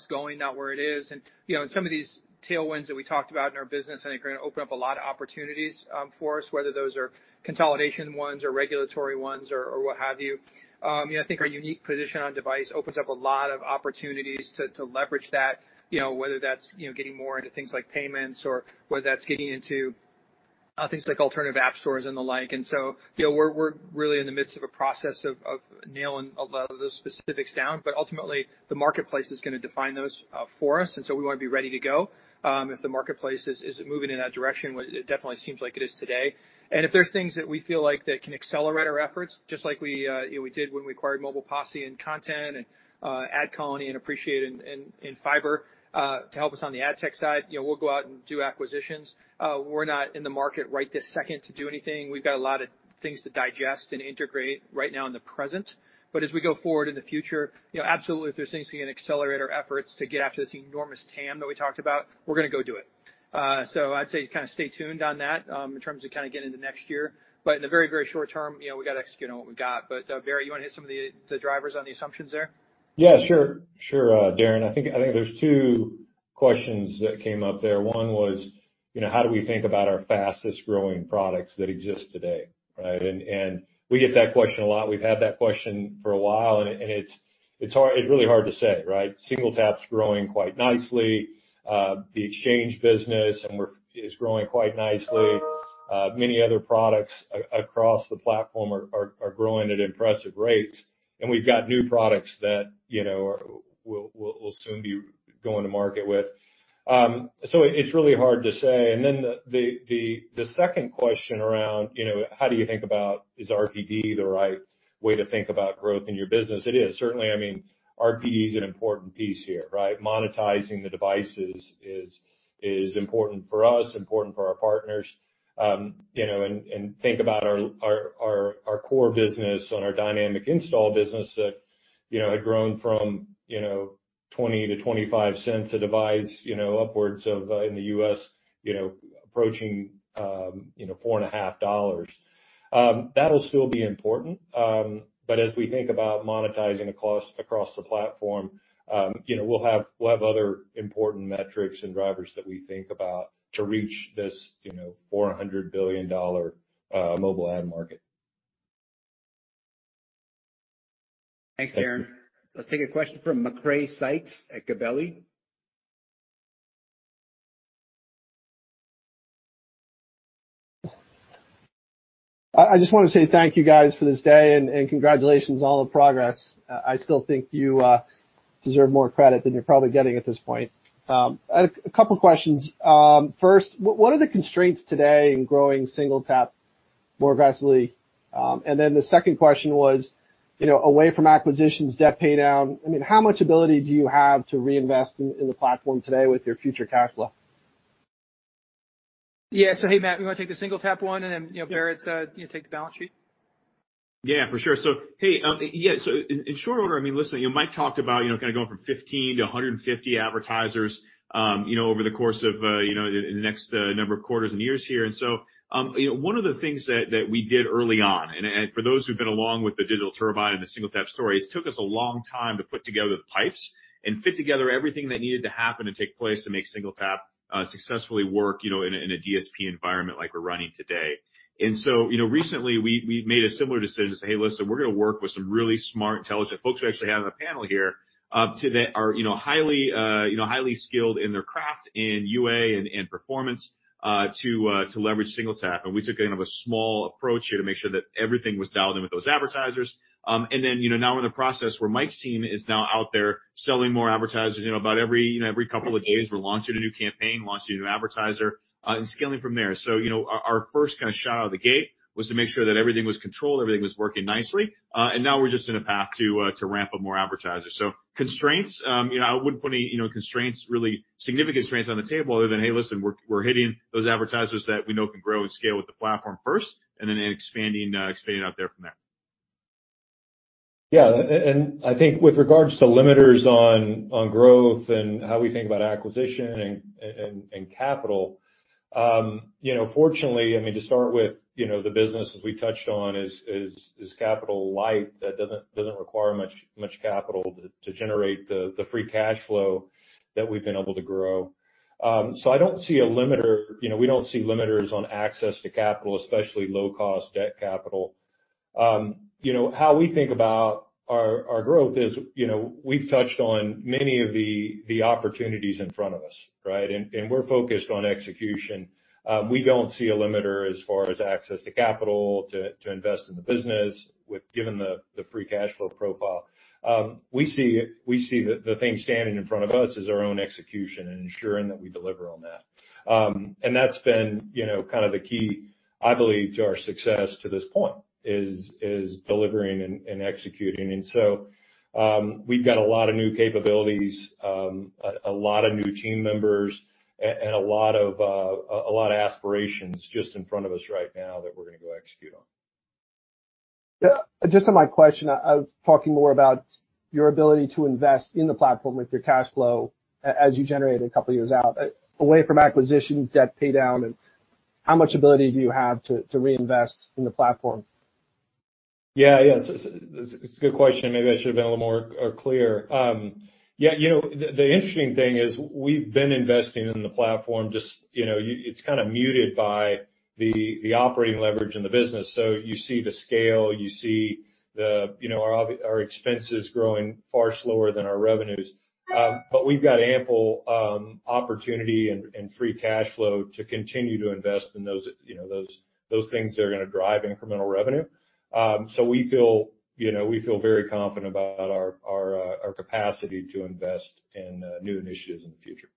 going, not where it is." You know, some of these tailwinds that we talked about in our business, I think are gonna open up a lot of opportunities, for us, whether those are consolidation ones or regulatory ones or what have you. You know, I think our unique position on device opens up a lot of opportunities to leverage that, you know, whether that's getting more into things like payments or whether that's getting into things like alternative app stores and the like. You know, we're really in the midst of a process of nailing a lot of the specifics down, but ultimately, the marketplace is gonna define those for us. We wanna be ready to go if the marketplace is moving in that direction, which it definitely seems like it is today. If there's things that we feel like that can accelerate our efforts, just like we, you know, we did when we acquired Mobile Posse and Content and AdColony and Appreciate and Fyber to help us on the ad tech side, you know, we'll go out and do acquisitions. We're not in the market right this second to do anything. We've got a lot of things to digest and integrate right now in the present. As we go forward in the future, you know, absolutely, if there's things we can accelerate our efforts to get after this enormous TAM that we talked about, we're gonna go do it. I'd say just stay tuned on that, in terms of getting into next year. In the very, very short term, you know, we gotta execute on what we got. Barrett, you wanna hit some of the drivers on the assumptions there? Yeah, sure. Sure, Darren. I think there's two questions that came up there. One was, you know, how do we think about our fastest-growing products that exist today, right? We get that question a lot. We've had that question for a while, and it's really hard to say, right? SingleTap's growing quite nicely. The exchange business is growing quite nicely. Many other products across the platform are growing at impressive rates. We've got new products that, you know, we'll soon be going to market with. It's really hard to say. Then the second question around, you know, how do you think about is RPD the right way to think about growth in your business? It is. Certainly, I mean, RPD is an important piece here, right? Monetizing the devices is important for us, important for our partners. You know, think about our core business on our dynamic install business that had grown from $0.20-$0.25 a device upwards of, in the U.S., approaching $4.50. That'll still be important. As we think about monetizing across the platform, we'll have other important metrics and drivers that we think about to reach this $400 billion mobile ad market. Thanks, Darren. Let's take a question from Macrae Sykes at Gabelli. I just wanna say thank you guys for this day and congratulations on all the progress. I still think you deserve more credit than you're probably getting at this point. A couple questions. First, what are the constraints today in growing SingleTap more aggressively? The second question was, you know, away from acquisitions, debt pay down, I mean, how much ability do you have to reinvest in the platform today with your future cash flow? Yeah. Hey, Matt, you wanna take the SingleTap one, and then, you know, Barrett, you take the balance sheet? Yeah, for sure. So hey, yeah, so in short order, I mean, listen, you know, Mike talked about, you know, kinda going from 15 advertisers-150 advertisers, you know, over the course of, you know, in the next number of quarters and years here. One of the things that we did early on, and for those who've been along with the Digital Turbine and the SingleTap stories, took us a long time to put together the pipes and fit together everything that needed to happen and take place to make SingleTap successfully work, you know, in a DSP environment like we're running today. You know, recently, we made a similar decision to say, "Hey, listen, we're gonna work with some really smart, intelligent folks." We actually have on the panel here today are highly skilled in their craft in UA and performance to leverage SingleTap. We took kind of a small approach here to make sure that everything was dialed in with those advertisers. You know, now we're in the process where Mike's team is now out there selling more advertisers. You know, about every couple of days, we're launching a new campaign, launching a new advertiser and scaling from there. You know, our first kinda shot out of the gate was to make sure that everything was controlled, everything was working nicely. Now we're just in a path to ramp up more advertisers. Constraints, you know, I wouldn't put any, you know, constraints really, significant constraints on the table other than, hey, listen, we're hitting those advertisers that we know can grow and scale with the platform first and then expanding out there from there. I think with regards to limiters on growth and how we think about acquisition and capital, fortunately, I mean, to start with, you know, the business as we touched on is capital light that doesn't require much capital to generate the free cash flow that we've been able to grow. I don't see a limiter. You know, we don't see limiters on access to capital, especially low-cost debt capital. You know, how we think about our growth is, you know, we've touched on many of the opportunities in front of us, right? We're focused on execution. We don't see a limiter as far as access to capital to invest in the business with, given the free cash flow profile. We see the thing standing in front of us is our own execution and ensuring that we deliver on that. That's been, you know, kind of the key, I believe, to our success to this point is delivering and executing. We've got a lot of new capabilities, a lot of new team members, and a lot of aspirations just in front of us right now that we're gonna go execute on. Yeah. Just on my question, I was talking more about your ability to invest in the platform with your cash flow as you generate a couple years out, away from acquisitions, debt pay down, and how much ability do you have to reinvest in the platform? It's a good question. Maybe I should've been a little more clear. Yeah, you know, the interesting thing is we've been investing in the platform just. You know, it's kinda muted by the operating leverage in the business. You see the scale, you see, you know, our expenses growing far slower than our revenues. But we've got ample opportunity and free cash flow to continue to invest in those, you know, those things that are gonna drive incremental revenue. We feel, you know, we feel very confident about our capacity to invest in new initiatives in the future.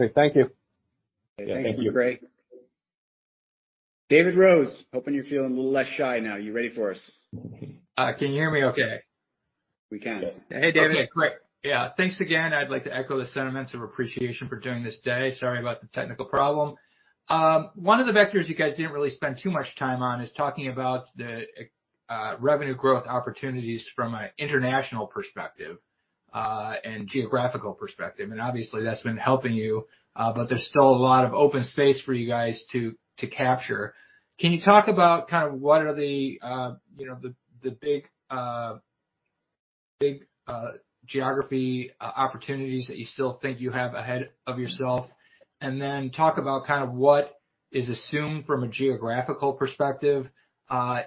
Okay. Thank you. Yeah. Thank you. Thank you, Macrae. David Rose, hoping you're feeling a little less shy now. You ready for us? Can you hear me okay? We can. Yes. Hey, David. Okay. Great. Yeah. Thanks again. I'd like to echo the sentiments of appreciation for doing this today. Sorry about the technical problem. One of the vectors you guys didn't really spend too much time on is talking about the revenue growth opportunities from an international perspective and geographical perspective. Obviously, that's been helping you, but there's still a lot of open space for you guys to capture. Can you talk about kind of what are the big geographical opportunities that you still think you have ahead of yourself? Then talk about kind of what is assumed from a geographical perspective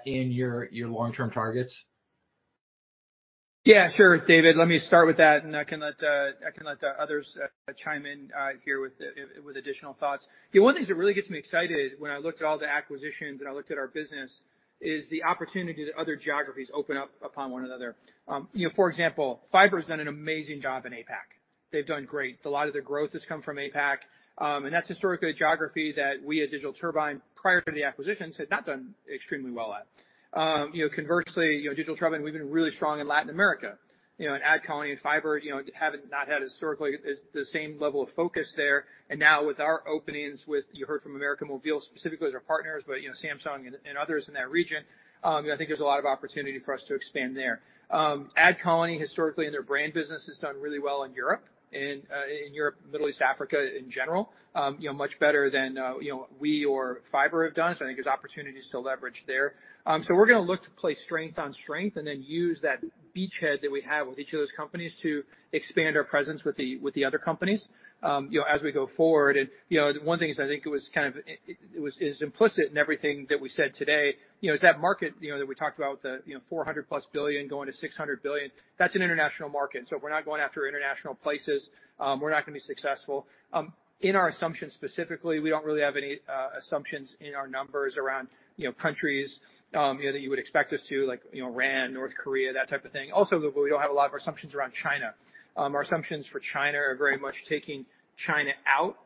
in your long-term targets. Yeah, sure, David, let me start with that, and I can let the others chime in here with additional thoughts. Yeah, one of the things that really gets me excited when I looked at all the acquisitions and I looked at our business is the opportunity that other geographies open up upon one another. You know, for example, Fyber's done an amazing job in APAC. They've done great. A lot of their growth has come from APAC, and that's historically a geography that we at Digital Turbine, prior to the acquisitions, had not done extremely well at. You know, conversely, you know, Digital Turbine, we've been really strong in Latin America. You know, in AdColony and Fyber, you know, haven't had historically the same level of focus there. Now with our openings with, you heard from América Móvil specifically as our partners, but you know, Samsung and others in that region, you know, I think there's a lot of opportunity for us to expand there. AdColony historically in their brand business has done really well in Europe and in Europe, Middle East, Africa in general, you know, much better than you know, we or Fyber have done. I think there's opportunities to leverage there. We're gonna look to play strength on strength and then use that beachhead that we have with each of those companies to expand our presence with the other companies, you know, as we go forward. You know, one thing is I think it is implicit in everything that we said today. You know, that market that we talked about with the $400+ billion going to $600 billion, that's an international market. So if we're not going after international places, we're not gonna be successful. In our assumptions specifically, we don't really have any assumptions in our numbers around countries that you would expect us to, like, Iran, North Korea, that type of thing. Also, we don't have a lot of our assumptions around China. Our assumptions for China are very much taking China out,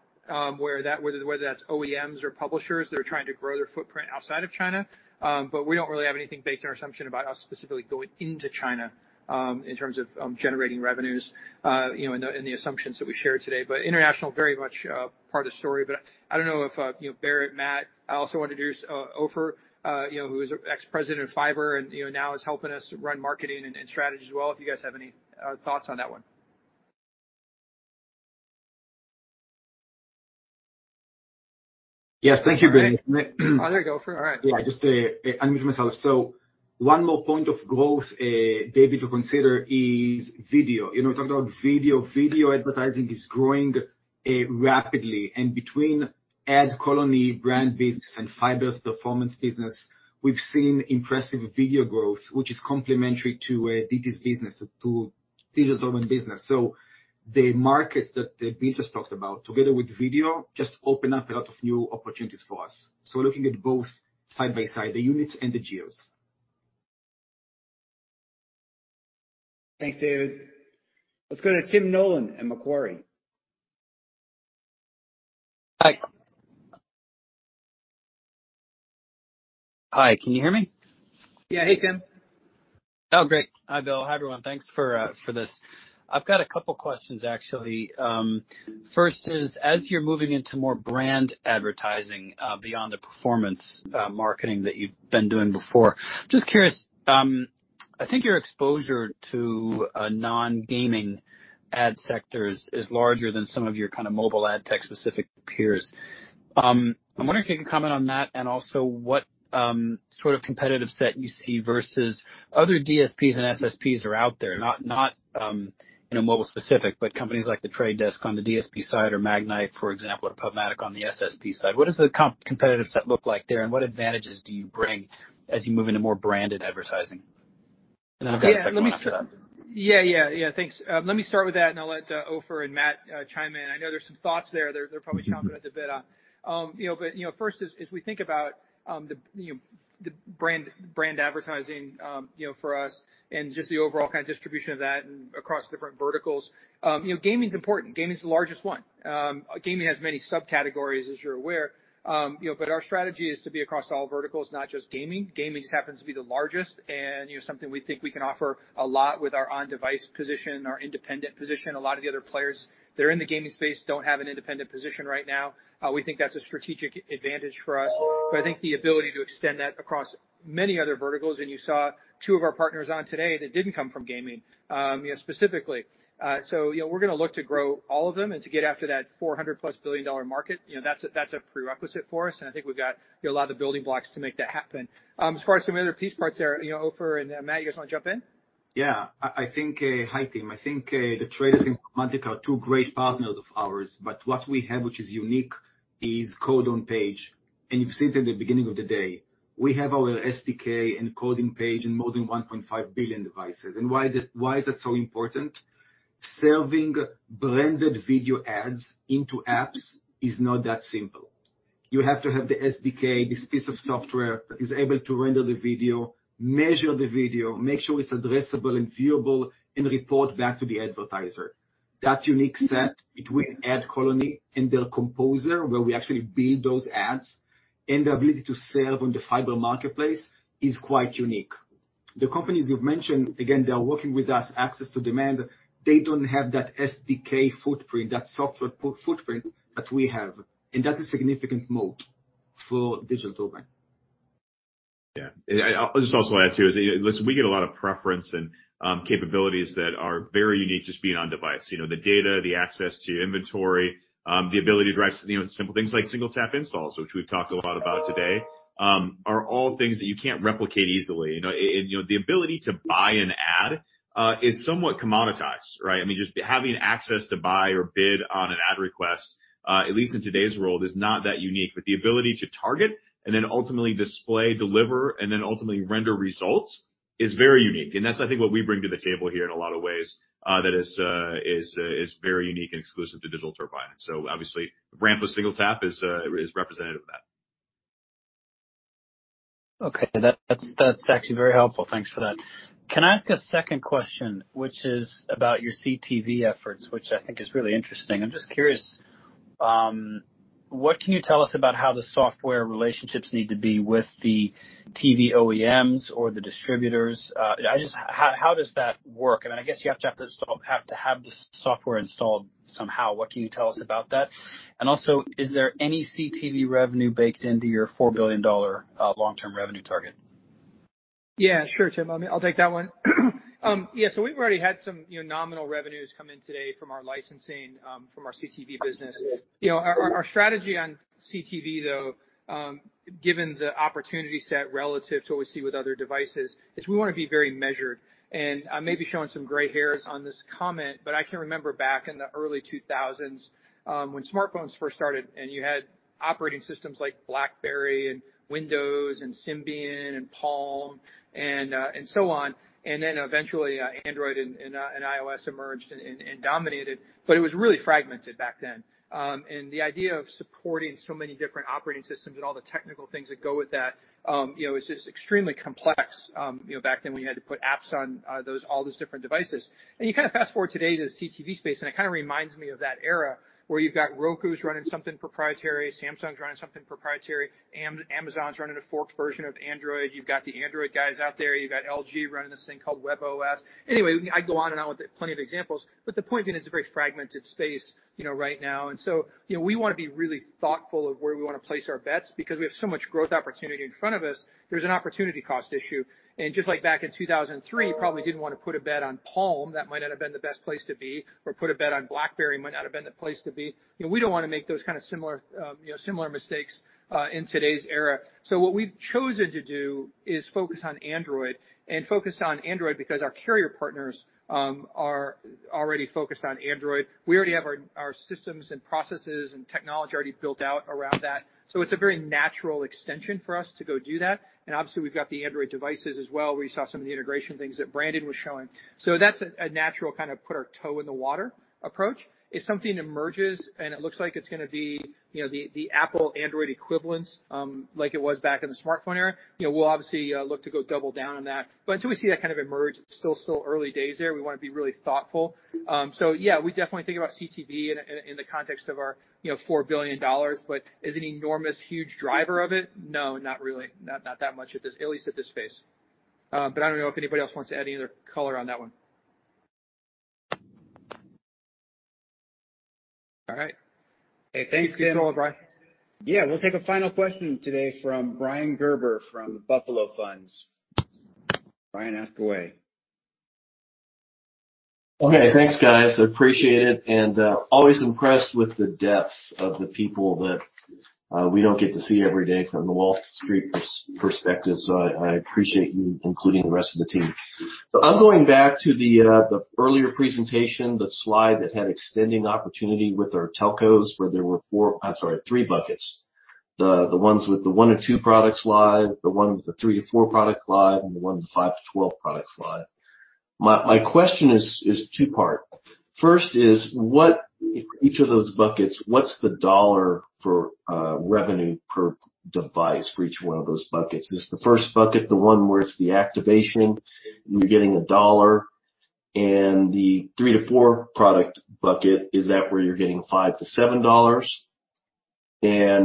where that whether that's OEMs or publishers that are trying to grow their footprint outside of China. We don't really have anything baked in our assumption about us specifically going into China, in terms of, generating revenues, you know, in the assumptions that we shared today. International very much part of the story. I don't know if, you know, Barrett, Matt, I also introduced, Ofer, you know, who is ex-president of Fyber and, you know, now is helping us run marketing and strategy as well, if you guys have any, thoughts on that one. Yes. Thank you, Bill. Oh, there you go. All right. Yeah, just unmuting myself. One more point of growth, David, to consider is video. You know, talking about video. Video advertising is growing rapidly. And between AdColony brand business and Fyber's performance business, we've seen impressive video growth, which is complementary to DT's business, to Digital Turbine business. The markets that David just talked about, together with video, just open up a lot of new opportunities for us. We're looking at both side by side, the units and the geos. Thanks, David. Let's go to Tim Nollen at Macquarie. Hi. Hi, can you hear me? Yeah. Hey, Tim. Oh, great. Hi, Bill. Hi, everyone. Thanks for this. I've got a couple of questions, actually. First is, as you're moving into more brand advertising beyond the performance marketing that you've been doing before, just curious, I think your exposure to non-gaming ad sectors is larger than some of your kind of mobile ad tech specific peers. I'm wondering if you can comment on that and also what sort of competitive set you see versus other DSPs and SSPs that are out there, not you know, mobile specific, but companies like The Trade Desk on the DSP side or Magnite, for example, or PubMatic on the SSP side. What does the competitive set look like there, and what advantages do you bring as you move into more branded advertising? Then I've got a second one after that. Yeah, thanks. Let me start with that, and I'll let Ofer and Matt chime in. I know there's some thoughts there they're probably chomping at the bit on. You know, first is, as we think about the brand advertising for us and just the overall kind of distribution of that and across different verticals. You know, gaming's important. Gaming's the largest one. Gaming has many subcategories, as you're aware. You know, but our strategy is to be across all verticals, not just gaming. Gaming just happens to be the largest and, you know, something we think we can offer a lot with our on-device position and our independent position. A lot of the other players that are in the gaming space don't have an independent position right now. We think that's a strategic advantage for us. I think the ability to extend that across many other verticals, and you saw two of our partners on today that didn't come from gaming, you know, specifically. You know, we're gonna look to grow all of them and to get after that $400+ billion market. You know, that's a prerequisite for us, and I think we've got, you know, a lot of the building blocks to make that happen. As far as some of the other piece parts there, you know, Ofer and Matt, you guys wanna jump in? I think, Hi, Tim. I think, The Trade Desk and PubMatic are two great partners of ours. What we have, which is unique, is code on page. You've seen it at the beginning of the day. We have our SDK and code on page in more than 1.5 billion devices. Why is it, why is that so important? Serving blended video ads into apps is not that simple. You have to have the SDK, this piece of software that is able to render the video, measure the video, make sure it's addressable and viewable, and report back to the advertiser. That unique set between AdColony and their Composer, where we actually build those ads, and the ability to serve on the Fyber marketplace is quite unique. The companies you've mentioned, again, they are working with us, access to demand. They don't have that SDK footprint, that software footprint that we have. That is significant moat for Digital Turbine. Yeah. I'll just also add, too, you know, listen, we get a lot of preference and capabilities that are very unique just being on device. You know, the data, the access to inventory, the ability to drive, you know, simple things like single tap installs, which we've talked a lot about today, are all things that you can't replicate easily. You know, and, you know, the ability to buy an ad is somewhat commoditized, right? I mean, just having access to buy or bid on an ad request, at least in today's world, is not that unique. The ability to target and then ultimately display, deliver, and then ultimately render results is very unique. And that's, I think, what we bring to the table here in a lot of ways, that is very unique and exclusive to Digital Turbine. Obviously, ramp of SingleTap is representative of that. Okay, that's actually very helpful. Thanks for that. Can I ask a second question, which is about your CTV efforts, which I think is really interesting. I'm just curious, what can you tell us about how the software relationships need to be with the TV OEMs or the distributors? How does that work? I mean, I guess you have to have the software installed somehow. What can you tell us about that? And also, is there any CTV revenue baked into your $4 billion long-term revenue target? Yeah, sure, Tim. Let me I'll take that one. Yeah, so we've already had some, you know, nominal revenues come in today from our licensing, from our CTV business. You know, our strategy on CTV, though, given the opportunity set relative to what we see with other devices, is we wanna be very measured. I may be showing some gray hairs on this comment, but I can remember back in the early 2000s, when smartphones first started, and you had operating systems like BlackBerry and Windows and Symbian and Palm and so on, and then eventually Android and iOS emerged and dominated, but it was really fragmented back then. The idea of supporting so many different operating systems and all the technical things that go with that, you know, is just extremely complex. You know, back then, we had to put apps on all those different devices. You kinda fast-forward today to the CTV space, and it kinda reminds me of that era where you've got Roku's running something proprietary, Samsung's running something proprietary, Amazon's running a forked version of Android. You've got the Android guys out there. You've got LG running this thing called webOS. Anyway, I can go on and on with plenty of examples, but the point being it's a very fragmented space, you know, right now. You know, we wanna be really thoughtful of where we wanna place our bets, because we have so much growth opportunity in front of us, there's an opportunity cost issue. Just like back in 2003, probably didn't wanna put a bet on Palm. That might not have been the best place to be or put a bet on BlackBerry might not have been the place to be. You know, we don't wanna make those kinda similar mistakes in today's era. What we've chosen to do is focus on Android because our carrier partners are already focused on Android. We already have our systems and processes and technology already built out around that. It's a very natural extension for us to go do that. Obviously, we've got the Android devices as well, where you saw some of the integration things that Brandon was showing. That's a natural kinda put our toe in the water approach. If something emerges and it looks like it's gonna be, you know, the Apple-Android equivalence, like it was back in the smartphone era, you know, we'll obviously look to go double down on that. Until we see that kind of emerge, it's still early days there. We wanna be really thoughtful. Yeah, we definitely think about CTV in the context of our, you know, $4 billion. Is it an enormous, huge driver of it? No, not really. Not that much at least at this stage. I don't know if anybody else wants to add any other color on that one. All right. Hey, thanks, Tim. Take control, Brian. Yeah, we'll take a final question today from Brian Gerber from Buffalo Funds. Brian, ask away. Okay, thanks, guys. I appreciate it and always impressed with the depth of the people that we don't get to see every day from the Wall Street perspective. I appreciate you including the rest of the team. I'm going back to the earlier presentation, the slide that had extending opportunity with our telcos, where there were three buckets. The ones with the one product or two products live, the one with the three products to four products live, and the one with the five products to 12 products live. My question is two-part. First is what each of those buckets, what's the dollar for revenue per device for each one of those buckets? Is the first bucket, the one where it's the activation, you're getting $1, and the three product to four product bucket, is that where you're getting $5-$7?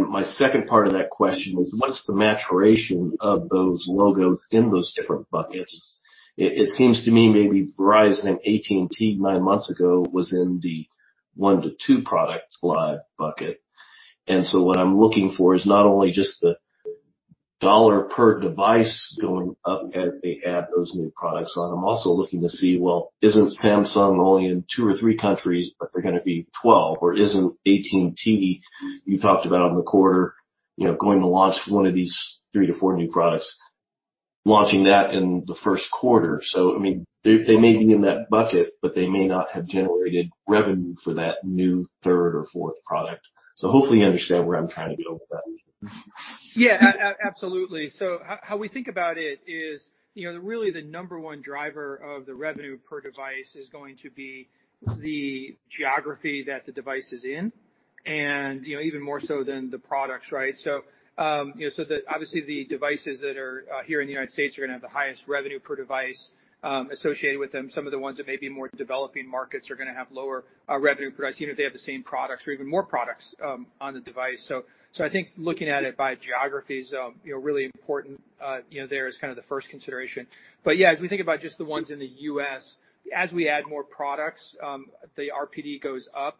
My second part of that question was, what's the maturation of those logos in those different buckets? It seems to me maybe Verizon and AT&T nine months ago was in the one product to two product live bucket. What I'm looking for is not only just the dollar per device going up as they add those new products on. I'm also looking to see, well, isn't Samsung only in two countries or three countries, but they're gonna be 12? Or isn't AT&T, you talked about in the quarter, you know, going to launch one of these three to four new products, launching that in the first quarter? I mean, they may be in that bucket, but they may not have generated revenue for that new third or fourth product. Hopefully you understand where I'm trying to go with that. Yeah. Absolutely. How we think about it is, you know, really the number one driver of the revenue per device is going to be the geography that the device is in and, you know, even more so than the products, right? Obviously, the devices that are here in the United States are gonna have the highest revenue per device associated with them. Some of the ones that may be more developing markets are gonna have lower revenue per device, even if they have the same products or even more products on the device. I think looking at it by geography is, you know, really important, you know, there as kinda the first consideration. Yeah, as we think about just the ones in the U.S., as we add more products, the RPD goes up.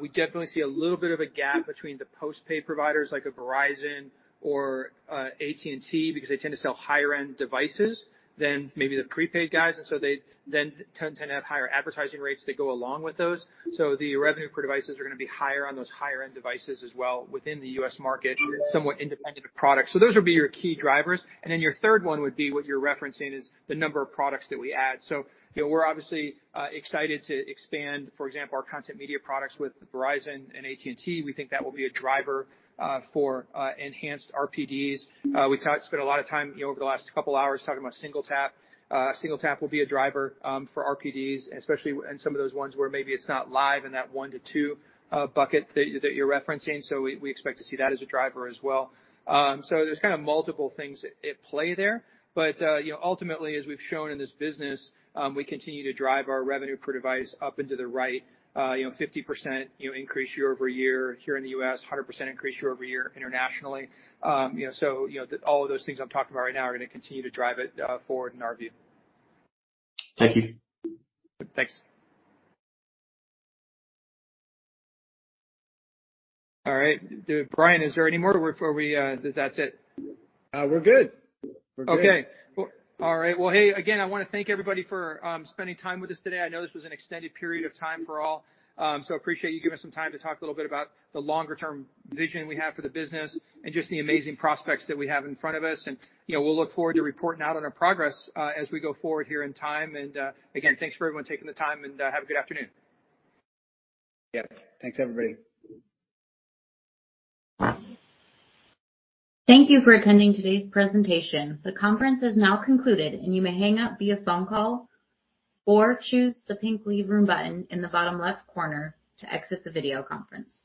We definitely see a little bit of a gap between the post-paid providers like a Verizon or, AT&T because they tend to sell higher-end devices than maybe the prepaid guys, and so they then tend to have higher advertising rates that go along with those. The revenue per devices are gonna be higher on those higher-end devices as well within the U.S. market and somewhat independent of products. Those would be your key drivers. Then your third one would be what you're referencing is the number of products that we add. You know, we're obviously excited to expand, for example, our Content Media products with Verizon and AT&T. We think that will be a driver for enhanced RPDs. We spent a lot of time, you know, over the last couple hours talking about Single Tap. Single Tap will be a driver for RPDs, especially in some of those ones where maybe it's not live in that one to two bucket that you're referencing. We expect to see that as a driver as well. There's kinda multiple things at play there. You know, ultimately, as we've shown in this business, we continue to drive our revenue per device up and to the right, you know, 50% increase year-over-year here in the U.S., 100% increase year-over-year internationally. You know, all of those things I'm talking about right now are gonna continue to drive it forward in our view. Thank you. Thanks. All right. Brian, is that it? We're good. Hey again, I wanna thank everybody for spending time with us today. I know this was an extended period of time for all. I appreciate you giving some time to talk a little bit about the longer-term vision we have for the business and just the amazing prospects that we have in front of us. You know, we'll look forward to reporting out on our progress as we go forward over time. Again, thanks for everyone taking the time, and have a good afternoon. Yeah. Thanks, everybody. Thank you for attending today's presentation. The conference has now concluded, and you may hang up via phone call or choose the pink Leave Room button in the bottom left corner to exit the video conference.